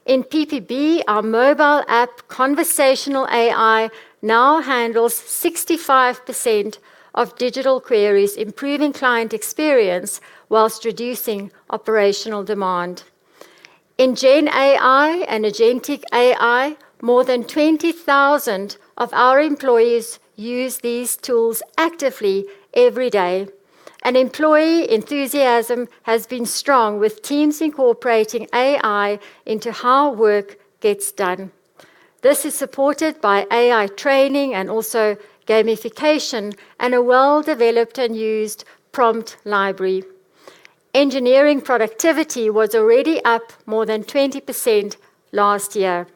In PPB, our mobile app conversational AI now handles 65% of digital queries, improving client experience while reducing operational demand. In Gen AI and agentic AI, more than 20,000 of our employees use these tools actively every day. Employee enthusiasm has been strong with teams incorporating AI into how work gets done. This is supported by AI training and also gamification and a well-developed and used prompt library. Engineering productivity was already up more than 20% last year.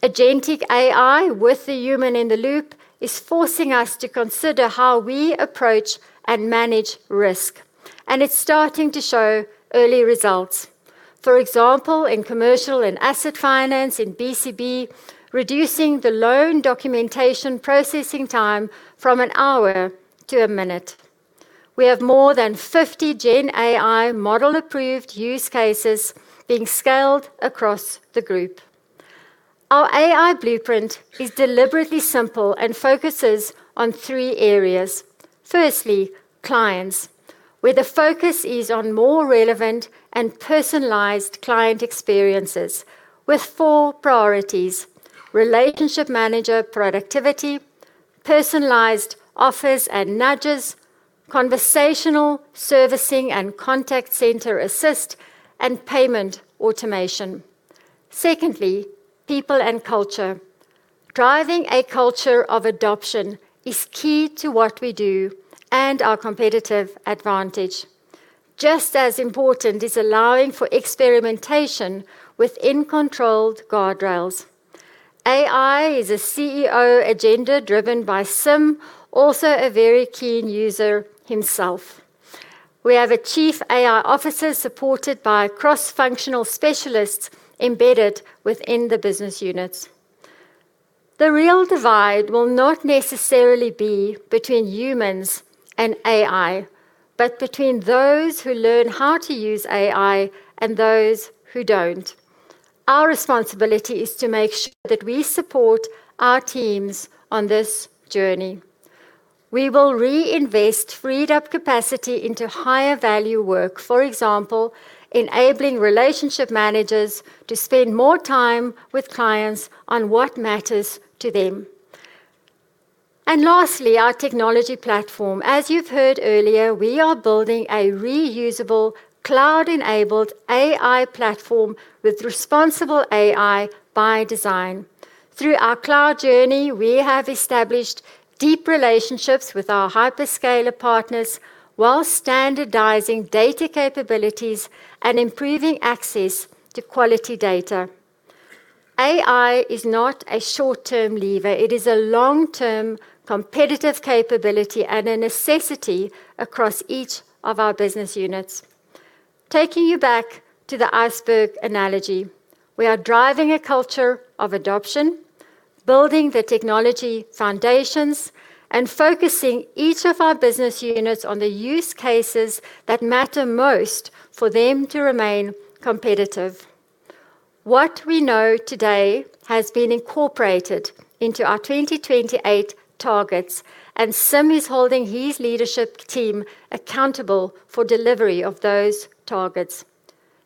Agentic AI with the human in the loop is forcing us to consider how we approach and manage risk, and it's starting to show early results. For example, in commercial and asset finance in BCB, reducing the loan documentation processing time from an hour to a minute. We have more than 50 GenAI model approved use cases being scaled across the group. Our AI blueprint is deliberately simple and focuses on three areas. Firstly, clients, where the focus is on more relevant and personalized client experiences with four priorities, relationship manager productivity, personalized offers and nudges, conversational servicing and contact center assist, and payment automation. Secondly, people and culture. Driving a culture of adoption is key to what we do and our competitive advantage. Just as important is allowing for experimentation within controlled guardrails. AI is a CEO agenda driven by Sim, also a very keen user himself. We have a Chief AI Officer supported by cross-functional specialists embedded within the business units. The real divide will not necessarily be between humans and AI, but between those who learn how to use AI and those who don't. Our responsibility is to make sure that we support our teams on this journey. We will reinvest freed up capacity into higher value work, for example, enabling relationship managers to spend more time with clients on what matters to them. Lastly, our technology platform. As you've heard earlier, we are building a reusable cloud-enabled AI platform with responsible AI by design. Through our cloud journey, we have established deep relationships with our hyperscaler partners while standardizing data capabilities and improving access to quality data. AI is not a short-term lever. It is a long-term competitive capability and a necessity across each of our business units. Taking you back to the iceberg analogy, we are driving a culture of adoption, building the technology foundations, and focusing each of our business units on the use cases that matter most for them to remain competitive. What we know today has been incorporated into our 2028 targets, and Sim is holding his leadership team accountable for delivery of those targets.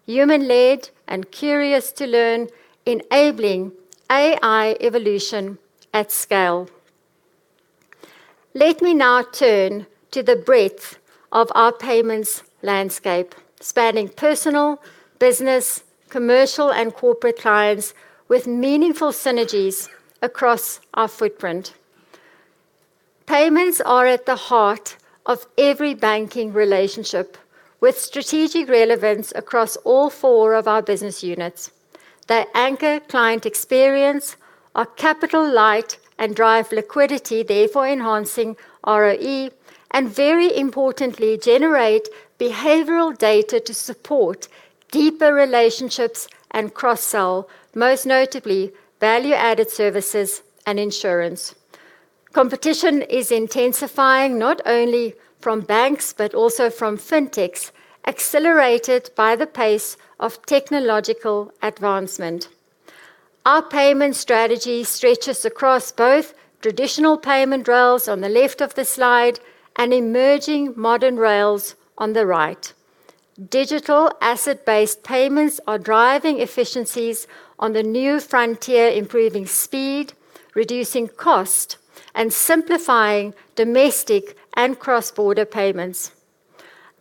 Human-led and curious to learn, enabling AI evolution at scale. Let me now turn to the breadth of our payments landscape, spanning personal, business, commercial, and corporate clients with meaningful synergies across our footprint. Payments are at the heart of every banking relationship with strategic relevance across all four of our business units. They anchor client experience, are capital light and drive liquidity, therefore enhancing ROE, and very importantly, generate behavioral data to support deeper relationships and cross-sell, most notably value-added services and insurance. Competition is intensifying not only from banks, but also from fintechs, accelerated by the pace of technological advancement. Our payment strategy stretches across both traditional payment rails on the left of the slide and emerging modern rails on the right. Digital asset-based payments are driving efficiencies on the new frontier, improving speed, reducing cost, and simplifying domestic and cross-border payments.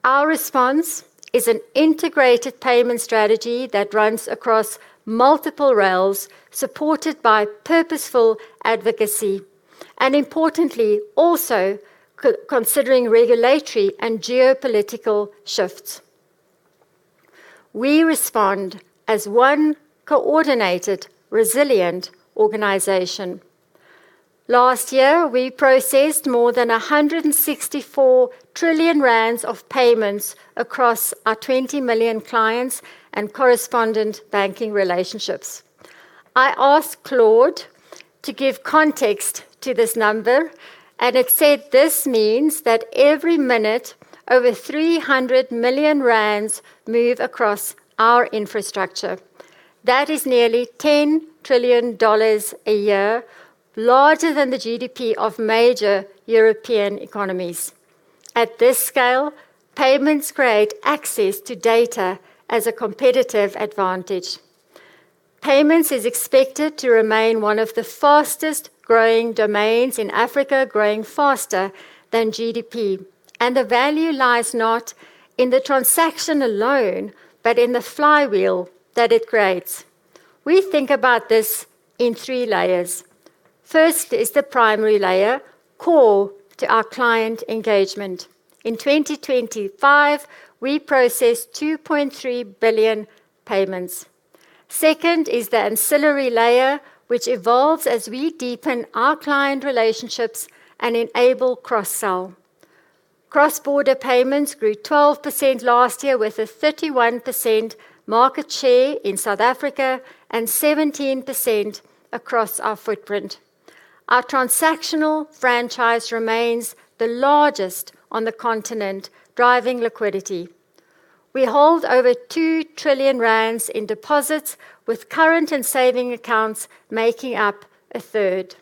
Our response is an integrated payment strategy that runs across multiple rails supported by purposeful advocacy and importantly also considering regulatory and geopolitical shifts. We respond as one coordinated, resilient organization. Last year, we processed more than 164 trillion rand of payments across our 20 million clients and correspondent banking relationships. I asked Claude to give context to this number, and it said this means that every minute over 300 million rand move across our infrastructure. That is nearly $10 trillion a year, larger than the GDP of major European economies. At this scale, payments create access to data as a competitive advantage. Payments is expected to remain one of the fastest-growing domains in Africa, growing faster than GDP. The value lies not in the transaction alone but in the flywheel that it creates. We think about this in three layers. First is the primary layer, core to our client engagement. In 2025, we processed 2.3 billion payments. Second is the ancillary layer, which evolves as we deepen our client relationships and enable cross-sell. Cross-border payments grew 12% last year with a 31% market share in South Africa and 17% across our footprint. Our transactional franchise remains the largest on the continent, driving liquidity. We hold over 2 trillion rand in deposits with current and savings accounts making up a third.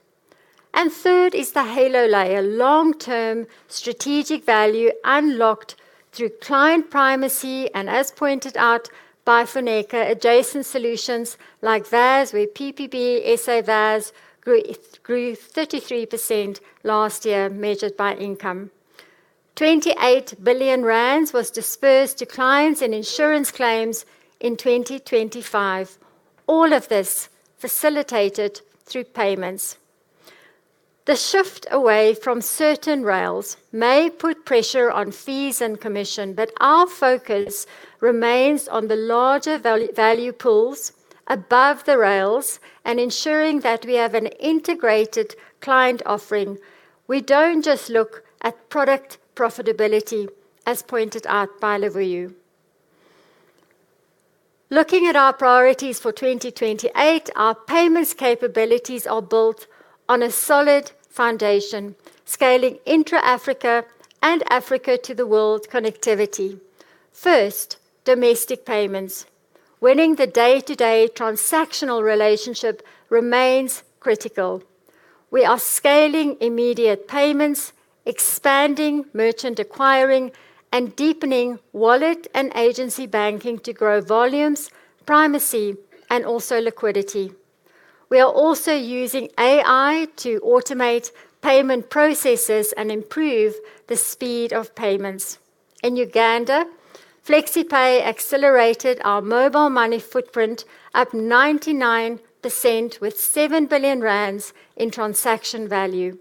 Third is the halo layer, long-term strategic value unlocked through client primacy and as pointed out by Funeka, adjacent solutions like VAS with PPB, SA VAS grew 33% last year measured by income. 28 billion rand was dispersed to clients in insurance claims in 2025. All of this facilitated through payments. The shift away from certain rails may put pressure on fees and commission, but our focus remains on the larger value pools above the rails and ensuring that we have an integrated client offering. We don't just look at product profitability, as pointed out by Luvuyo. Looking at our priorities for 2028, our payments capabilities are built on a solid foundation, scaling intra-Africa and Africa to the world connectivity. First, domestic payments. Winning the day-to-day transactional relationship remains critical. We are scaling immediate payments, expanding merchant acquiring, and deepening wallet and agency banking to grow volumes, primacy, and also liquidity. We are also using AI to automate payment processes and improve the speed of payments. In Uganda, FlexiPay accelerated our mobile money footprint up 99% with 7 billion rand in transaction value,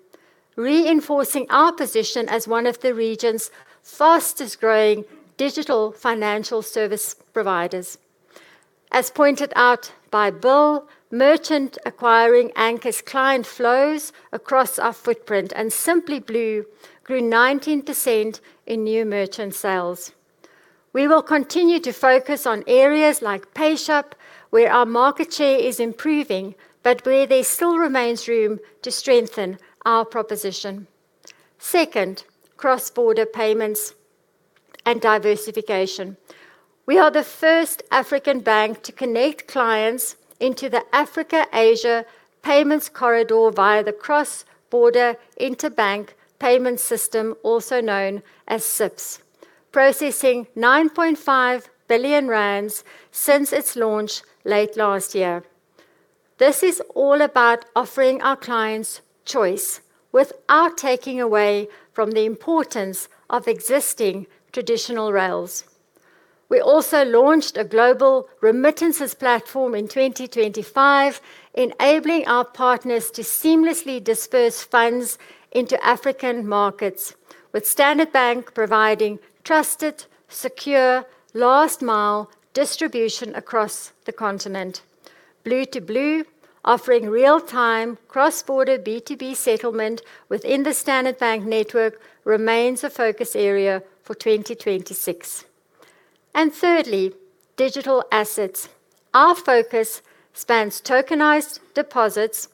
reinforcing our position as one of the region's fastest-growing digital financial service providers. As pointed out by Bill, merchant acquiring anchors client flows across our footprint and SimplyBlu grew 19% in new merchant sales. We will continue to focus on areas like PayShap, where our market share is improving, but where there still remains room to strengthen our proposition. Second, cross-border payments and diversification. We are the first African bank to connect clients into the Africa-Asia payments corridor via the Cross-Border Interbank Payment System, also known as CIPS, processing 9.5 billion rand since its launch late last year. This is all about offering our clients choice without taking away from the importance of existing traditional rails. We also launched a global remittances platform in 2025, enabling our partners to seamlessly disperse funds into African markets, with Standard Bank providing trusted, secure, last-mile distribution across the continent. Blue2Blue, offering real-time cross-border B2B settlement within the Standard Bank network remains a focus area for 2026. Thirdly, digital assets. Our focus spans tokenized deposits,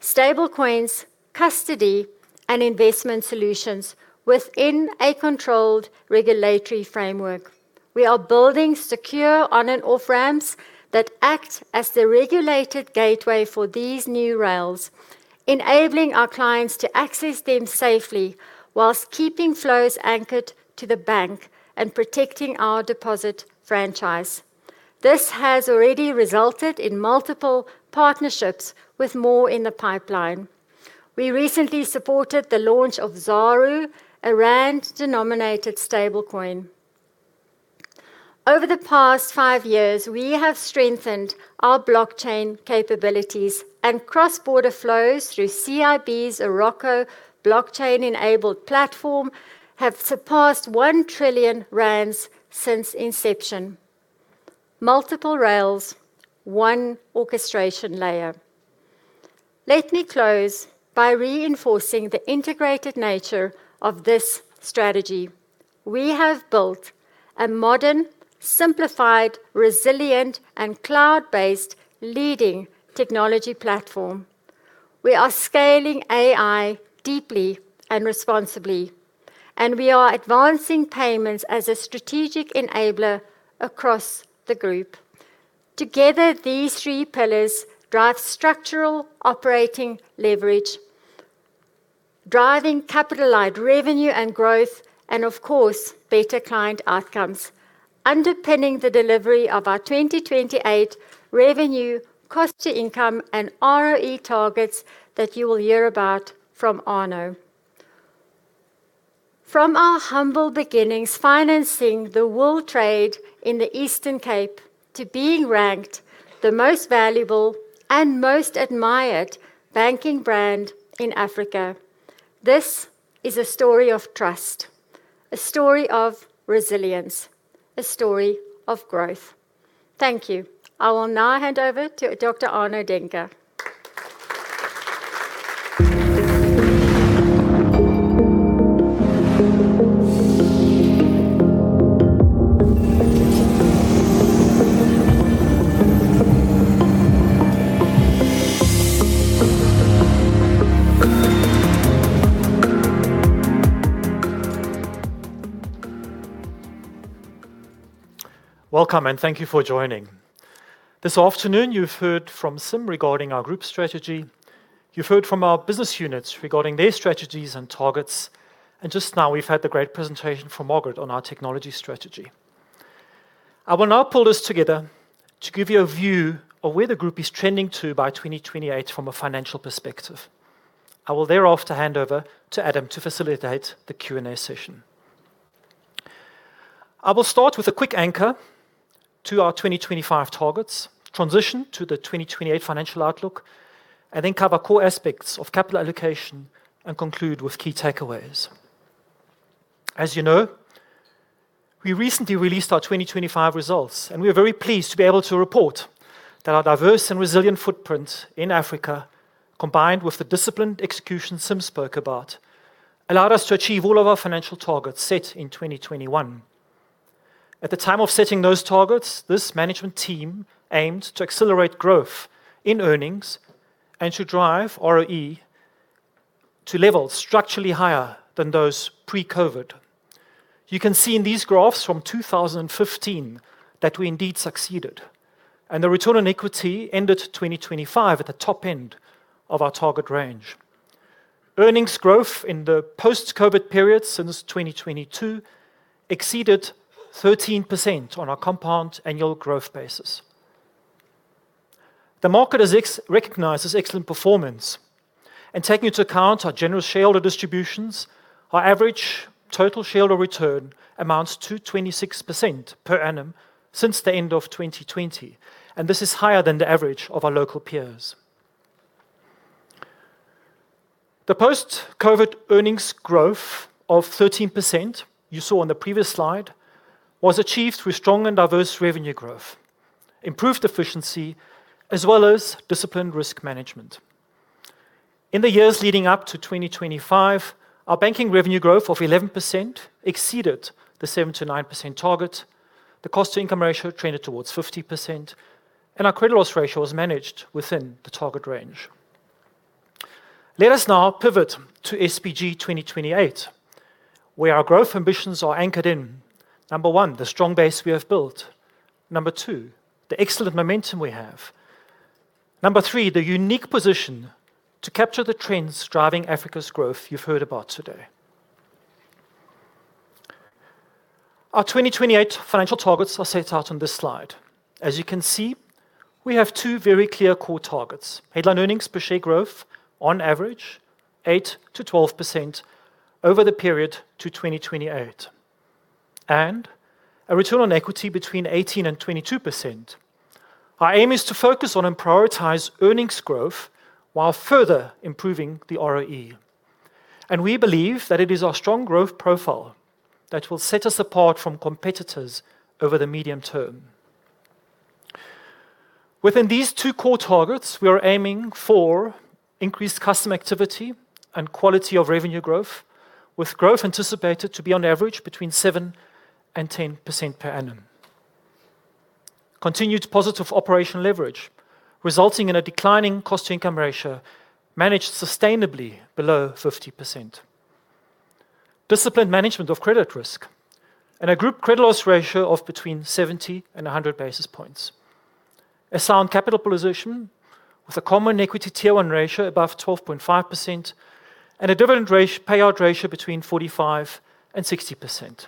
stablecoins, custody, and investment solutions within a controlled regulatory framework. We are building secure on and off-ramps that act as the regulated gateway for these new rails, enabling our clients to access them safely while keeping flows anchored to the bank and protecting our deposit franchise. This has already resulted in multiple partnerships with more in the pipeline. We recently supported the launch of ZARP, a rand-denominated stablecoin. Over the past five years, we have strengthened our blockchain capabilities and cross-border flows through CIB's Aroko blockchain-enabled platform have surpassed 1 trillion rand since inception. Multiple rails, one orchestration layer. Let me close by reinforcing the integrated nature of this strategy. We have built a modern, simplified, resilient, and cloud-based leading technology platform. We are scaling AI deeply and responsibly, and we are advancing payments as a strategic enabler across the group. Together, these three pillars drive structural operating leverage, driving capitalized revenue and growth and, of course, better client outcomes, underpinning the delivery of our 2028 revenue cost to income and ROE targets that you will hear about from Arno. From our humble beginnings financing the wool trade in the Eastern Cape to being ranked the most valuable and most admired banking brand in Africa, this is a story of trust, a story of resilience, a story of growth. Thank you. I will now hand over to Dr. Arno Daehnke. Welcome, and thank you for joining. This afternoon, you've heard from Sim regarding our group strategy. You've heard from our business units regarding their strategies and targets, and just now we've had the great presentation from Margaret on our technology strategy. I will now pull this together to give you a view of where the group is trending to by 2028 from a financial perspective. I will thereafter hand over to Adam to facilitate the Q&A session. I will start with a quick anchor to our 2025 targets, transition to the 2028 financial outlook, and then cover core aspects of capital allocation and conclude with key takeaways. As you know, we recently released our 2025 results, and we are very pleased to be able to report that our diverse and resilient footprint in Africa, combined with the disciplined execution Sim spoke about, allowed us to achieve all of our financial targets set in 2021. At the time of setting those targets, this management team aimed to accelerate growth in earnings and to drive ROE to levels structurally higher than those pre-COVID. You can see in these graphs from 2015 that we indeed succeeded, and the return on equity ended 2025 at the top end of our target range. Earnings growth in the post-COVID period since 2022 exceeded 13% on a compound annual growth basis. The market has recognized this excellent performance. Taking into account our general shareholder distributions, our average total shareholder return amounts to 26% per annum since the end of 2020, and this is higher than the average of our local peers. The post-COVID earnings growth of 13% you saw on the previous slide was achieved through strong and diverse revenue growth, improved efficiency as well as disciplined risk management. In the years leading up to 2025, our banking revenue growth of 11% exceeded the 7%-9% target. The cost-to-income ratio trended towards 50%, and our credit loss ratio was managed within the target range. Let us now pivot to SBG 2028, where our growth ambitions are anchored in, number one, the strong base we have built. Number two, the excellent momentum we have. Number three, the unique position to capture the trends driving Africa's growth you've heard about today. Our 2028 financial targets are set out on this slide. As you can see, we have two very clear core targets. Headline earnings per share growth on average 8%-12% over the period to 2028 and a return on equity between 18%-22%. Our aim is to focus on and prioritize earnings growth while further improving the ROE. We believe that it is our strong growth profile that will set us apart from competitors over the medium term. Within these two core targets, we are aiming for increased customer activity and quality of revenue growth, with growth anticipated to be on average between 7%-10% per annum. Continued positive operational leverage resulting in a declining cost-to-income ratio managed sustainably below 50%. Disciplined management of credit risk and a group credit loss ratio of 70-100 basis points. A sound capital position with a common equity Tier 1 ratio above 12.5% and a dividend payout ratio 45%-60%.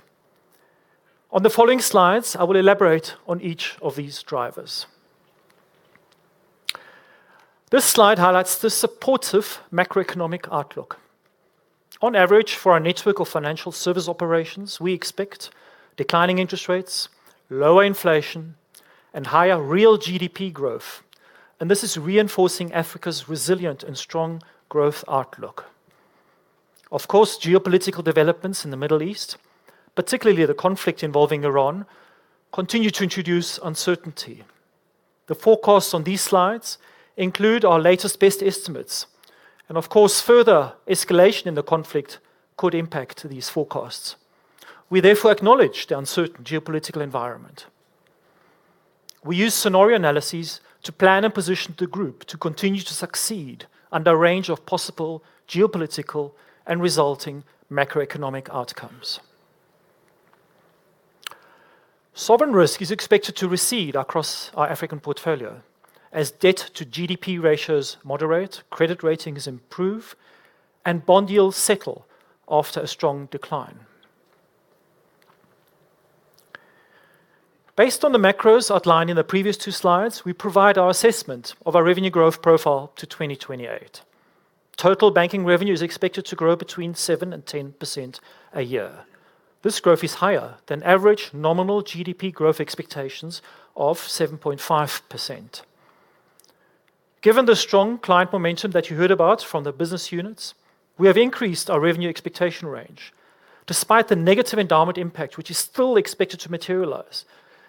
On the following slides, I will elaborate on each of these drivers. This slide highlights the supportive macroeconomic outlook. On average, for our network of financial service operations, we expect declining interest rates, lower inflation, and higher real GDP growth, and this is reinforcing Africa's resilient and strong growth outlook. Of course, geopolitical developments in the Middle East, particularly the conflict involving Iran, continue to introduce uncertainty. The forecasts on these slides include our latest best estimates and of course, further escalation in the conflict could impact these forecasts. We therefore acknowledge the uncertain geopolitical environment. We use scenario analysis to plan and position the group to continue to succeed under a range of possible geopolitical and resulting macroeconomic outcomes. Sovereign risk is expected to recede across our African portfolio as debt to GDP ratios moderate, credit ratings improve, and bond yields settle after a strong decline. Based on the macros outlined in the previous two slides, we provide our assessment of our revenue growth profile to 2028. Total banking revenue is expected to grow between 7% and 10% a year. This growth is higher than average nominal GDP growth expectations of 7.5%. Given the strong client momentum that you heard about from the business units, we have increased our revenue expectation range despite the negative endowment impact, which is still expected to materialize,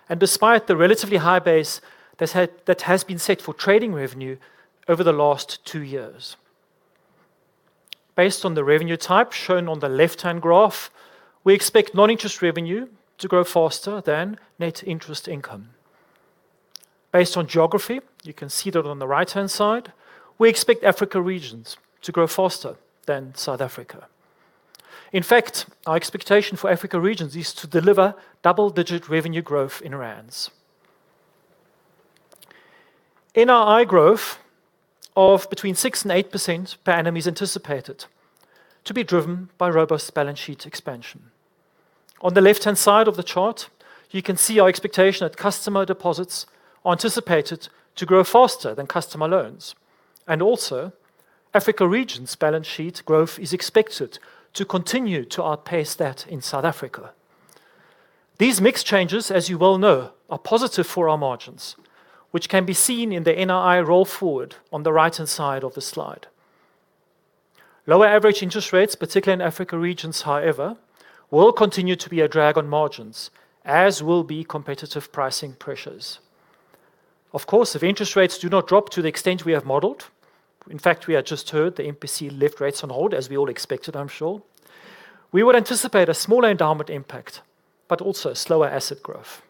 and despite the relatively high base that that has been set for trading revenue over the last two years. Based on the revenue type shown on the left-hand graph, we expect non-interest revenue to grow faster than net interest income. Based on geography, you can see that on the right-hand side, we expect Africa regions to grow faster than South Africa. In fact, our expectation for Africa regions is to deliver double-digit revenue growth in rands. NII growth of between 6% and 8% per annum is anticipated to be driven by robust balance sheet expansion. On the left-hand side of the chart, you can see our expectation that customer deposits are anticipated to grow faster than customer loans. Africa regions balance sheet growth is expected to continue to outpace that in South Africa. These mix changes, as you well know, are positive for our margins, which can be seen in the NII roll forward on the right-hand side of the slide. Lower average interest rates, particularly in Africa regions, however, will continue to be a drag on margins, as will be competitive pricing pressures. Of course, if interest rates do not drop to the extent we have modeled, in fact, we have just heard the MPC left rates on hold, as we all expected, I'm sure, we would anticipate a smaller endowment impact, but also slower asset growth.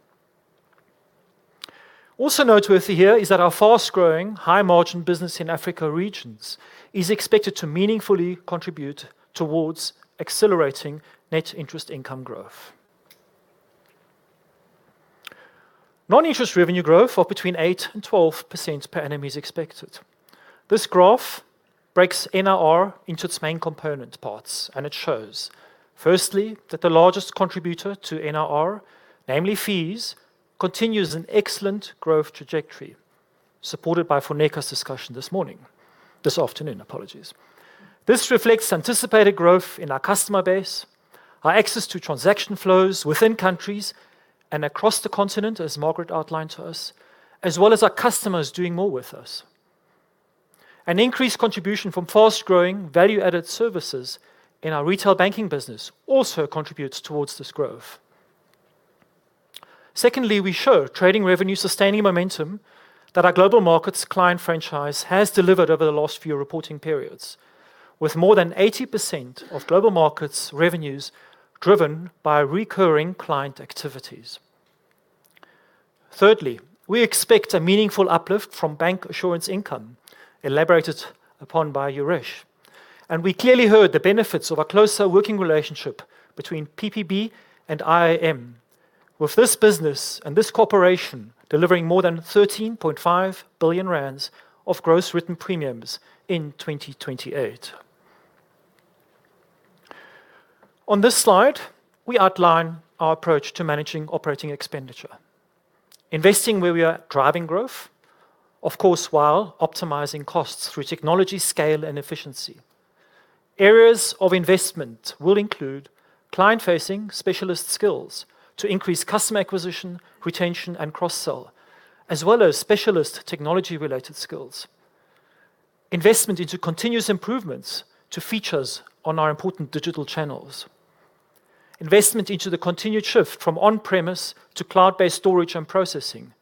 Also noteworthy here is that our fast-growing high margin business in Africa regions is expected to meaningfully contribute towards accelerating net interest income growth. Non-interest revenue growth of between 8%-12% per annum is expected. This graph breaks NIR into its main component parts, and it shows firstly that the largest contributor to NIR, namely fees, continues an excellent growth trajectory supported by Funeka's discussion this afternoon, apologies. This reflects anticipated growth in our customer base, our access to transaction flows within countries and across the continent, as Margaret outlined to us, as well as our customers doing more with us. An increased contribution from fast-growing value-added services in our retail banking business also contributes towards this growth. Secondly, we show trading revenue sustaining momentum that our global markets client franchise has delivered over the last few reporting periods. With more than 80% of global markets revenues driven by recurring client activities. Thirdly, we expect a meaningful uplift from bank assurance income elaborated upon by Yuresh. We clearly heard the benefits of a closer working relationship between PPB and IAM with this business and this cooperation delivering more than 13.5 billion rand of gross written premiums in 2028. On this slide, we outline our approach to managing operating expenditure. Investing where we are driving growth, of course, while optimizing costs through technology, scale and efficiency. Areas of investment will include client-facing specialist skills to increase customer acquisition, retention and cross-sell, as well as specialist technology-related skills. Investment into continuous improvements to features on our important digital channels. Investment into the continued shift from on-premise to cloud-based storage and processing.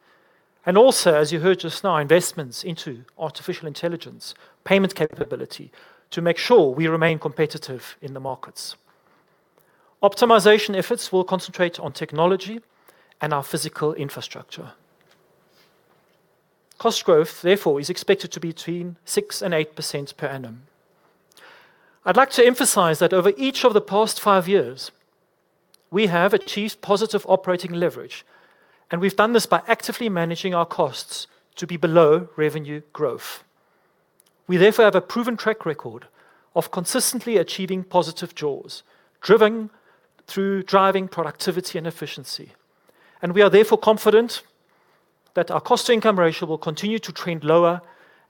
Also, as you heard just now, investments into artificial intelligence payment capability to make sure we remain competitive in the markets. Optimization efforts will concentrate on technology and our physical infrastructure. Cost growth, therefore, is expected to be between 6% and 8% per annum. I'd like to emphasize that over each of the past five years, we have achieved positive operating leverage, and we've done this by actively managing our costs to be below revenue growth. We therefore have a proven track record of consistently achieving positive jaws driven by driving productivity and efficiency. We are therefore confident that our cost-to-income ratio will continue to trend lower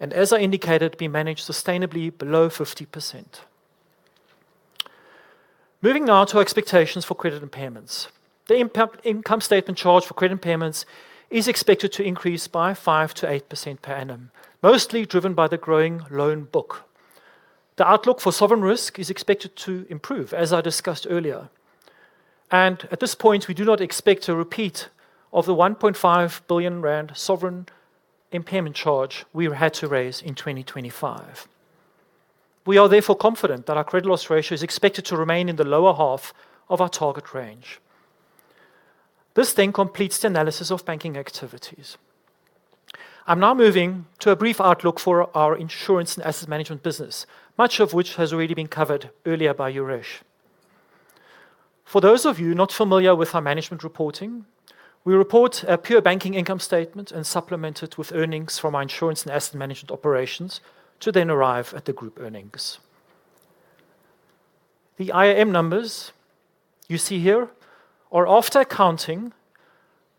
and as I indicated, be managed sustainably below 50%. Moving now to expectations for credit impairments. The income statement charge for credit impairments is expected to increase by 5%-8% per annum, mostly driven by the growing loan book. The outlook for sovereign risk is expected to improve, as I discussed earlier. At this point, we do not expect a repeat of the 1.5 billion rand sovereign impairment charge we had to raise in 2025. We are therefore confident that our credit loss ratio is expected to remain in the lower half of our target range. This completes the analysis of banking activities. I'm now moving to a brief outlook for our Insurance and Asset Management business, much of which has already been covered earlier by Yuresh. For those of you not familiar with our management reporting, we report a pure banking income statement and supplement it with earnings from our Insurance and Asset Management operations to then arrive at the Group earnings. The IAM numbers you see here are after accounting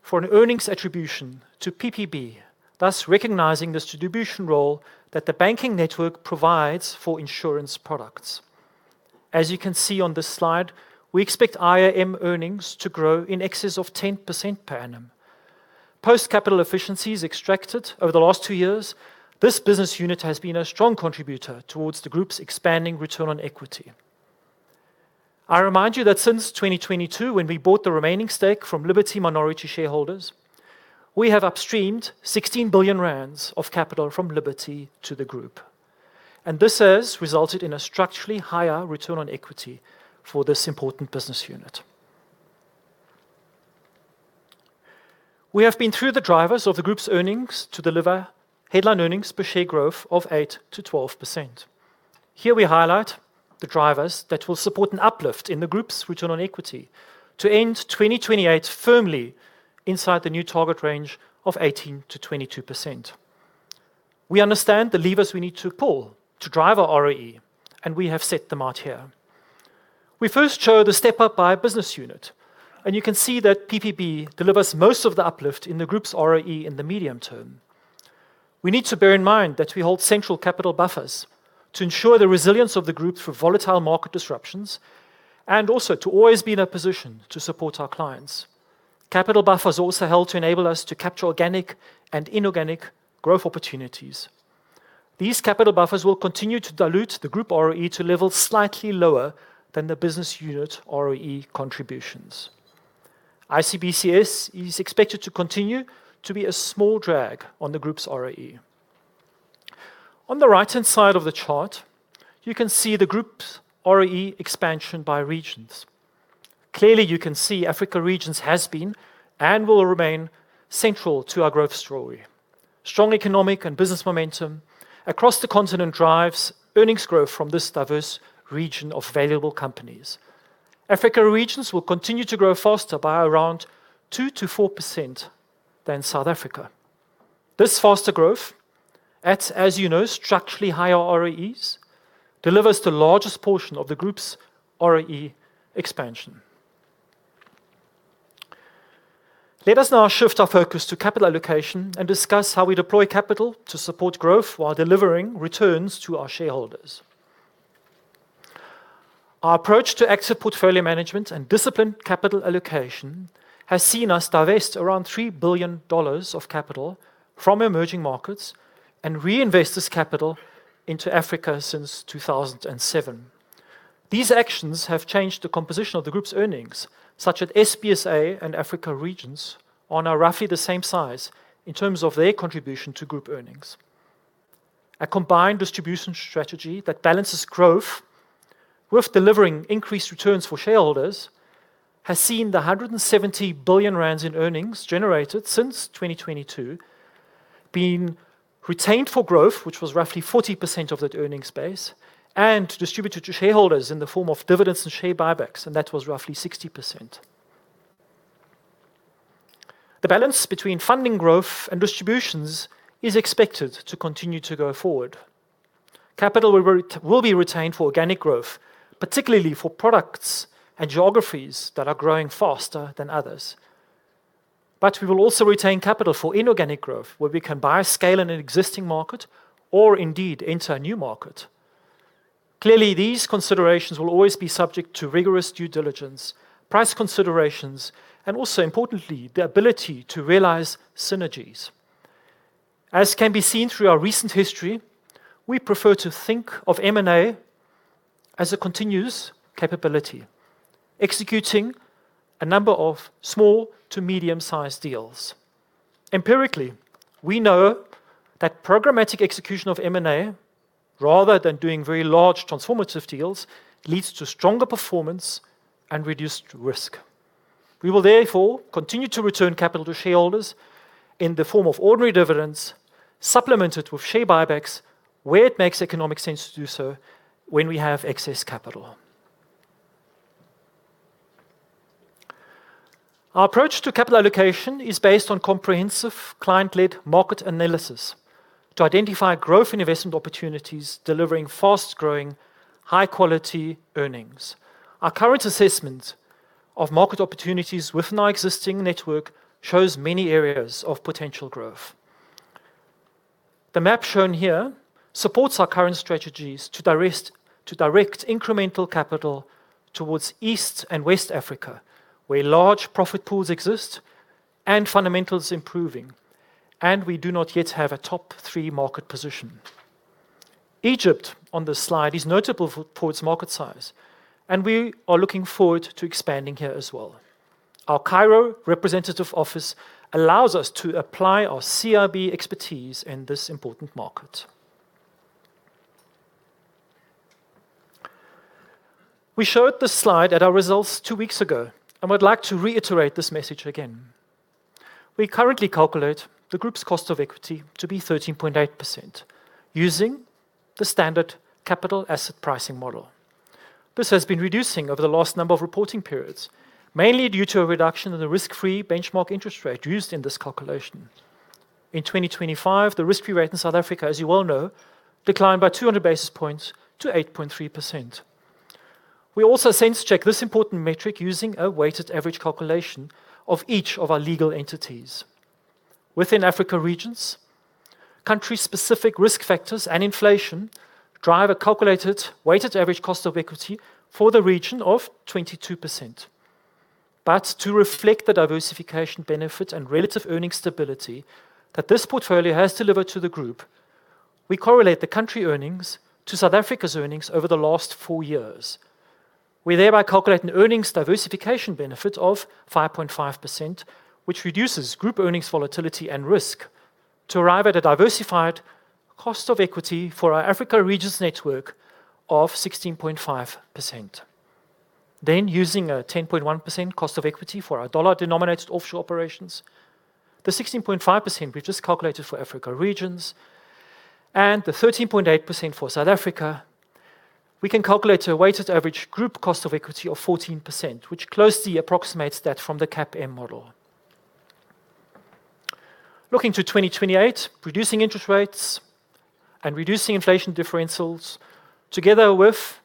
for an earnings attribution to PPB, thus recognizing the distribution role that the banking network provides for insurance products. As you can see on this slide, we expect IAM earnings to grow in excess of 10% per annum. Post capital efficiencies extracted over the last two years, this business unit has been a strong contributor towards the group's expanding return on equity. I remind you that since 2022, when we bought the remaining stake from Liberty minority shareholders, we have upstreamed 16 billion rand of capital from Liberty to the group. This has resulted in a structurally higher return on equity for this important business unit. We have been through the drivers of the group's earnings to deliver headline earnings per share growth of 8%-12%. Here we highlight the drivers that will support an uplift in the group's return on equity to end 2028 firmly inside the new target range of 18%-22%. We understand the levers we need to pull to drive our ROE, and we have set them out here. We first show the step-up by business unit, and you can see that PPB delivers most of the uplift in the group's ROE in the medium term. We need to bear in mind that we hold central capital buffers to ensure the resilience of the group for volatile market disruptions and also to always be in a position to support our clients. Capital buffers also help to enable us to capture organic and inorganic growth opportunities. These capital buffers will continue to dilute the group ROE to levels slightly lower than the business unit ROE contributions. CIB is expected to continue to be a small drag on the group's ROE. On the right-hand side of the chart, you can see the group's ROE expansion by regions. Clearly, you can see Africa Regions has been and will remain central to our growth story. Strong economic and business momentum across the continent drives earnings growth from this diverse region of valuable companies. Africa Regions will continue to grow faster by around 2%-4% than South Africa. This faster growth at, as you know, structurally higher ROEs delivers the largest portion of the group's ROE expansion. Let us now shift our focus to capital allocation and discuss how we deploy capital to support growth while delivering returns to our shareholders. Our approach to exit portfolio management and disciplined capital allocation has seen us divest around $3 billion of capital from emerging markets and reinvest this capital into Africa since 2007. These actions have changed the composition of the group's earnings, such that SBSA and Africa Regions are now roughly the same size in terms of their contribution to group earnings. A combined distribution strategy that balances growth with delivering increased returns for shareholders has seen the 170 billion rand in earnings generated since 2022 being retained for growth, which was roughly 40% of that earnings base, and distributed to shareholders in the form of dividends and share buybacks, and that was roughly 60%. The balance between funding growth and distributions is expected to continue to go forward. Capital will be retained for organic growth, particularly for products and geographies that are growing faster than others. We will also retain capital for inorganic growth, where we can buy scale in an existing market or indeed enter a new market. Clearly, these considerations will always be subject to rigorous due diligence, price considerations, and also importantly, the ability to realize synergies. As can be seen through our recent history, we prefer to think of M&A as a continuous capability, executing a number of small to medium-sized deals. Empirically, we know that programmatic execution of M&A, rather than doing very large transformative deals, leads to stronger performance and reduced risk. We will therefore continue to return capital to shareholders in the form of ordinary dividends supplemented with share buybacks where it makes economic sense to do so when we have excess capital. Our approach to capital allocation is based on comprehensive client-led market analysis to identify growth investment opportunities delivering fast-growing, high-quality earnings. Our current assessment of market opportunities within our existing network shows many areas of potential growth. The map shown here supports our current strategies to direct incremental capital towards East and West Africa, where large profit pools exist and fundamentals improving, and we do not yet have a top three market position. Egypt on this slide is notable for its market size, and we are looking forward to expanding here as well. Our Cairo representative office allows us to apply our CIB expertise in this important market. We showed this slide at our results two weeks ago and would like to reiterate this message again. We currently calculate the group's cost of equity to be 13.8% using the standard capital asset pricing model. This has been reducing over the last number of reporting periods, mainly due to a reduction in the risk-free benchmark interest rate used in this calculation. In 2025, the risk-free rate in South Africa, as you well know, declined by 200 basis points to 8.3%. We also sense check this important metric using a weighted average calculation of each of our legal entities. Within Africa regions, country-specific risk factors and inflation drive a calculated weighted average cost of equity for the region of 22%. To reflect the diversification benefit and relative earnings stability that this portfolio has delivered to the group, we correlate the country earnings to South Africa's earnings over the last four years. We thereby calculate an earnings diversification benefit of 5.5%, which reduces group earnings volatility and risk to arrive at a diversified cost of equity for our Africa regions network of 16.5%. Using a 10.1% cost of equity for our dollar-denominated offshore operations, the 16.5% we just calculated for Africa regions, and the 13.8% for South Africa, we can calculate a weighted average group cost of equity of 14%, which closely approximates that from the CAPM model. Looking to 2028, reducing interest rates and reducing inflation differentials, together with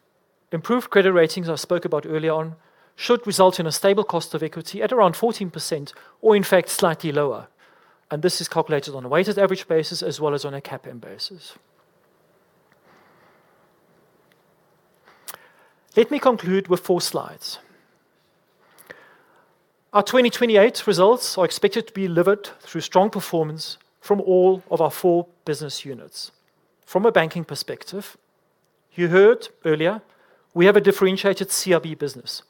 improved credit ratings I spoke about early on, should result in a stable cost of equity at around 14% or in fact slightly lower. This is calculated on a weighted average basis as well as on a CAPM basis. Let me conclude with four slides. Our 2028 results are expected to be delivered through strong performance from all of our four business units. From a banking perspective, you heard earlier we have a differentiated CIB business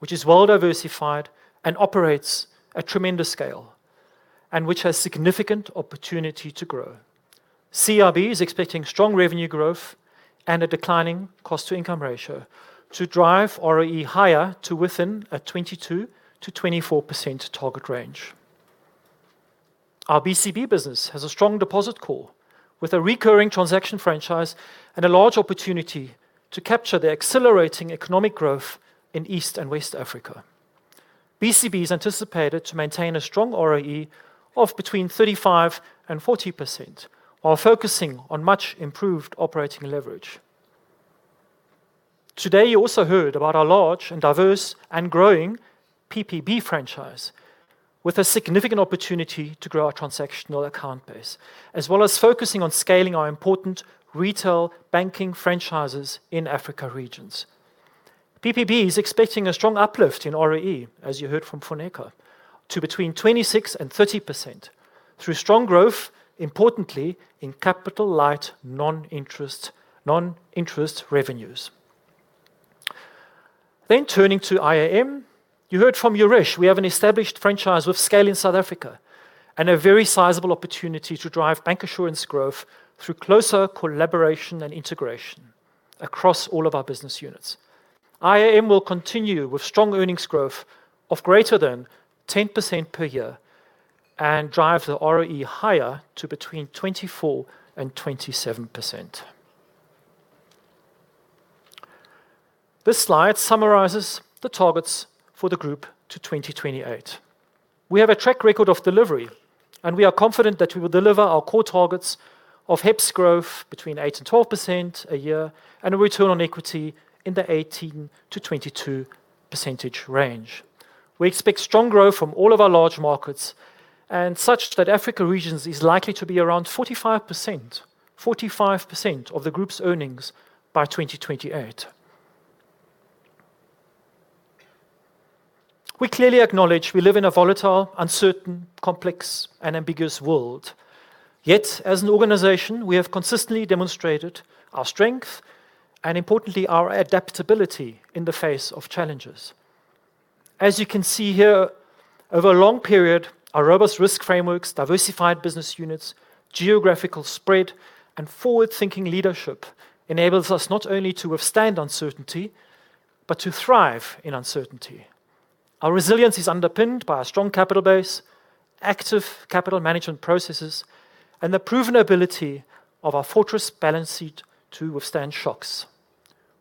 which is well diversified and operates at tremendous scale and which has significant opportunity to grow. CIB is expecting strong revenue growth and a declining cost-to-income ratio to drive ROE higher to within a 22%-24% target range. Our BCB business has a strong deposit core with a recurring transaction franchise and a large opportunity to capture the accelerating economic growth in East and West Africa. BCB is anticipated to maintain a strong ROE of between 35% and 40% while focusing on much improved operating leverage. Today, you also heard about our large and diverse and growing PPB franchise with a significant opportunity to grow our transactional account base as well as focusing on scaling our important retail banking franchises in Africa regions. PPB is expecting a strong uplift in ROE, as you heard from Funeka, to between 26% and 30% through strong growth, importantly in capital-light non-interest revenues. Turning to IAM, you heard from Yuresh Maharaj we have an established franchise with scale in South Africa and a very sizable opportunity to drive bank assurance growth through closer collaboration and integration across all of our business units. IAM will continue with strong earnings growth of greater than 10% per year and drive the ROE higher to between 24% and 27%. This slide summarizes the targets for the group to 2028. We have a track record of delivery, and we are confident that we will deliver our core targets of HEPS growth between 8% and 12% a year and a return on equity in the 18%-22% range. We expect strong growth from all of our large markets and such that African regions is likely to be around 45%, 45% of the group's earnings by 2028. We clearly acknowledge we live in a volatile, uncertain, complex, and ambiguous world. Yet as an organization, we have consistently demonstrated our strength and importantly, our adaptability in the face of challenges. As you can see here, over a long period, our robust risk frameworks, diversified business units, geographical spread, and forward-thinking leadership enables us not only to withstand uncertainty but to thrive in uncertainty. Our resilience is underpinned by a strong capital base, active capital management processes, and the proven ability of our fortress balance sheet to withstand shocks.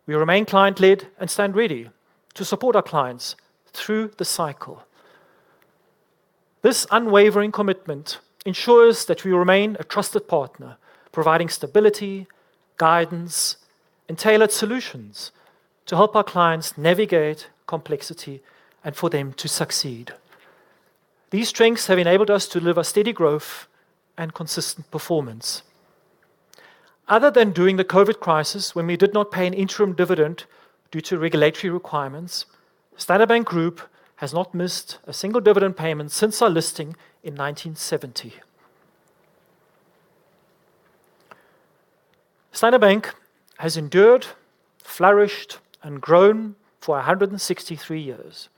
We remain client-led and stand ready to support our clients through the cycle. This unwavering commitment ensures that we remain a trusted partner, providing stability, guidance, and tailored solutions to help our clients navigate complexity and for them to succeed. These strengths have enabled us to deliver steady growth and consistent performance. Other than during the COVID crisis when we did not pay an interim dividend due to regulatory requirements, Standard Bank Group has not missed a single dividend payment since our listing in 1970. Standard Bank has endured, flourished, and grown for 163 years.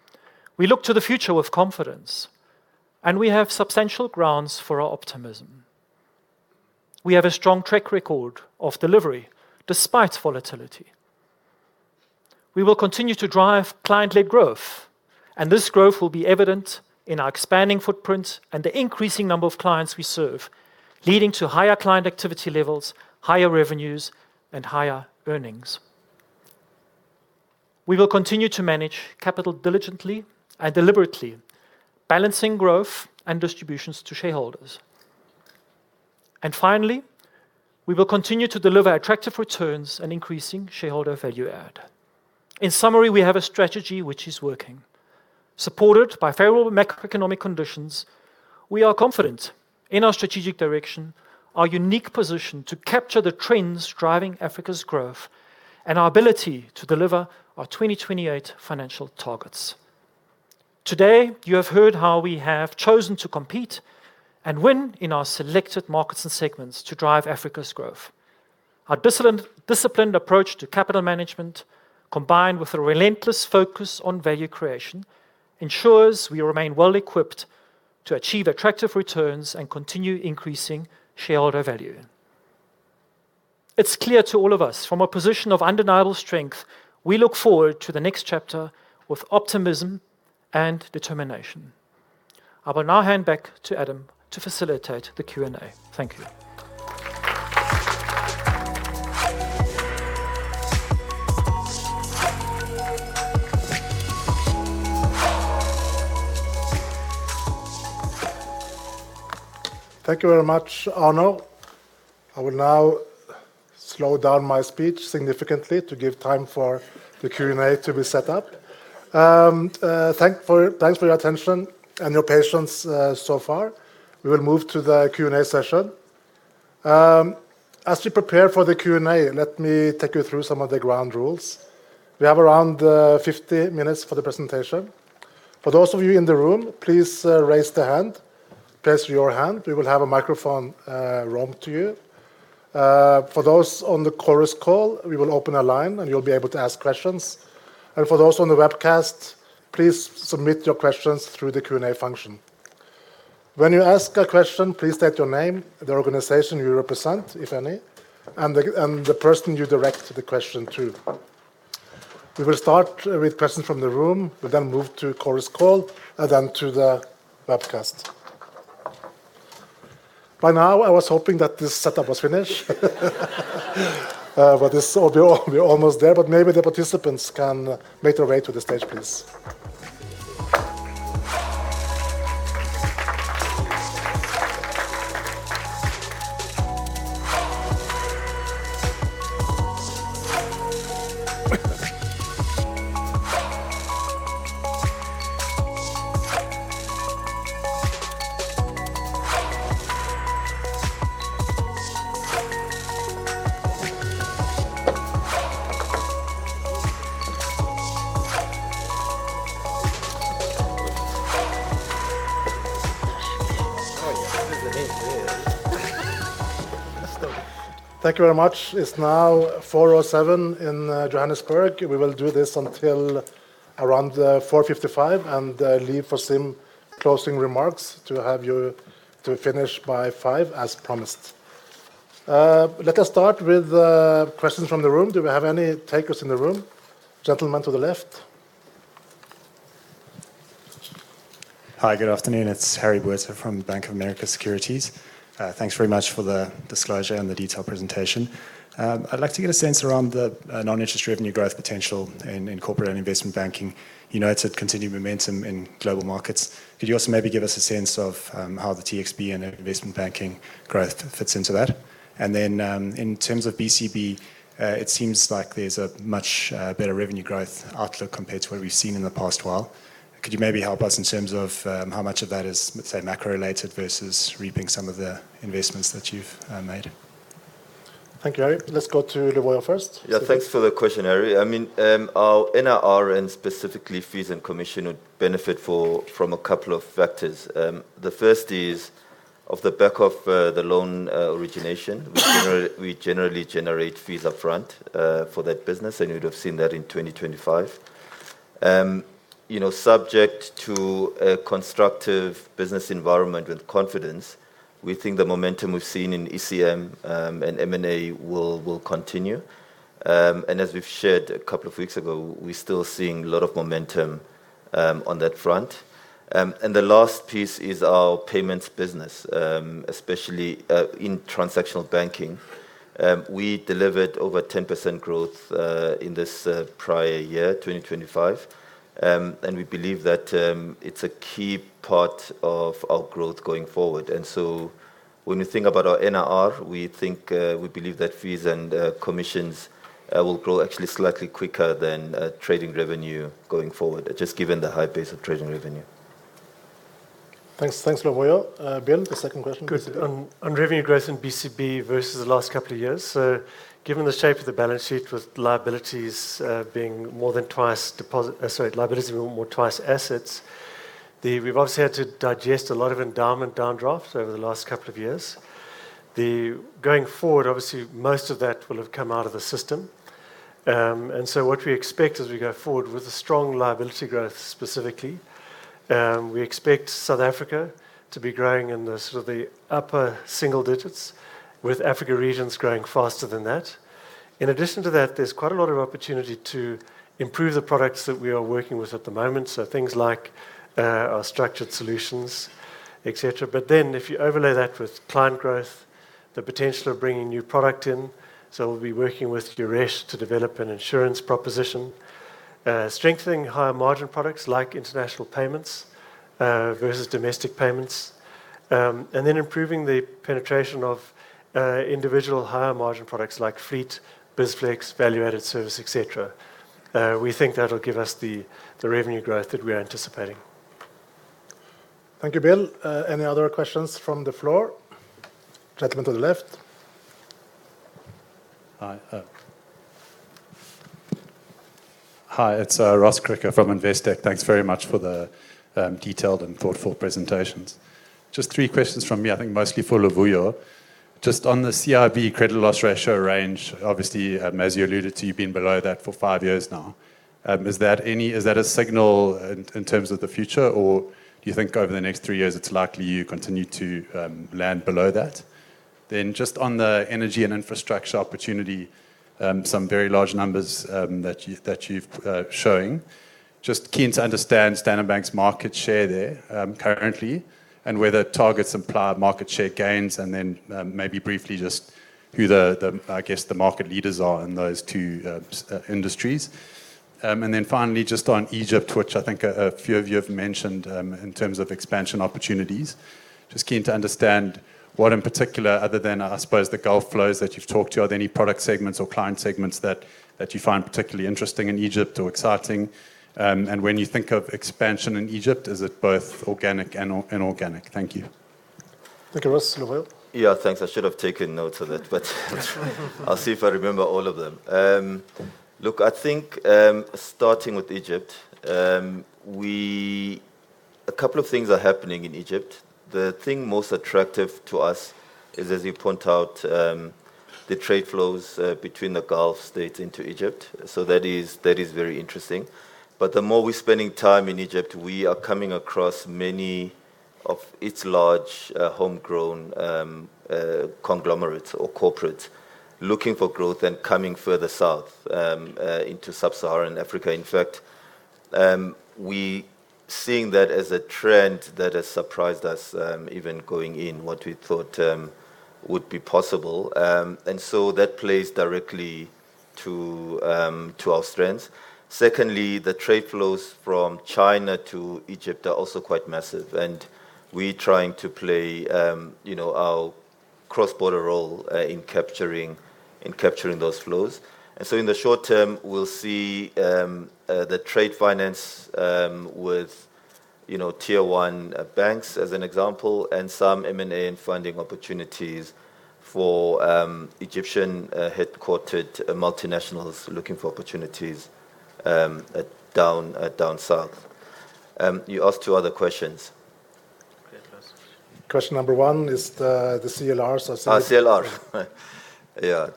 We look to the future with confidence, and we have substantial grounds for our optimism. We have a strong track record of delivery despite volatility. We will continue to drive client-led growth, and this growth will be evident in our expanding footprint and the increasing number of clients we serve, leading to higher client activity levels, higher revenues, and higher earnings. We will continue to manage capital diligently and deliberately, balancing growth and distributions to shareholders. Finally, we will continue to deliver attractive returns and increasing shareholder value add. In summary, we have a strategy which is working. Supported by favorable macroeconomic conditions, we are confident in our strategic direction, our unique position to capture the trends driving Africa's growth, and our ability to deliver our 2028 financial targets. Today, you have heard how we have chosen to compete and win in our selected markets and segments to drive Africa's growth. Our disciplined approach to capital management, combined with a relentless focus on value creation, ensures we remain well equipped to achieve attractive returns and continue increasing shareholder value. It's clear to all of us from a position of undeniable strength. We look forward to the next chapter with optimism and determination. I will now hand back to Adam to facilitate the Q&A. Thank you. Thank you very much, Arno. I will now slow down my speech significantly to give time for the Q&A to be set up. Thanks for your attention and your patience so far. We will move to the Q&A session. As we prepare for the Q&A, let me take you through some of the ground rules. We have around 50 minutes for the presentation. For those of you in the room, please raise your hand. We will have a microphone brought to you. For those on the Chorus Call, we will open a line, and you'll be able to ask questions. For those on the webcast, please submit your questions through the Q&A function. When you ask a question, please state your name, the organization you represent, if any, and the person you direct the question to. We will start with persons from the room, we'll then move to Chorus Call, and then to the webcast. By now, I was hoping that this setup was finished. But we're almost there, but maybe the participants can make their way to the stage, please. Thank you very much. It's now 4:07 P.M. in Johannesburg. We will do this until around 4:55 P.M., and leave for some closing remarks to have you to finish by 5:00 P.M. as promised. Let us start with questions from the room. Do we have any takers in the room? Gentleman to the left. Hi, good afternoon. It's Harry Botha from BofA Securities. Thanks very much for the disclosure and the detailed presentation. I'd like to get a sense around the non-interest revenue growth potential in corporate and investment banking. You know, it's continued momentum in global markets. Could you also maybe give us a sense of how the TXB and Investment Banking growth fits into that? In terms of BCB, it seems like there's a much better revenue growth outlook compared to what we've seen in the past while. Could you maybe help us in terms of how much of that is, let's say, macro-related versus reaping some of the investments that you've made? Thank you, Harry. Let's go to Luvuyo first. Yeah, thanks for the question, Harry. I mean, our NIR and specifically fees and commission would benefit from a couple of factors. The first is off the back of the loan origination. We generally generate fees up front for that business, and you'd have seen that in 2025. You know, subject to a constructive business environment with confidence, we think the momentum we've seen in ECM and M&A will continue. As we've shared a couple of weeks ago, we're still seeing a lot of momentum on that front. The last piece is our payments business, especially in transactional banking. We delivered over 10% growth in this prior year, 2025. We believe that it's a key part of our growth going forward. When we think about our NIR, we believe that fees and commissions will grow actually slightly quicker than trading revenue going forward, just given the high base of trading revenue. Thanks. Thanks, Luvuyo. Bill, the second question please. Good. On revenue growth in BCB versus the last couple of years. Given the shape of the balance sheet with liabilities being more than twice assets, we've obviously had to digest a lot of endowment downdrafts over the last couple of years. Going forward, obviously, most of that will have come out of the system. What we expect as we go forward with a strong liability growth specifically, we expect South Africa to be growing in the sort of upper single digits with Africa regions growing faster than that. In addition to that, there's quite a lot of opportunity to improve the products that we are working with at the moment. Things like our structured solutions, et cetera. If you overlay that with client growth, the potential of bringing new product in, so we'll be working with Yuresh to develop an insurance proposition, strengthening higher margin products like international payments versus domestic payments, and improving the penetration of individual higher margin products like fleet, BizFlex, value-added service, et cetera. We think that'll give us the revenue growth that we are anticipating. Thank you, Bill. Any other questions from the floor? Gentleman to the left. Hi, it's Ross Krige from Investec. Thanks very much for the detailed and thoughtful presentations. Just three questions from me, I think mostly for Luvuyo. Just on the CIB credit loss ratio range, obviously, as you alluded to, you've been below that for five years now. Is that a signal in terms of the future, or do you think over the next three years it's likely you continue to land below that? Just on the energy and infrastructure opportunity, some very large numbers that you've shown. Just keen to understand Standard Bank's market share there currently and whether targets imply market share gains and then maybe briefly just who the I guess the market leaders are in those two industries. Finally, just on Egypt, which I think a few of you have mentioned in terms of expansion opportunities. Just keen to understand what in particular, other than I suppose the Gulf flows that you've talked to, are there any product segments or client segments that you find particularly interesting in Egypt or exciting? When you think of expansion in Egypt, is it both organic and inorganic? Thank you. Thank you. Yeah. Thanks. I should have taken notes of that, but I'll see if I remember all of them. Look, I think, starting with Egypt, a couple of things are happening in Egypt. The thing most attractive to us is, as you point out, the trade flows between the Gulf States into Egypt. That is very interesting. The more we're spending time in Egypt, we are coming across many of its large, homegrown conglomerates or corporates looking for growth and coming further south into Sub-Saharan Africa. In fact, we're seeing that as a trend that has surprised us, even going in what we thought would be possible. That plays directly to our strengths. Secondly, the trade flows from China to Egypt are also quite massive, and we trying to play, you know, our cross-border role in capturing those flows. In the short term, we'll see the trade finance with tier one banks as an example and some M&A and funding opportunities for Egyptian headquartered multinationals looking for opportunities down south. You asked two other questions. Yeah, first question number one is the CLRs. I think- CLR. Yeah.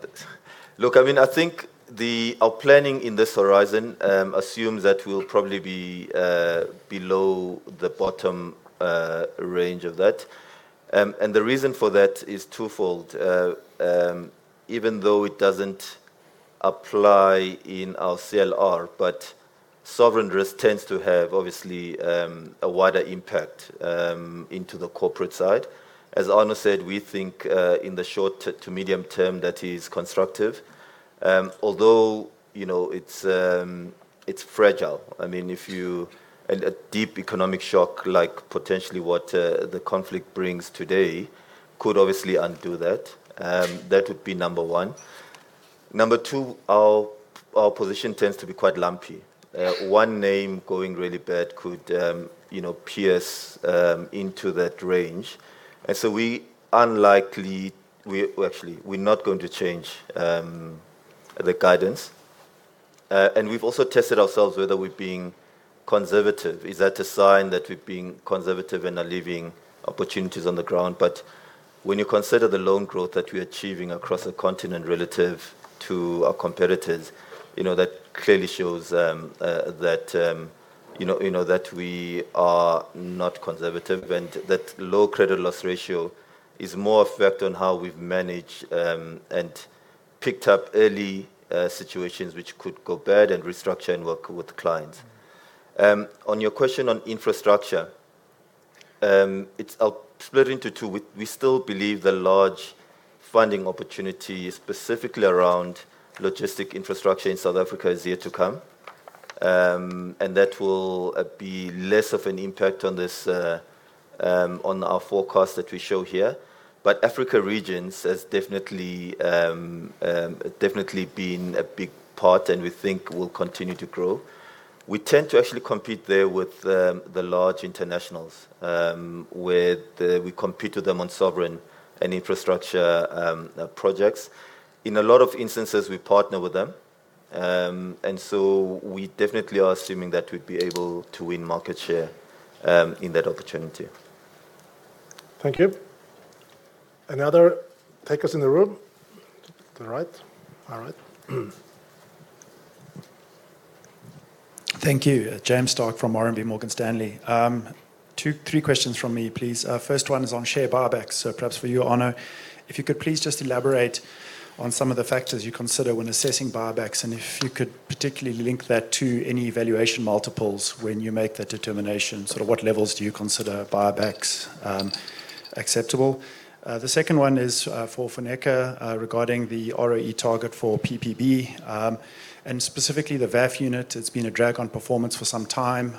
Look, I mean, I think our planning in this horizon assumes that we'll probably be below the bottom range of that. The reason for that is twofold. Even though it doesn't apply in our CLR, but sovereign risk tends to have obviously a wider impact into the corporate side. As Arno said, we think in the short to medium term that is constructive, although, you know, it's fragile. I mean, a deep economic shock like potentially what the conflict brings today could obviously undo that. That would be number one. Number two, our position tends to be quite lumpy. One name going really bad could, you know, pierce into that range. We unlikely, we. Well, actually, we're not going to change the guidance. We've also tested ourselves whether we're being conservative. Is that a sign that we're being conservative and are leaving opportunities on the ground? When you consider the loan growth that we're achieving across the continent relative to our competitors, you know, that clearly shows that you know that we are not conservative and that low credit loss ratio is more effect on how we've managed and picked up early situations which could go bad and restructure and work with clients. On your question on infrastructure, it's. I'll split it into two. We still believe the large funding opportunity specifically around logistic infrastructure in South Africa is yet to come. That will be less of an impact on our forecast that we show here. Africa regions has definitely been a big part and we think will continue to grow. We tend to actually compete there with the large internationals we compete with them on sovereign and infrastructure projects. In a lot of instances, we partner with them. We definitely are assuming that we'd be able to win market share in that opportunity. Thank you. Any takers in the room? To the right. All right. Thank you. James Starke from RMB Morgan Stanley. Two or three questions from me, please. First one is on share buybacks, so perhaps for you, Arno. If you could please just elaborate on some of the factors you consider when assessing buybacks and if you could particularly link that to any valuation multiples when you make that determination. Sort of, what levels do you consider buybacks acceptable? The second one is for Funeka regarding the ROE target for PPB and specifically the VAF unit. It's been a drag on performance for some time.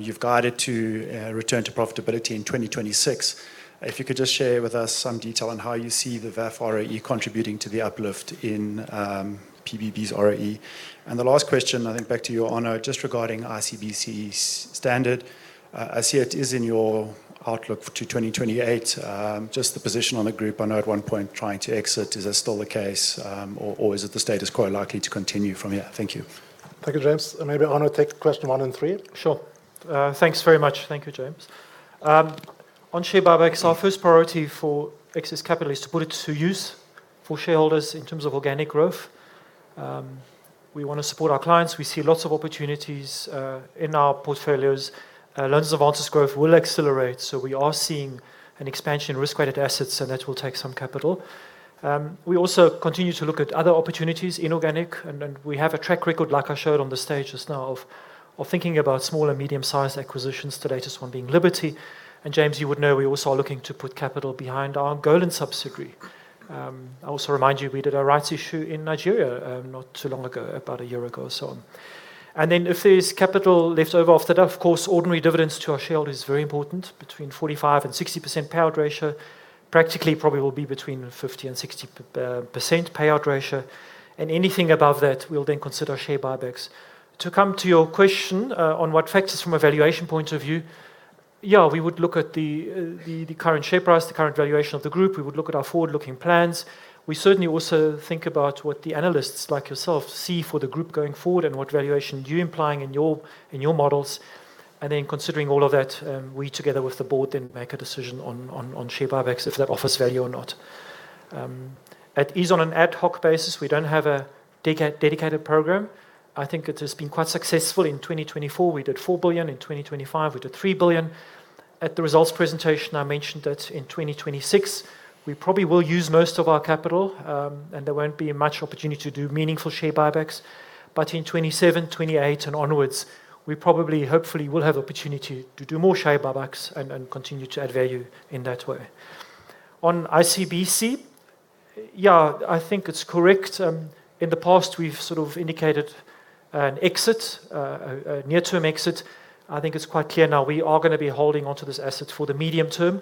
You've guided to return to profitability in 2026. If you could just share with us some detail on how you see the VAF ROE contributing to the uplift in PPB's ROE. The last question, I think back to you, Arno, just regarding ICBC Standard Bank. I see it is in your outlook to 2028. Just the position on the group. I know at one point trying to exit. Is that still the case? Or is it that it's quite likely to continue from here? Thank you. Thank you, James. Maybe Arno take question one and three. Sure. Thanks very much. Thank you, James. On share buybacks, our first priority for excess capital is to put it to use. For shareholders in terms of organic growth, we wanna support our clients. We see lots of opportunities in our portfolios. Loans and advances growth will accelerate, so we are seeing an expansion in risk-weighted assets, and that will take some capital. We also continue to look at other opportunities, inorganic, and then we have a track record, like I showed on the stage just now, of thinking about small- and medium-sized acquisitions, the latest one being Liberty. James, you would know we're also looking to put capital behind our Ghana subsidiary. I also remind you we did a rights issue in Nigeria, not too long ago, about a year ago or so on. If there's capital left over after that, of course, ordinary dividends to our shareholders is very important, between 45% and 60% payout ratio. Practically, it probably will be between 50%-60% payout ratio, and anything above that, we'll then consider share buybacks. To come to your question on what factors from a valuation point of view, yeah, we would look at the current share price, the current valuation of the group. We would look at our forward-looking plans. We certainly also think about what the analysts, like yourself, see for the group going forward and what valuation you're implying in your models. Considering all of that, we, together with the board, then make a decision on share buybacks if that offers value or not. At least on an ad hoc basis, we don't have a dedicated program. I think it has been quite successful. In 2024, we did 4 billion. In 2025, we did 3 billion. At the results presentation, I mentioned that in 2026, we probably will use most of our capital, and there won't be much opportunity to do meaningful share buybacks. In 2027, 2028 and onwards, we probably, hopefully, will have opportunity to do more share buybacks and continue to add value in that way. On ICBC, yeah, I think it's correct. In the past, we've sort of indicated an exit, a near-term exit. I think it's quite clear now we are gonna be holding onto this asset for the medium term.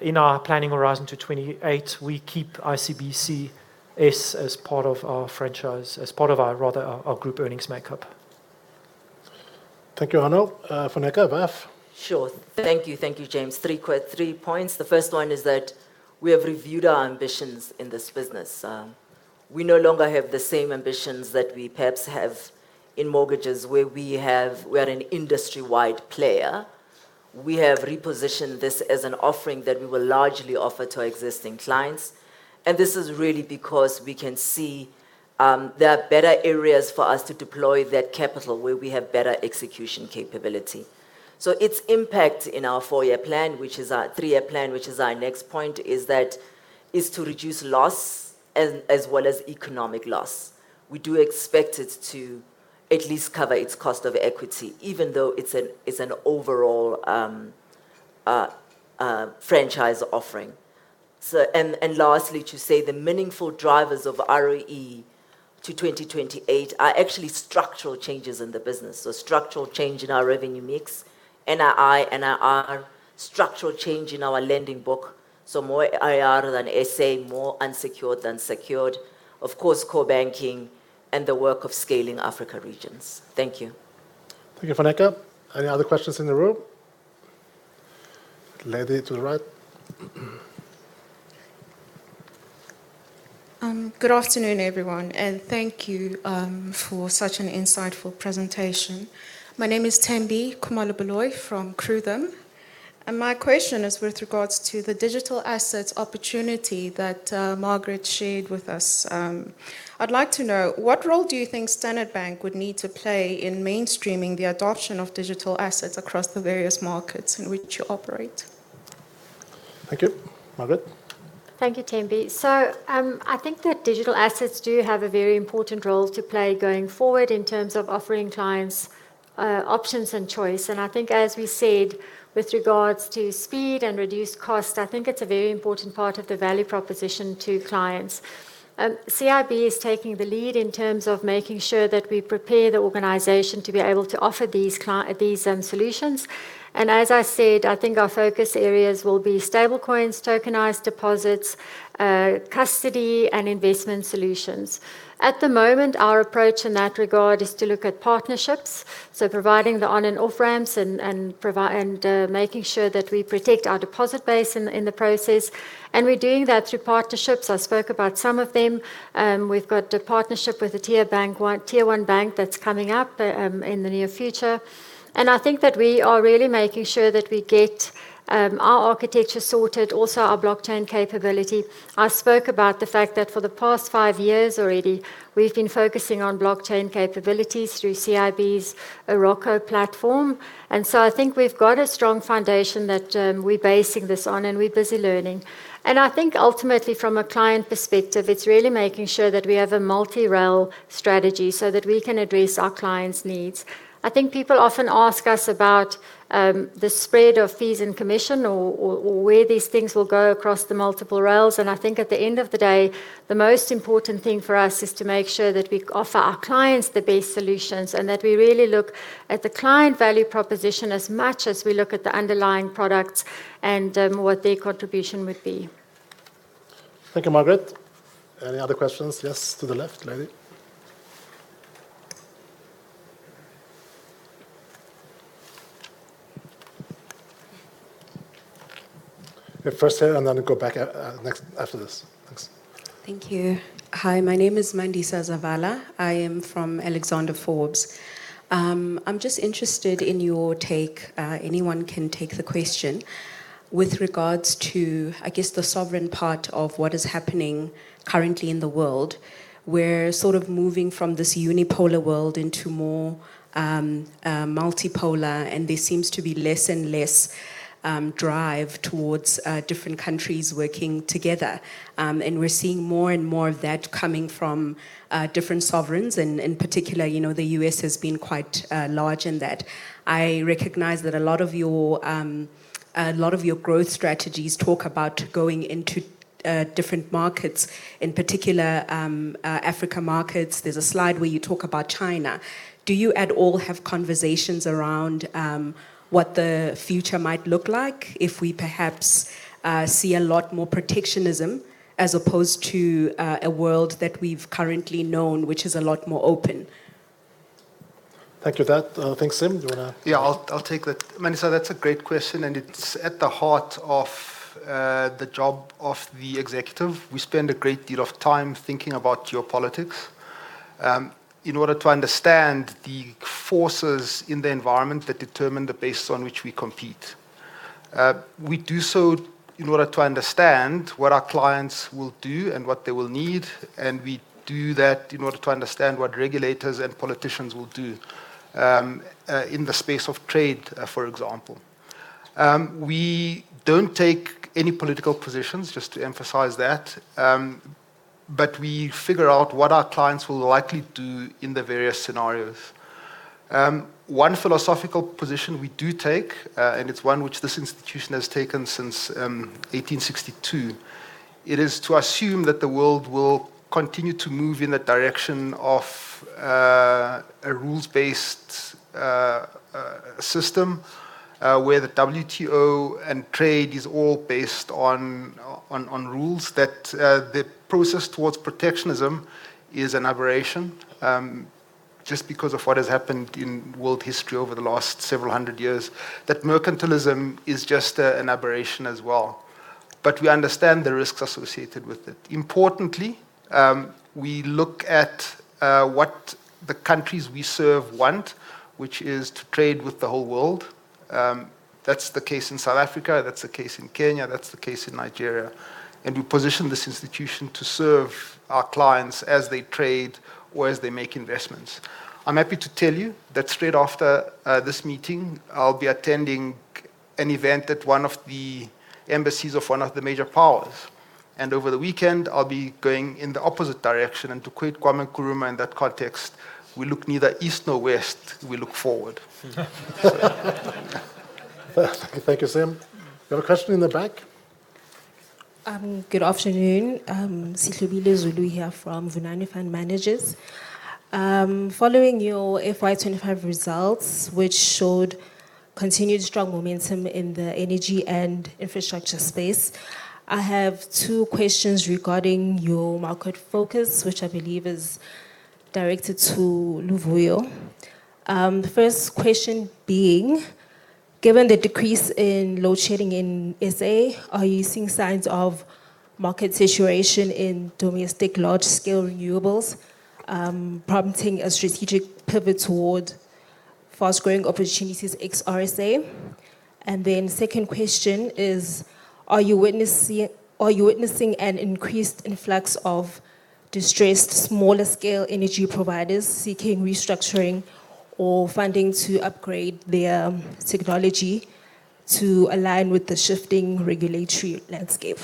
In our planning horizon to 2028, we keep ICBC as part of our franchise, as part of our rather our group earnings makeup. Thank you, Arno. Funeka, VAF? Sure. Thank you. Thank you, James. Three points. The first one is that we have reviewed our ambitions in this business. We no longer have the same ambitions that we perhaps have in mortgages, where we are an industry-wide player. We have repositioned this as an offering that we will largely offer to our existing clients, and this is really because we can see there are better areas for us to deploy that capital where we have better execution capability. Its impact in our four-year plan, which is our three-year plan, which is our next point, is to reduce loss as well as economic loss. We do expect it to at least cover its cost of equity, even though it's an overall franchise offering. Lastly, to say the meaningful drivers of ROE to 2028 are actually structural changes in the business. Structural change in our revenue mix, NII, NIR, structural change in our lending book, so more IR than SA, more unsecured than secured, of course, core banking and the work of scaling Africa regions. Thank you. Thank you, Funeka. Any other questions in the room? Lady to the right. Good afternoon, everyone, and thank you for such an insightful presentation. My name is Thembi Khumalo from Prudential, and my question is with regards to the digital assets opportunity that Margaret shared with us. I'd like to know, what role do you think Standard Bank would need to play in mainstreaming the adoption of digital assets across the various markets in which you operate? Thank you. Margaret? Thank you, Thembi. I think that digital assets do have a very important role to play going forward in terms of offering clients options and choice. I think as we said, with regards to speed and reduced cost, I think it's a very important part of the value proposition to clients. CIB is taking the lead in terms of making sure that we prepare the organization to be able to offer these solutions. As I said, I think our focus areas will be stablecoins, tokenized deposits, custody and investment solutions. At the moment, our approach in that regard is to look at partnerships, so providing the on and off ramps and making sure that we protect our deposit base in the process, and we're doing that through partnerships. I spoke about some of them. We've got a partnership with a tier-one bank that's coming up in the near future. I think that we are really making sure that we get our architecture sorted, also our blockchain capability. I spoke about the fact that for the past five years already, we've been focusing on blockchain capabilities through CIB's Aroko platform. I think we've got a strong foundation that we're basing this on, and we're busy learning. I think ultimately from a client perspective, it's really making sure that we have a multi-rail strategy so that we can address our clients' needs. I think people often ask us about the spread of fees and commission or where these things will go across the multiple rails. I think at the end of the day, the most important thing for us is to make sure that we offer our clients the best solutions and that we really look at the client value proposition as much as we look at the underlying products and what their contribution would be. Thank you, Margaret. Any other questions? Yes, to the left, lady. The first here, and then go back, next after this. Thanks. Thank you. Hi, my name is Mandisa Zavala. I am from Alexander Forbes. I'm just interested in your take, anyone can take the question, with regards to, I guess, the sovereign part of what is happening currently in the world. We're sort of moving from this unipolar world into more multipolar, and there seems to be less and less drive towards different countries working together. And we're seeing more and more of that coming from different sovereigns, and in particular, you know, the U.S. has been quite large in that. I recognize that a lot of your growth strategies talk about going into different markets, in particular, Africa markets. There's a slide where you talk about China. Do you at all have conversations around what the future might look like if we perhaps see a lot more protectionism as opposed to a world that we've currently known, which is a lot more open? Thank you for that. Thanks, Sim. Do you wanna- Yeah, I'll take that. Mandisa, that's a great question, and it's at the heart of the job of the executive. We spend a great deal of time thinking about geopolitics in order to understand the forces in the environment that determine the basis on which we compete. We do so in order to understand what our clients will do and what they will need, and we do that in order to understand what regulators and politicians will do in the space of trade, for example. We don't take any political positions, just to emphasize that, but we figure out what our clients will likely do in the various scenarios. One philosophical position we do take, and it's one which this institution has taken since 1862. It is to assume that the world will continue to move in the direction of a rules-based system where the WTO and trade is all based on rules. That the process towards protectionism is an aberration just because of what has happened in world history over the last several hundred years. That mercantilism is just an aberration as well. We understand the risks associated with it. Importantly, we look at what the countries we serve want, which is to trade with the whole world. That's the case in South Africa, that's the case in Kenya, that's the case in Nigeria, and we position this institution to serve our clients as they trade or as they make investments. I'm happy to tell you that straight after this meeting, I'll be attending an event at one of the embassies of one of the major powers, and over the weekend, I'll be going in the opposite direction. To quote Kwame Nkrumah in that context, "We look neither east nor west. We look forward. Thank you, Sim. Got a question in the back? Good afternoon. Sihle Zulu here from Vunani Fund Managers. Following your FY 2025 results, which showed continued strong momentum in the energy and infrastructure space, I have two questions regarding your market focus, which I believe is directed to Luvuyo. The first question being, given the decrease in load shedding in SA, are you seeing signs of market saturation in domestic large-scale renewables, prompting a strategic pivot toward fast-growing opportunities ex-RSA? Second question is, are you witnessing an increased influx of distressed smaller scale energy providers seeking restructuring or funding to upgrade their technology to align with the shifting regulatory landscape?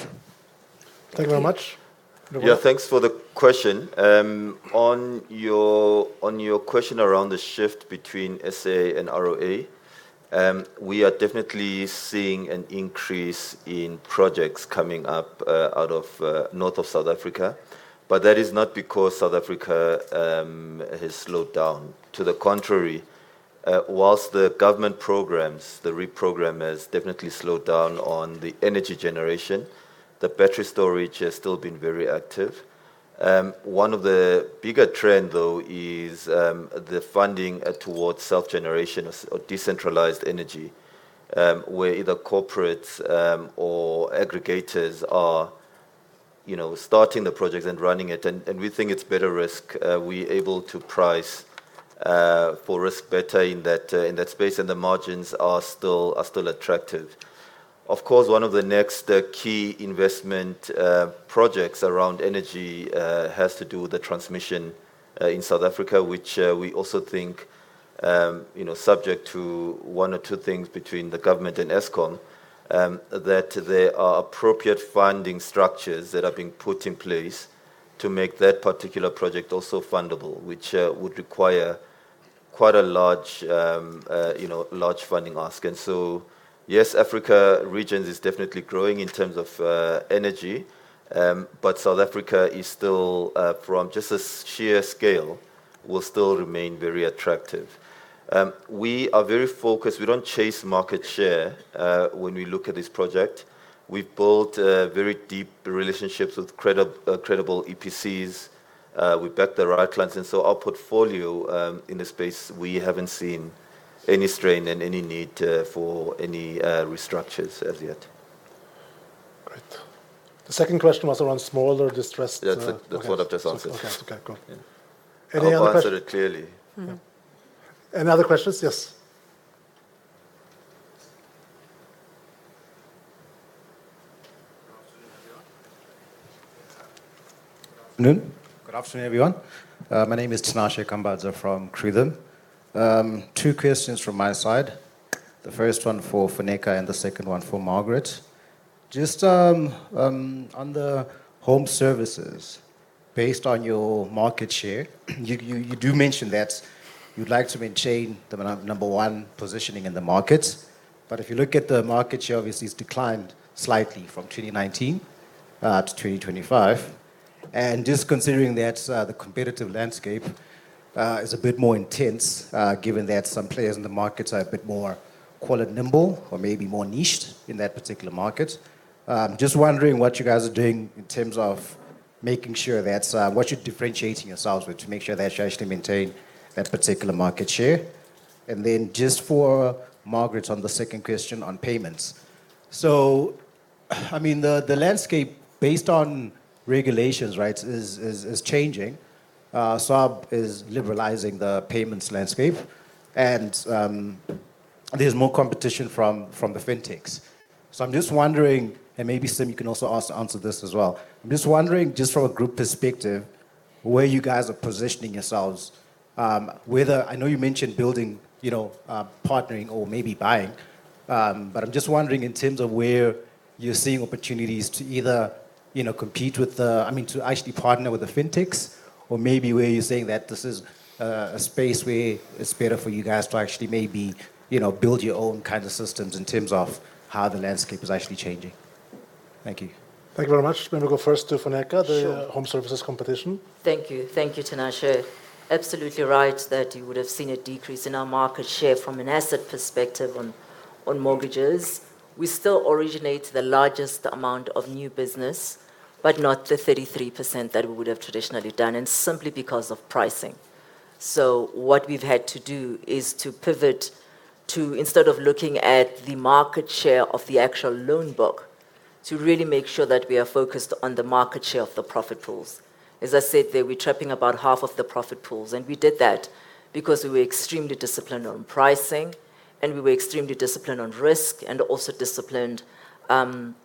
Thank you very much. Luvuyo. Yeah, thanks for the question. On your question around the shift between SA and ROA, we are definitely seeing an increase in projects coming up out of north of South Africa, but that is not because South Africa has slowed down. To the contrary, while the government programs, the REIPPPP has definitely slowed down on the energy generation, the battery storage has still been very active. One of the bigger trend, though, is the funding towards self-generation or decentralized energy, where either corporates or aggregators are, you know, starting the projects and running it. We think it's better risk. We are able to price for risk better in that space, and the margins are still attractive. Of course, one of the next key investment projects around energy has to do with the transmission in South Africa, which we also think, you know, subject to one or two things between the government and Eskom, that there are appropriate funding structures that are being put in place to make that particular project also fundable, which would require quite a large funding ask. Yes, African regions is definitely growing in terms of energy, but South Africa is still, from just a sheer scale, will still remain very attractive. We are very focused. We don't chase market share when we look at this project. We've built very deep relationships with credible EPCs. We back the right clients. Our portfolio, in the space, we haven't seen. Any strain and any need for any restructures as yet? Great. The second question was around smaller distressed. Yeah, that's it. Okay. That's what I've just answered. Okay. Okay, cool. Yeah. Any other quest- I've answered it clearly. Mm-hmm. Yeah. Any other questions? Yes. Good afternoon, everyone. My name is Tinashe Kambadza from Krutham. Two questions from my side, the first one for Funeka and the second one for Margaret. Just on the home services, based on your market share, you do mention that you'd like to maintain the number one positioning in the market. But if you look at the market share, obviously it's declined slightly from 2019-2025. Just considering that, the competitive landscape is a bit more intense, given that some players in the market are a bit more, call it nimble or maybe more niched in that particular market. Just wondering what you guys are doing in terms of making sure that what you're differentiating yourselves with to make sure that you actually maintain that particular market share. Just for Margaret on the second question on payments. I mean, the landscape based on regulations, right? Is changing. SARB is liberalizing the payments landscape and there's more competition from the fintechs. I'm just wondering, and maybe Sim you can also add to answer this as well. I'm just wondering, just from a group perspective, where you guys are positioning yourselves. I know you mentioned building, you know, partnering or maybe buying. But I'm just wondering in terms of where you're seeing opportunities to either, you know, I mean, to actually partner with the fintechs or maybe where you're saying that this is a space where it's better for you guys to actually maybe, you know, build your own kind of systems in terms of how the landscape is actually changing. Thank you. Thank you very much. I'm gonna go first to Funeka- Sure. the home services competition. Thank you. Thank you, Tinashe. Absolutely right that you would've seen a decrease in our market share from an asset perspective on mortgages. We still originate the largest amount of new business, but not the 33% that we would've traditionally done, and simply because of pricing. What we've had to do is to pivot to instead of looking at the market share of the actual loan book, to really make sure that we are focused on the market share of the profit pools. As I said, they were trapping about half of the profit pools, and we did that because we were extremely disciplined on pricing and we were extremely disciplined on risk and also disciplined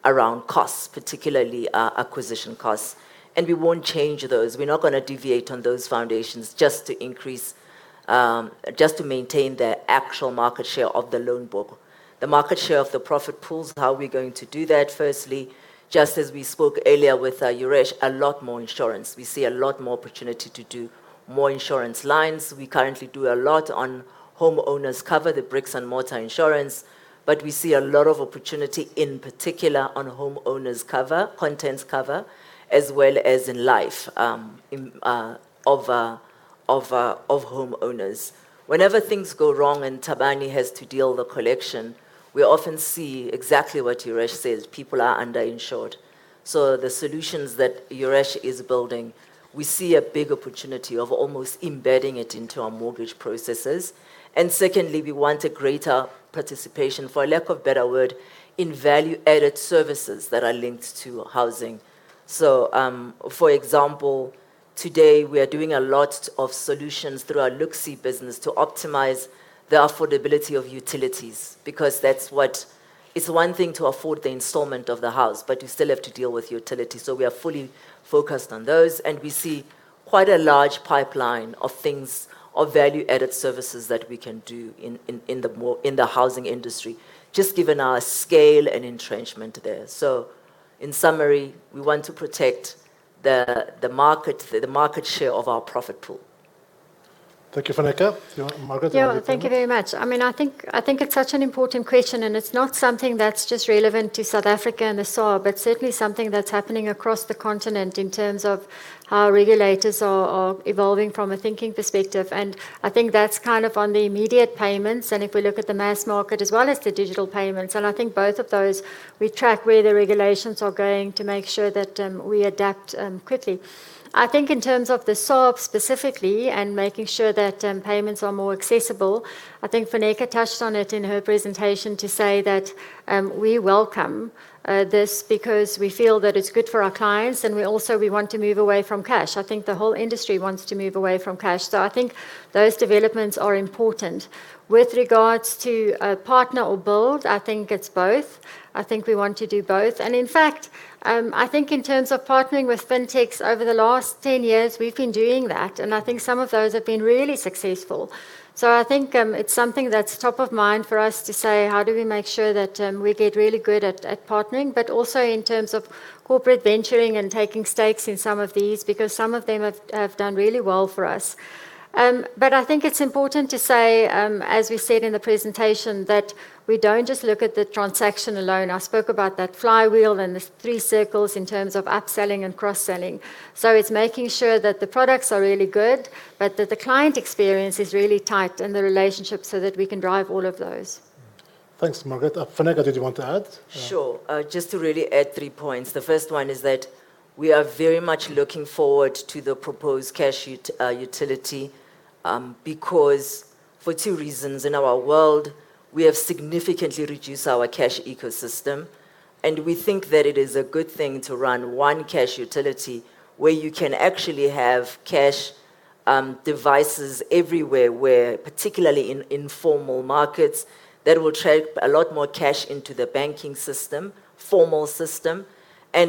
around costs, particularly acquisition costs. We won't change those. We're not gonna deviate on those foundations just to increase Just to maintain the actual market share of the loan book. The market share of the profit pools, how we're going to do that. Firstly, just as we spoke earlier with Yuresh, a lot more insurance. We see a lot more opportunity to do more insurance lines. We currently do a lot on homeowners cover, the bricks-and-mortar insurance, but we see a lot of opportunity in particular on homeowners cover, contents cover, as well as in life of homeowners. Whenever things go wrong and Thabani has to deal the collection, we often see exactly what Yuresh says, people are under-insured. The solutions that Yuresh is building, we see a big opportunity of almost embedding it into our mortgage processes. Secondly, we want a greater participation, for lack of better word, in value-added services that are linked to housing. For example, today we are doing a lot of solutions through our LookSee business to optimize the affordability of utilities, because that's what. It's one thing to afford the installment of the house, but you still have to deal with utilities. We are fully focused on those, and we see quite a large pipeline of things, of value-added services that we can do in the housing industry, just given our scale and entrenchment there. In summary, we want to protect the market share of our profit pool. Thank you, Funeka. If you want, Margaret, you want to come in? Yeah. Thank you very much. I mean, I think it's such an important question, and it's not something that's just relevant to South Africa and the SARB, but certainly something that's happening across the continent in terms of how regulators are evolving from a thinking perspective. I think that's kind of on the immediate payments, and if we look at the mass market as well as the digital payments, and I think both of those we track where the regulations are going to make sure that we adapt quickly. I think in terms of the SARB specifically and making sure that payments are more accessible, I think Funeka touched on it in her presentation to say that we welcome this because we feel that it's good for our clients and we also want to move away from cash. I think the whole industry wants to move away from cash. I think those developments are important. With regards to partner or build, I think it's both. I think we want to do both. In fact, I think in terms of partnering with fintechs, over the last 10 years we've been doing that, and I think some of those have been really successful. I think it's something that's top of mind for us to say, how do we make sure that we get really good at partnering. Also in terms of corporate venturing and taking stakes in some of these because some of them have done really well for us. I think it's important to say, as we said in the presentation, that we don't just look at the transaction alone. I spoke about that flywheel and the three circles in terms of upselling and cross-selling. It's making sure that the products are really good, but that the client experience is really tight and the relationship so that we can drive all of those. Thanks, Margaret. Funeka, did you want to add? Sure. Just to really add three points. The first one is that we are very much looking forward to the proposed cash utility, because for two reasons. In our world, we have significantly reduced our cash ecosystem, and we think that it is a good thing to run one cash utility where you can actually have cash devices everywhere, particularly in informal markets that will trap a lot more cash into the banking system, formal system.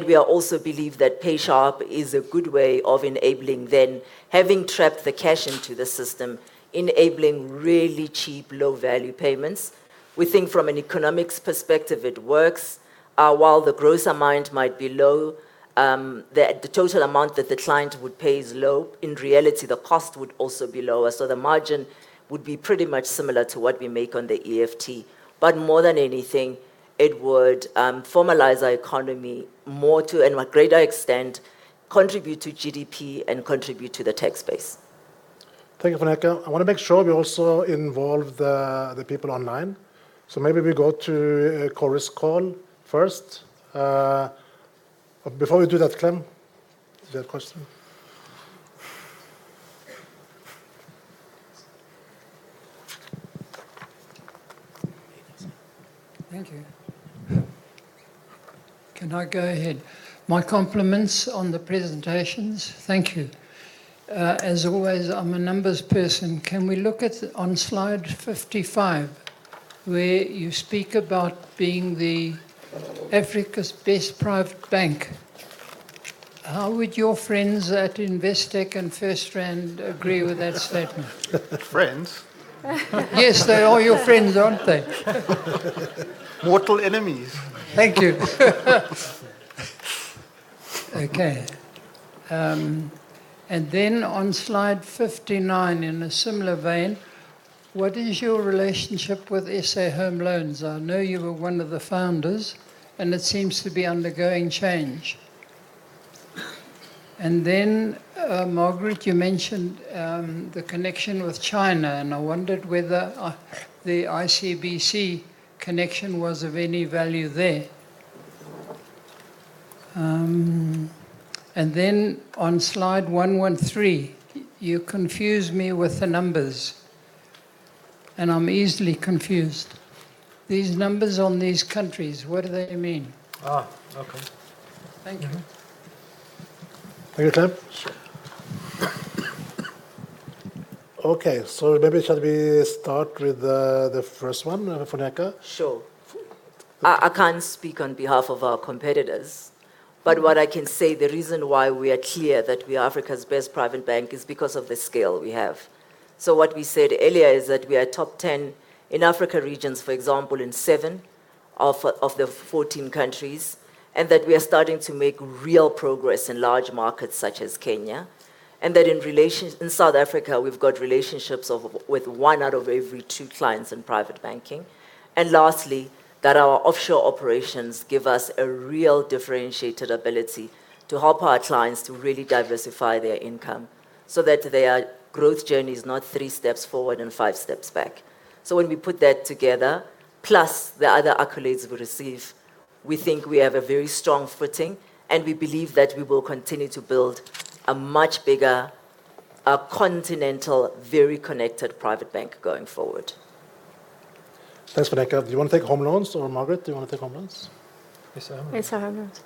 We are also believe that PayShap is a good way of enabling, then having trapped the cash into the system, enabling really cheap low-value payments. We think from an economic perspective, it works. While the gross amount might be low, the total amount that the client would pay is low, in reality, the cost would also be lower. The margin would be pretty much similar to what we make on the EFT. More than anything, it would formalize our economy more to and a greater extent contribute to GDP and contribute to the tax base. Thank you, Funeka. I wanna make sure we also involve the people online. Maybe we go to Chorus Call first. Before we do that, Clem, do you have a question? Thank you. Can I go ahead? My compliments on the presentations. Thank you. As always, I'm a numbers person. Can we look at on slide 55 where you speak about being the Africa's best private bank? How would your friends at Investec and FirstRand agree with that statement? Friends? Yes, they are your friends, aren't they? Mortal enemies. Thank you. Okay. On slide 59 in a similar vein, what is your relationship with SA Home Loans? I know you were one of the founders, and it seems to be undergoing change. Margaret, you mentioned the connection with China, and I wondered whether the ICBC connection was of any value there. On slide 113, you confuse me with the numbers, and I'm easily confused. These numbers on these countries, what do they mean? Okay. Thank you. Thank you, Clem. Sure. Okay. Maybe shall we start with the first one, Funeka? Sure. I can't speak on behalf of our competitors, but what I can say, the reason why we are clear that we are Africa's best private bank is because of the scale we have. What we said earlier is that we are top ten in African regions, for example, in seven of the 14 countries, and that we are starting to make real progress in large markets such as Kenya. That in South Africa, we've got relationships with one out of every two clients in private banking. Lastly, that our offshore operations give us a real differentiated ability to help our clients to really diversify their income so that their growth journey is not three steps forward and 5 steps back. When we put that together, plus the other accolades we receive, we think we have a very strong footing, and we believe that we will continue to build a much bigger, continental, very connected private bank going forward. Thanks, Funeka. Do you wanna take home loans? Or Margaret, do you wanna take home loans? SA Home Loans. SA Home Loans.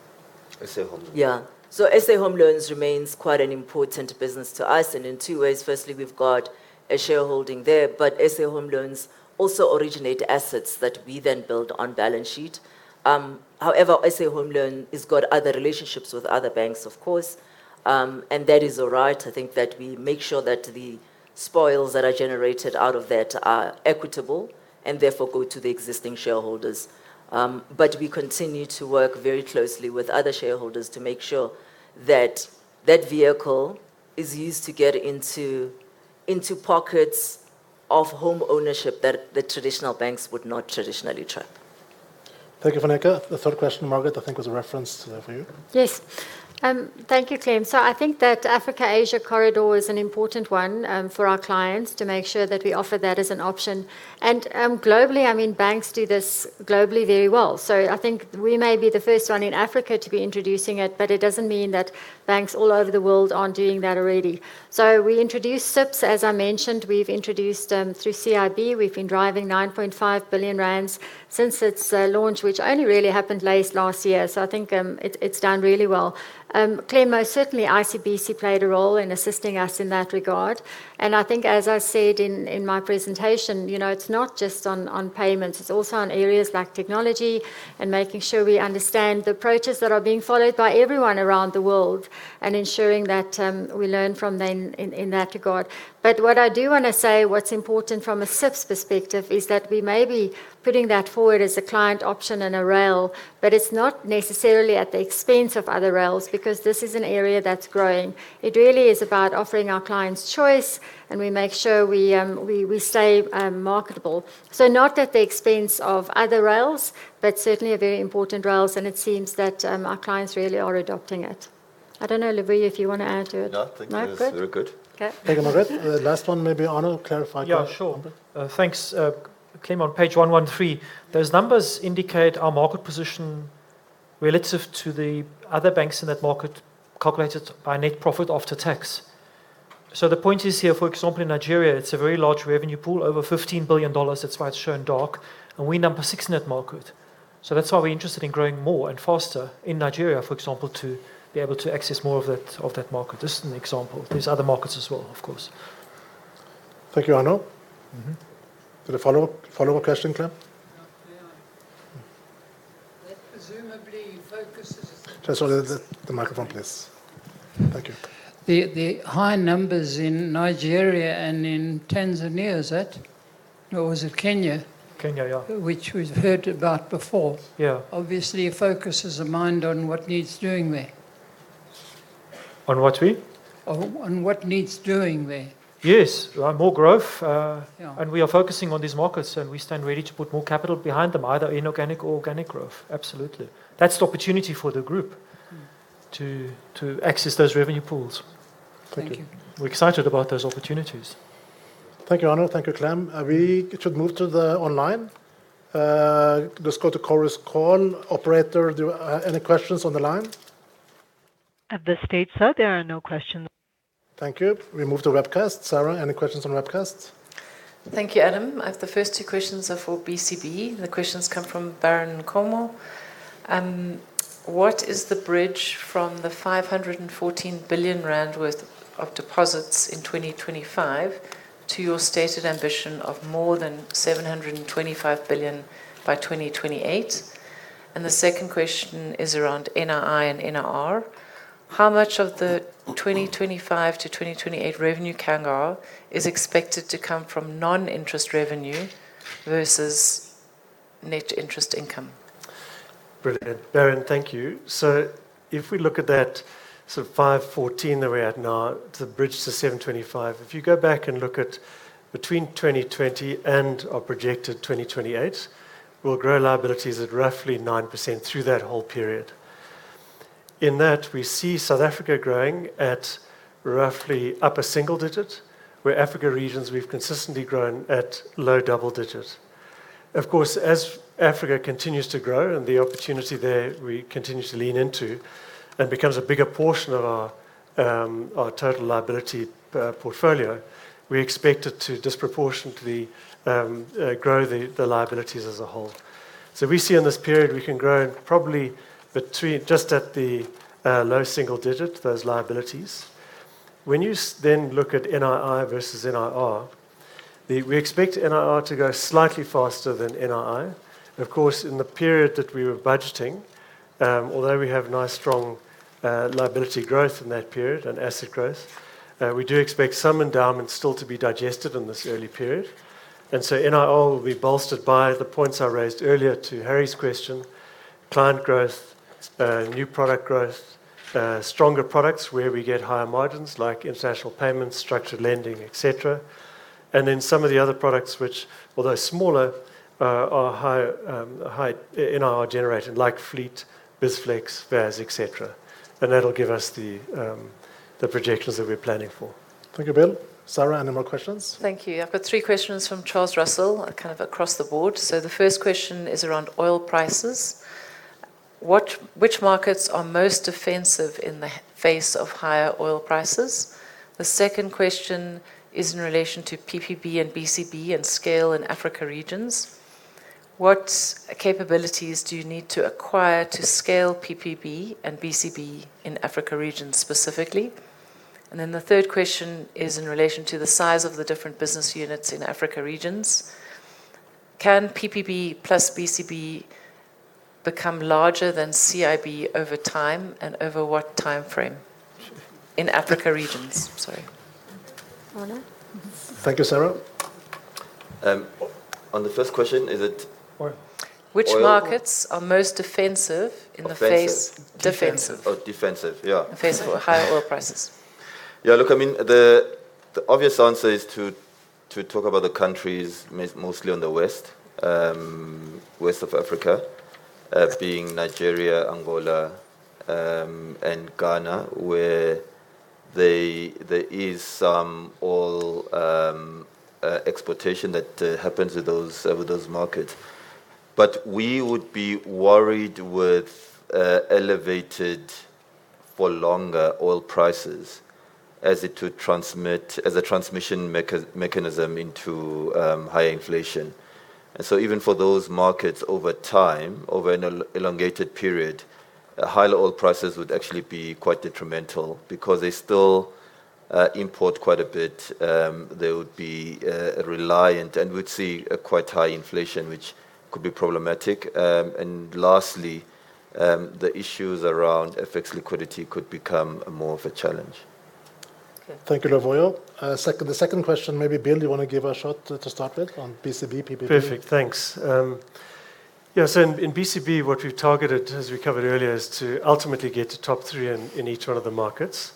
SA Home Loans. Yeah. SA Home Loans remains quite an important business to us, and in two ways. Firstly, we've got a shareholding there, but SA Home Loans has got other relationships with other banks, of course, and that is all right. I think that we make sure that the spoils that are generated out of that are equitable and therefore go to the existing shareholders. We continue to work very closely with other shareholders to make sure that that vehicle is used to get into pockets of homeownership that the traditional banks would not traditionally trap. Thank you, Funeka. The third question, Margaret, I think was a reference therefore for you. Yes. Thank you, Clem. I think that Africa-Asia corridor is an important one, for our clients to make sure that we offer that as an option. Globally, I mean, banks do this globally very well. I think we may be the first one in Africa to be introducing it, but it doesn't mean that banks all over the world aren't doing that already. We introduced CIPS, as I mentioned. We've introduced through CIB. We've been driving 9.5 billion rand since its launch, which only really happened late last year. I think it's done really well. Clem, most certainly ICBC played a role in assisting us in that regard. I think as I said in my presentation, you know, it's not just on payments. It's also on areas like technology and making sure we understand the approaches that are being followed by everyone around the world and ensuring that we learn from them in that regard. What I do wanna say, what's important from a CIPS perspective, is that we may be putting that forward as a client option and a rail, but it's not necessarily at the expense of other rails because this is an area that's growing. It really is about offering our clients choice, and we make sure we stay marketable. Not at the expense of other rails, but certainly a very important rails, and it seems that our clients really are adopting it. I don't know, Luvuyo, if you wanna add to it. No, I think it was very good. No, good? Okay. Thank you, Margaret. The last one, maybe Arno, clarify. Yeah, sure. -Arno. Thanks, Clem. On page 113, those numbers indicate our market position relative to the other banks in that market calculated by net profit after tax. The point is here, for example, in Nigeria, it's a very large revenue pool, over $15 billion. That's why it's shown dark. We number six net market. That's why we're interested in growing more and faster in Nigeria, for example, to be able to access more of that market. Just an example. There's other markets as well, of course. Thank you, Arno. Mm-hmm. Is there a follow-up question, Clem? Yeah. That presumably focuses. Just sort of the microphone, please. Thank you. The high numbers in Nigeria and in Tanzania, is it? Or was it Kenya? Kenya, yeah. Which we've heard about before. Yeah. Obviously, it focuses a mind on what needs doing there. On what, sorry? On what needs doing there. Yes. More growth. Yeah We are focusing on these markets, and we stand ready to put more capital behind them, either inorganic or organic growth. Absolutely. That's the opportunity for the group- Mm-hmm to access those revenue pools. Thank you. We're excited about those opportunities. Thank you, Arno. Thank you, Clem. We should move to the online. Let's go to Chorus Call. Operator, any questions on the line? At this stage, sir, there are no questions. Thank you. We move to webcast. Sarah, any questions on webcast? Thank you, Adam. The first two questions are for BCB. The questions come from Baron Nkomo. What is the bridge from the 514 billion rand worth of deposits in 2025 to your stated ambition of more than 725 billion by 2028? The second question is around NII and NIR. How much of the 2025-2028 revenue CAGR is expected to come from non-interest revenue versus net interest income? Brilliant. Baron, thank you. If we look at that sort of 5.14 that we're at now to bridge to 7.25. If you go back and look at between 2020 and our projected 2028, we'll grow liabilities at roughly 9% through that whole period. In that, we see South Africa growing at roughly upper single digits, where Africa regions we've consistently grown at low double digits. Of course, as Africa continues to grow and the opportunity there we continue to lean into and becomes a bigger portion of our our total liability portfolio, we expect it to disproportionately grow the liabilities as a whole. We see in this period, we can grow probably between just at the low single digit, those liabilities. When you then look at NII versus NIR, the... We expect NIR to go slightly faster than NII. Of course, in the period that we were budgeting, although we have nice, strong, liability growth in that period and asset growth, we do expect some endowments still to be digested in this early period. NIR will be bolstered by the points I raised earlier to Harry's question, client growth, new product growth, stronger products where we get higher margins like international payments, structured lending, et cetera. Some of the other products which, although smaller, are higher, high NII generator like Fleet, BizFlex, VAS, et cetera. That'll give us the projections that we're planning for. Thank you, Bill. Sarah, any more questions? Thank you. I've got three questions from Charles Russell, kind of across the board. The first question is around oil prices. Which markets are most defensive in the face of higher oil prices? The second question is in relation to PPB and BCB and scale in Africa regions. What capabilities do you need to acquire to scale PPB and BCB in Africa regions specifically? The third question is in relation to the size of the different business units in Africa regions. Can PPB plus BCB become larger than CIB over time, and over what timeframe? In Africa regions, sorry. Thank you, Sarah. On the first question, is it? Oil oil? Which markets are most defensive in the face? Offensive? Defensive. Oh, defensive. Yeah. In the face of higher oil prices. Look, I mean, the obvious answer is to talk about the countries mostly on the west of Africa, being Nigeria, Angola, and Ghana, where there is some oil exportation that happens with those markets. We would be worried with elevated for longer oil prices as it would transmit as a transmission mechanism into higher inflation. Even for those markets over time, over an elongated period, a higher oil prices would actually be quite detrimental because they still import quite a bit. They would be reliant and would see a quite high inflation, which could be problematic. Lastly, the issues around FX liquidity could become more of a challenge. Okay. Thank you, Luvuyo. The second question, maybe Bill, you wanna give a shot to start with on BCB, PPB? Perfect. Thanks. In BCB, what we've targeted, as we covered earlier, is to ultimately get to top three in each one of the markets.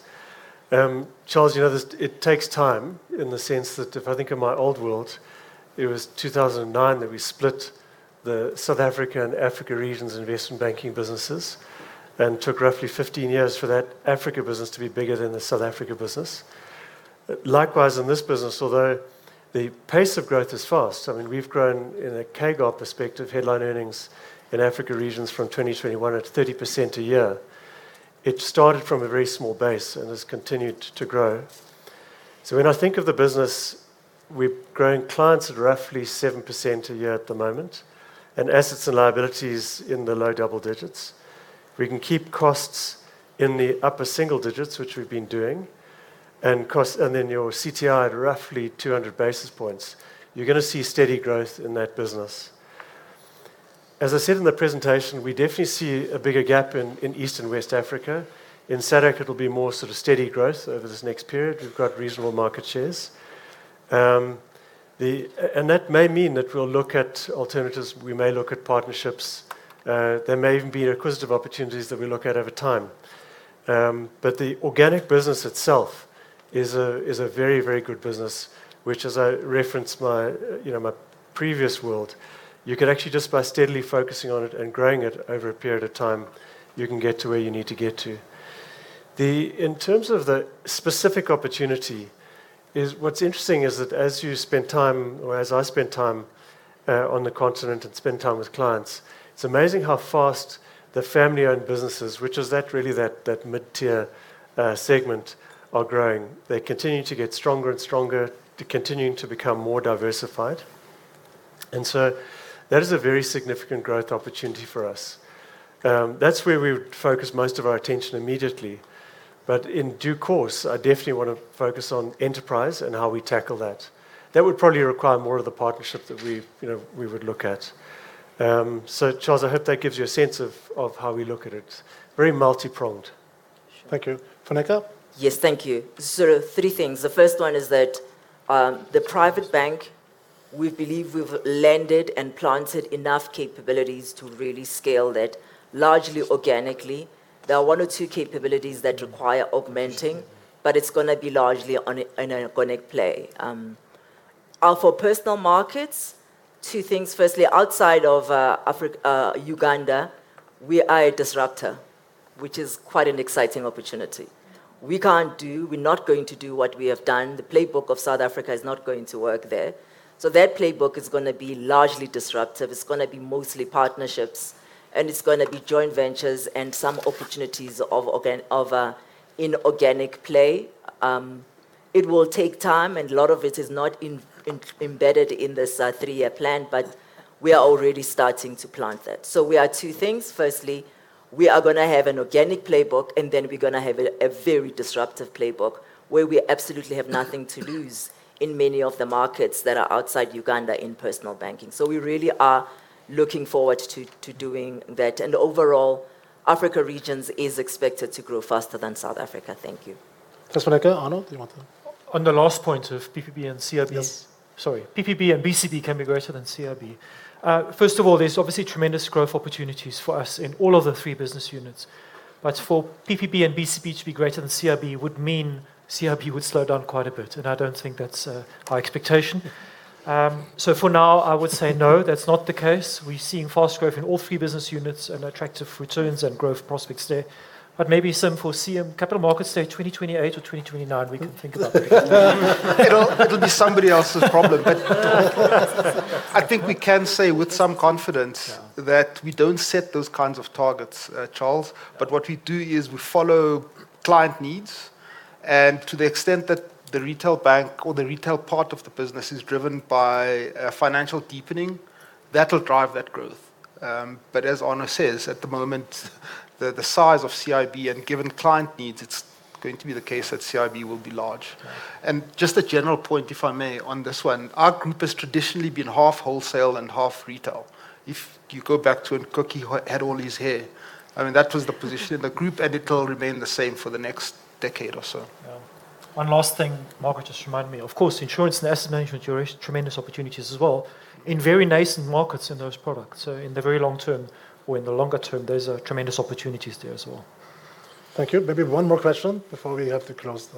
Charles, you know this, it takes time in the sense that if I think of my old world, it was 2009 that we split the South Africa and Africa regions investment banking businesses and took roughly 15 years for that Africa business to be bigger than the South Africa business. Likewise, in this business, although the pace of growth is fast, I mean, we've grown in a CAGR perspective, headline earnings in Africa regions from 2021 at 30% a year. It started from a very small base and has continued to grow. When I think of the business, we're growing clients at roughly 7% a year at the moment and assets and liabilities in the low double digits. We can keep costs in the upper single digits, which we've been doing, and then your CTI at roughly 200 basis points. You're gonna see steady growth in that business. As I said in the presentation, we definitely see a bigger gap in East and West Africa. In SADC, it'll be more sort of steady growth over this next period. We've got reasonable market shares, and that may mean that we'll look at alternatives. We may look at partnerships. There may even be acquisitive opportunities that we look at over time. The organic business itself is a very, very good business, which as I referenced my, you know, my previous world, you can actually just by steadily focusing on it and growing it over a period of time, you can get to where you need to get to. In terms of the specific opportunity is what's interesting is that as I spend time on the continent and spend time with clients, it's amazing how fast the family-owned businesses, which is really that mid-tier segment are growing. They continue to get stronger and stronger. They're continuing to become more diversified. That is a very significant growth opportunity for us. That's where we would focus most of our attention immediately. In due course, I definitely wanna focus on enterprise and how we tackle that. That would probably require more of the partnership that we've, you know, we would look at. Charles, I hope that gives you a sense of how we look at it. Very multi-pronged. Sure. Thank you. Funeka? Yes. Thank you. Sort of three things. The first one is that, the private bank, we believe we've landed and planted enough capabilities to really scale that largely organically. There are one or two capabilities that require augmenting, but it's gonna be largely in an organic play. For personal markets, two things. Firstly, outside of Uganda, we are a disruptor, which is quite an exciting opportunity. We're not going to do what we have done. The playbook of South Africa is not going to work there. That playbook is gonna be largely disruptive. It's gonna be mostly partnerships, and it's gonna be joint ventures and some opportunities of inorganic play. It will take time, and a lot of it is not embedded in this three-year plan, but we are already starting to plant that. We are two things. Firstly, we are gonna have an organic playbook, and then we're gonna have a very disruptive playbook where we absolutely have nothing to lose in many of the markets that are outside Uganda in personal banking. We really are looking forward to doing that. Overall, Africa regions is expected to grow faster than South Africa. Thank you. Thanks, Funeka. Arno, do you want to? On the last point of PPB and CIB. Yes. Sorry. PPB and BCB can be greater than CIB. First of all, there's obviously tremendous growth opportunities for us in all of the three business units. For PPB and BCB to be greater than CIB would mean CIB would slow down quite a bit, and I don't think that's our expectation. For now, I would say no, that's not the case. We're seeing fast growth in all three business units and attractive returns and growth prospects there. Maybe some for CM, capital markets, say 2028 or 2029, we can think about that. It'll be somebody else's problem. I think we can say with some confidence- Yeah... that we don't set those kinds of targets, Charles. What we do is we follow client needs, and to the extent that the retail bank or the retail part of the business is driven by financial deepening, that'll drive that growth. As Arno says, at the moment, the size of CIB and given client needs, it's going to be the case that CIB will be large. Right. Just a general point, if I may, on this one. Our group has traditionally been half wholesale and half retail. If you go back to when Koki had all his hair, I mean, that was the position in the group, and it'll remain the same for the next decade or so. Yeah. One last thing Margaret just reminded me. Of course, Insurance and Asset Management, tremendous opportunities as well in very nascent markets in those products. In the very long term or in the longer term, those are tremendous opportunities there as well. Thank you. Maybe one more question before we have to close.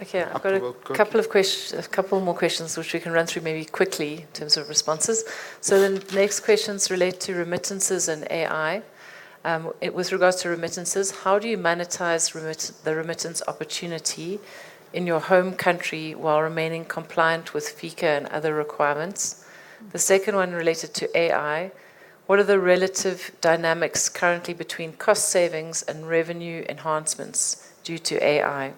Okay. I've got a couple more questions which we can run through maybe quickly in terms of responses. The next questions relate to remittances and AI. With regards to remittances, how do you monetize the remittance opportunity in your home country while remaining compliant with FICA and other requirements? The second one related to AI, what are the relative dynamics currently between cost savings and revenue enhancements due to AI?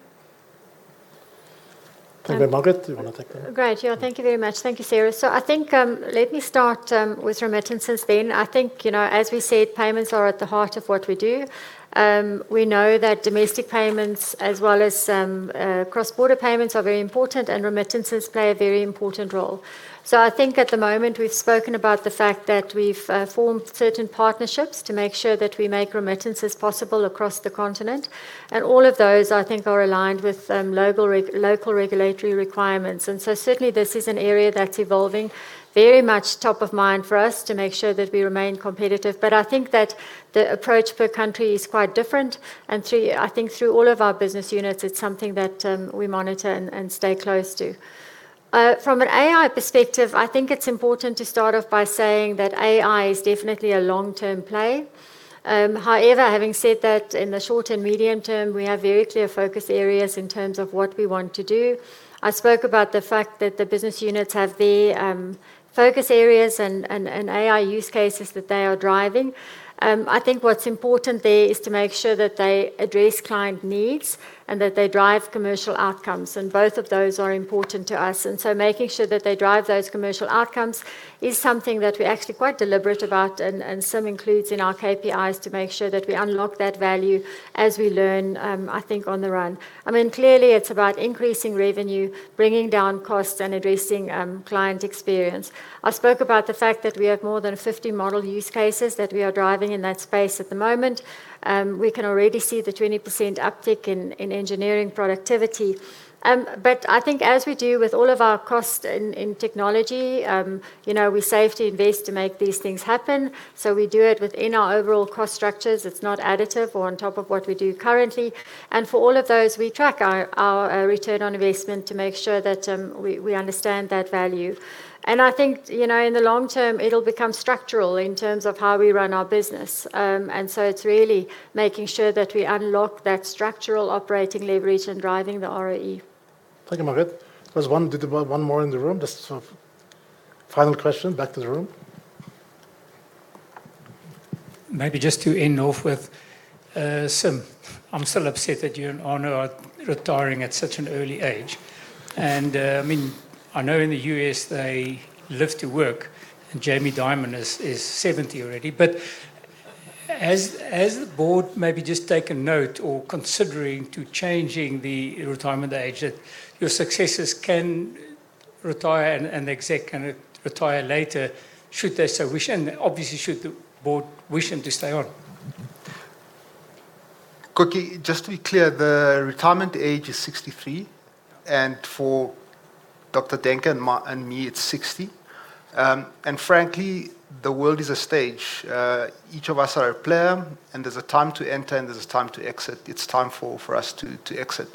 Maybe Margaret, do you wanna take that? Great. Yeah. Thank you very much. Thank you, Sarah. I think, let me start with remittances then. I think, you know, as we said, payments are at the heart of what we do. We know that domestic payments as well as cross-border payments are very important, and remittances play a very important role. I think at the moment, we've spoken about the fact that we've formed certain partnerships to make sure that we make remittances possible across the continent. All of those, I think, are aligned with local regulatory requirements. Certainly this is an area that's evolving very much top of mind for us to make sure that we remain competitive. I think that the approach per country is quite different. Through, I think through all of our business units, it's something that we monitor and stay close to. From an AI perspective, I think it's important to start off by saying that AI is definitely a long-term play. However, having said that, in the short and medium term, we have very clear focus areas in terms of what we want to do. I spoke about the fact that the business units have their focus areas and AI use cases that they are driving. I think what's important there is to make sure that they address client needs and that they drive commercial outcomes, and both of those are important to us. Making sure that they drive those commercial outcomes is something that we're actually quite deliberate about and Sim includes in our KPIs to make sure that we unlock that value as we learn, I mean, on the run. I mean, clearly it's about increasing revenue, bringing down costs, and addressing client experience. I spoke about the fact that we have more than 50 model use cases that we are driving in that space at the moment. We can already see the 20% uptick in engineering productivity. But I think as we do with all of our cost in technology, you know, we save to invest to make these things happen, so we do it within our overall cost structures. It's not additive or on top of what we do currently. For all of those, we track our return on investment to make sure that we understand that value. I think, you know, in the long term, it'll become structural in terms of how we run our business. It's really making sure that we unlock that structural operating leverage and driving the ROE. Thank you, Margaret. There's one more in the room. Just sort of final question back to the room. Maybe just to end off with, Sim. I'm still upset that you and Arno are retiring at such an early age. I mean, I know in the U.S., they live to work, and Jamie Dimon is 70 already. Has the board maybe just taken note or considering to changing the retirement age that your successors can retire and exec can retire later should they so wish? Obviously, should the board wish them to stay on. Clem, just to be clear, the retirement age is 63, and for Dr. Daehnke and me, it's 60. Frankly, the world is a stage. Each of us are a player, and there's a time to enter, and there's a time to exit. It's time for us to exit.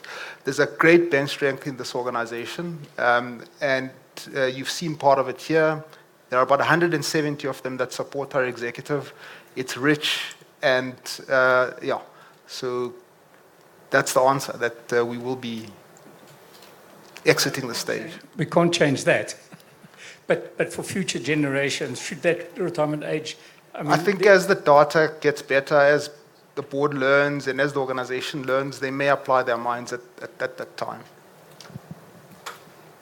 There's a great bench strength in this organization, and you've seen part of it here. There are about 170 of them that support our executive. It's rich. That's the answer, that we will be exiting the stage. We can't change that. For future generations, should that retirement age, I mean? I think as the data gets better, as the board learns, and as the organization learns, they may apply their minds at that time.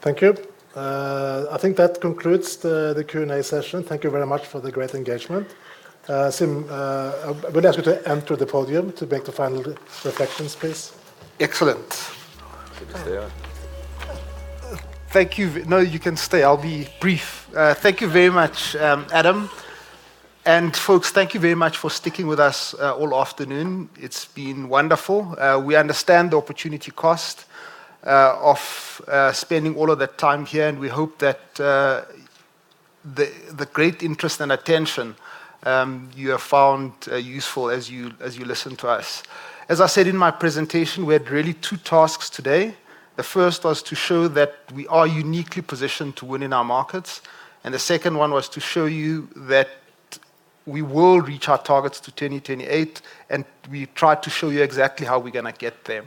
Thank you. I think that concludes the Q&A session. Thank you very much for the great engagement. Sim, I'm gonna ask you to enter the podium to make the final reflections, please. Excellent. Should we stay or? Thank you. No, you can stay. I'll be brief. Thank you very much, Adam. Folks, thank you very much for sticking with us all afternoon. It's been wonderful. We understand the opportunity cost of spending all of that time here, and we hope that the great interest and attention you have found useful as you listen to us. As I said in my presentation, we had really two tasks today. The first was to show that we are uniquely positioned to win in our markets, and the second one was to show you that we will reach our targets to 2028, and we tried to show you exactly how we're gonna get there.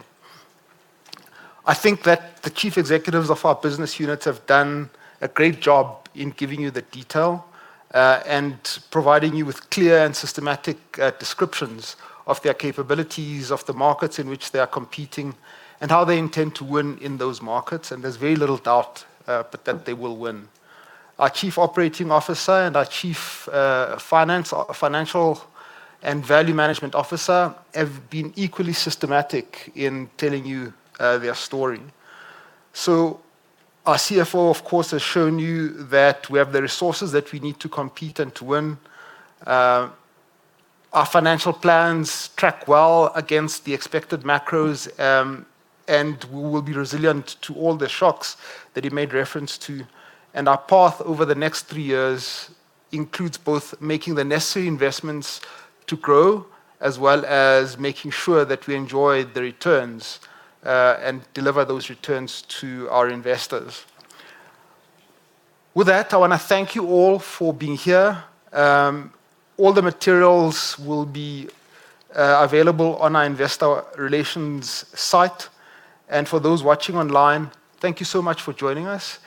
I think that the chief executives of our business units have done a great job in giving you the detail and providing you with clear and systematic descriptions of their capabilities, of the markets in which they are competing, and how they intend to win in those markets. There's very little doubt but that they will win. Our Chief Operating Officer and our Chief Finance and Value Management Officer have been equally systematic in telling you their story. Our CFO, of course, has shown you that we have the resources that we need to compete and to win. Our financial plans track well against the expected macros and we will be resilient to all the shocks that he made reference to. Our path over the next three years includes both making the necessary investments to grow, as well as making sure that we enjoy the returns, and deliver those returns to our investors. With that, I wanna thank you all for being here. All the materials will be available on our Investor Relations site. For those watching online, thank you so much for joining us.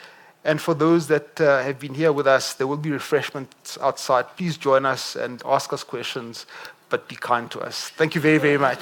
For those that have been here with us, there will be refreshments outside. Please join us and ask us questions, but be kind to us. Thank you very, very much.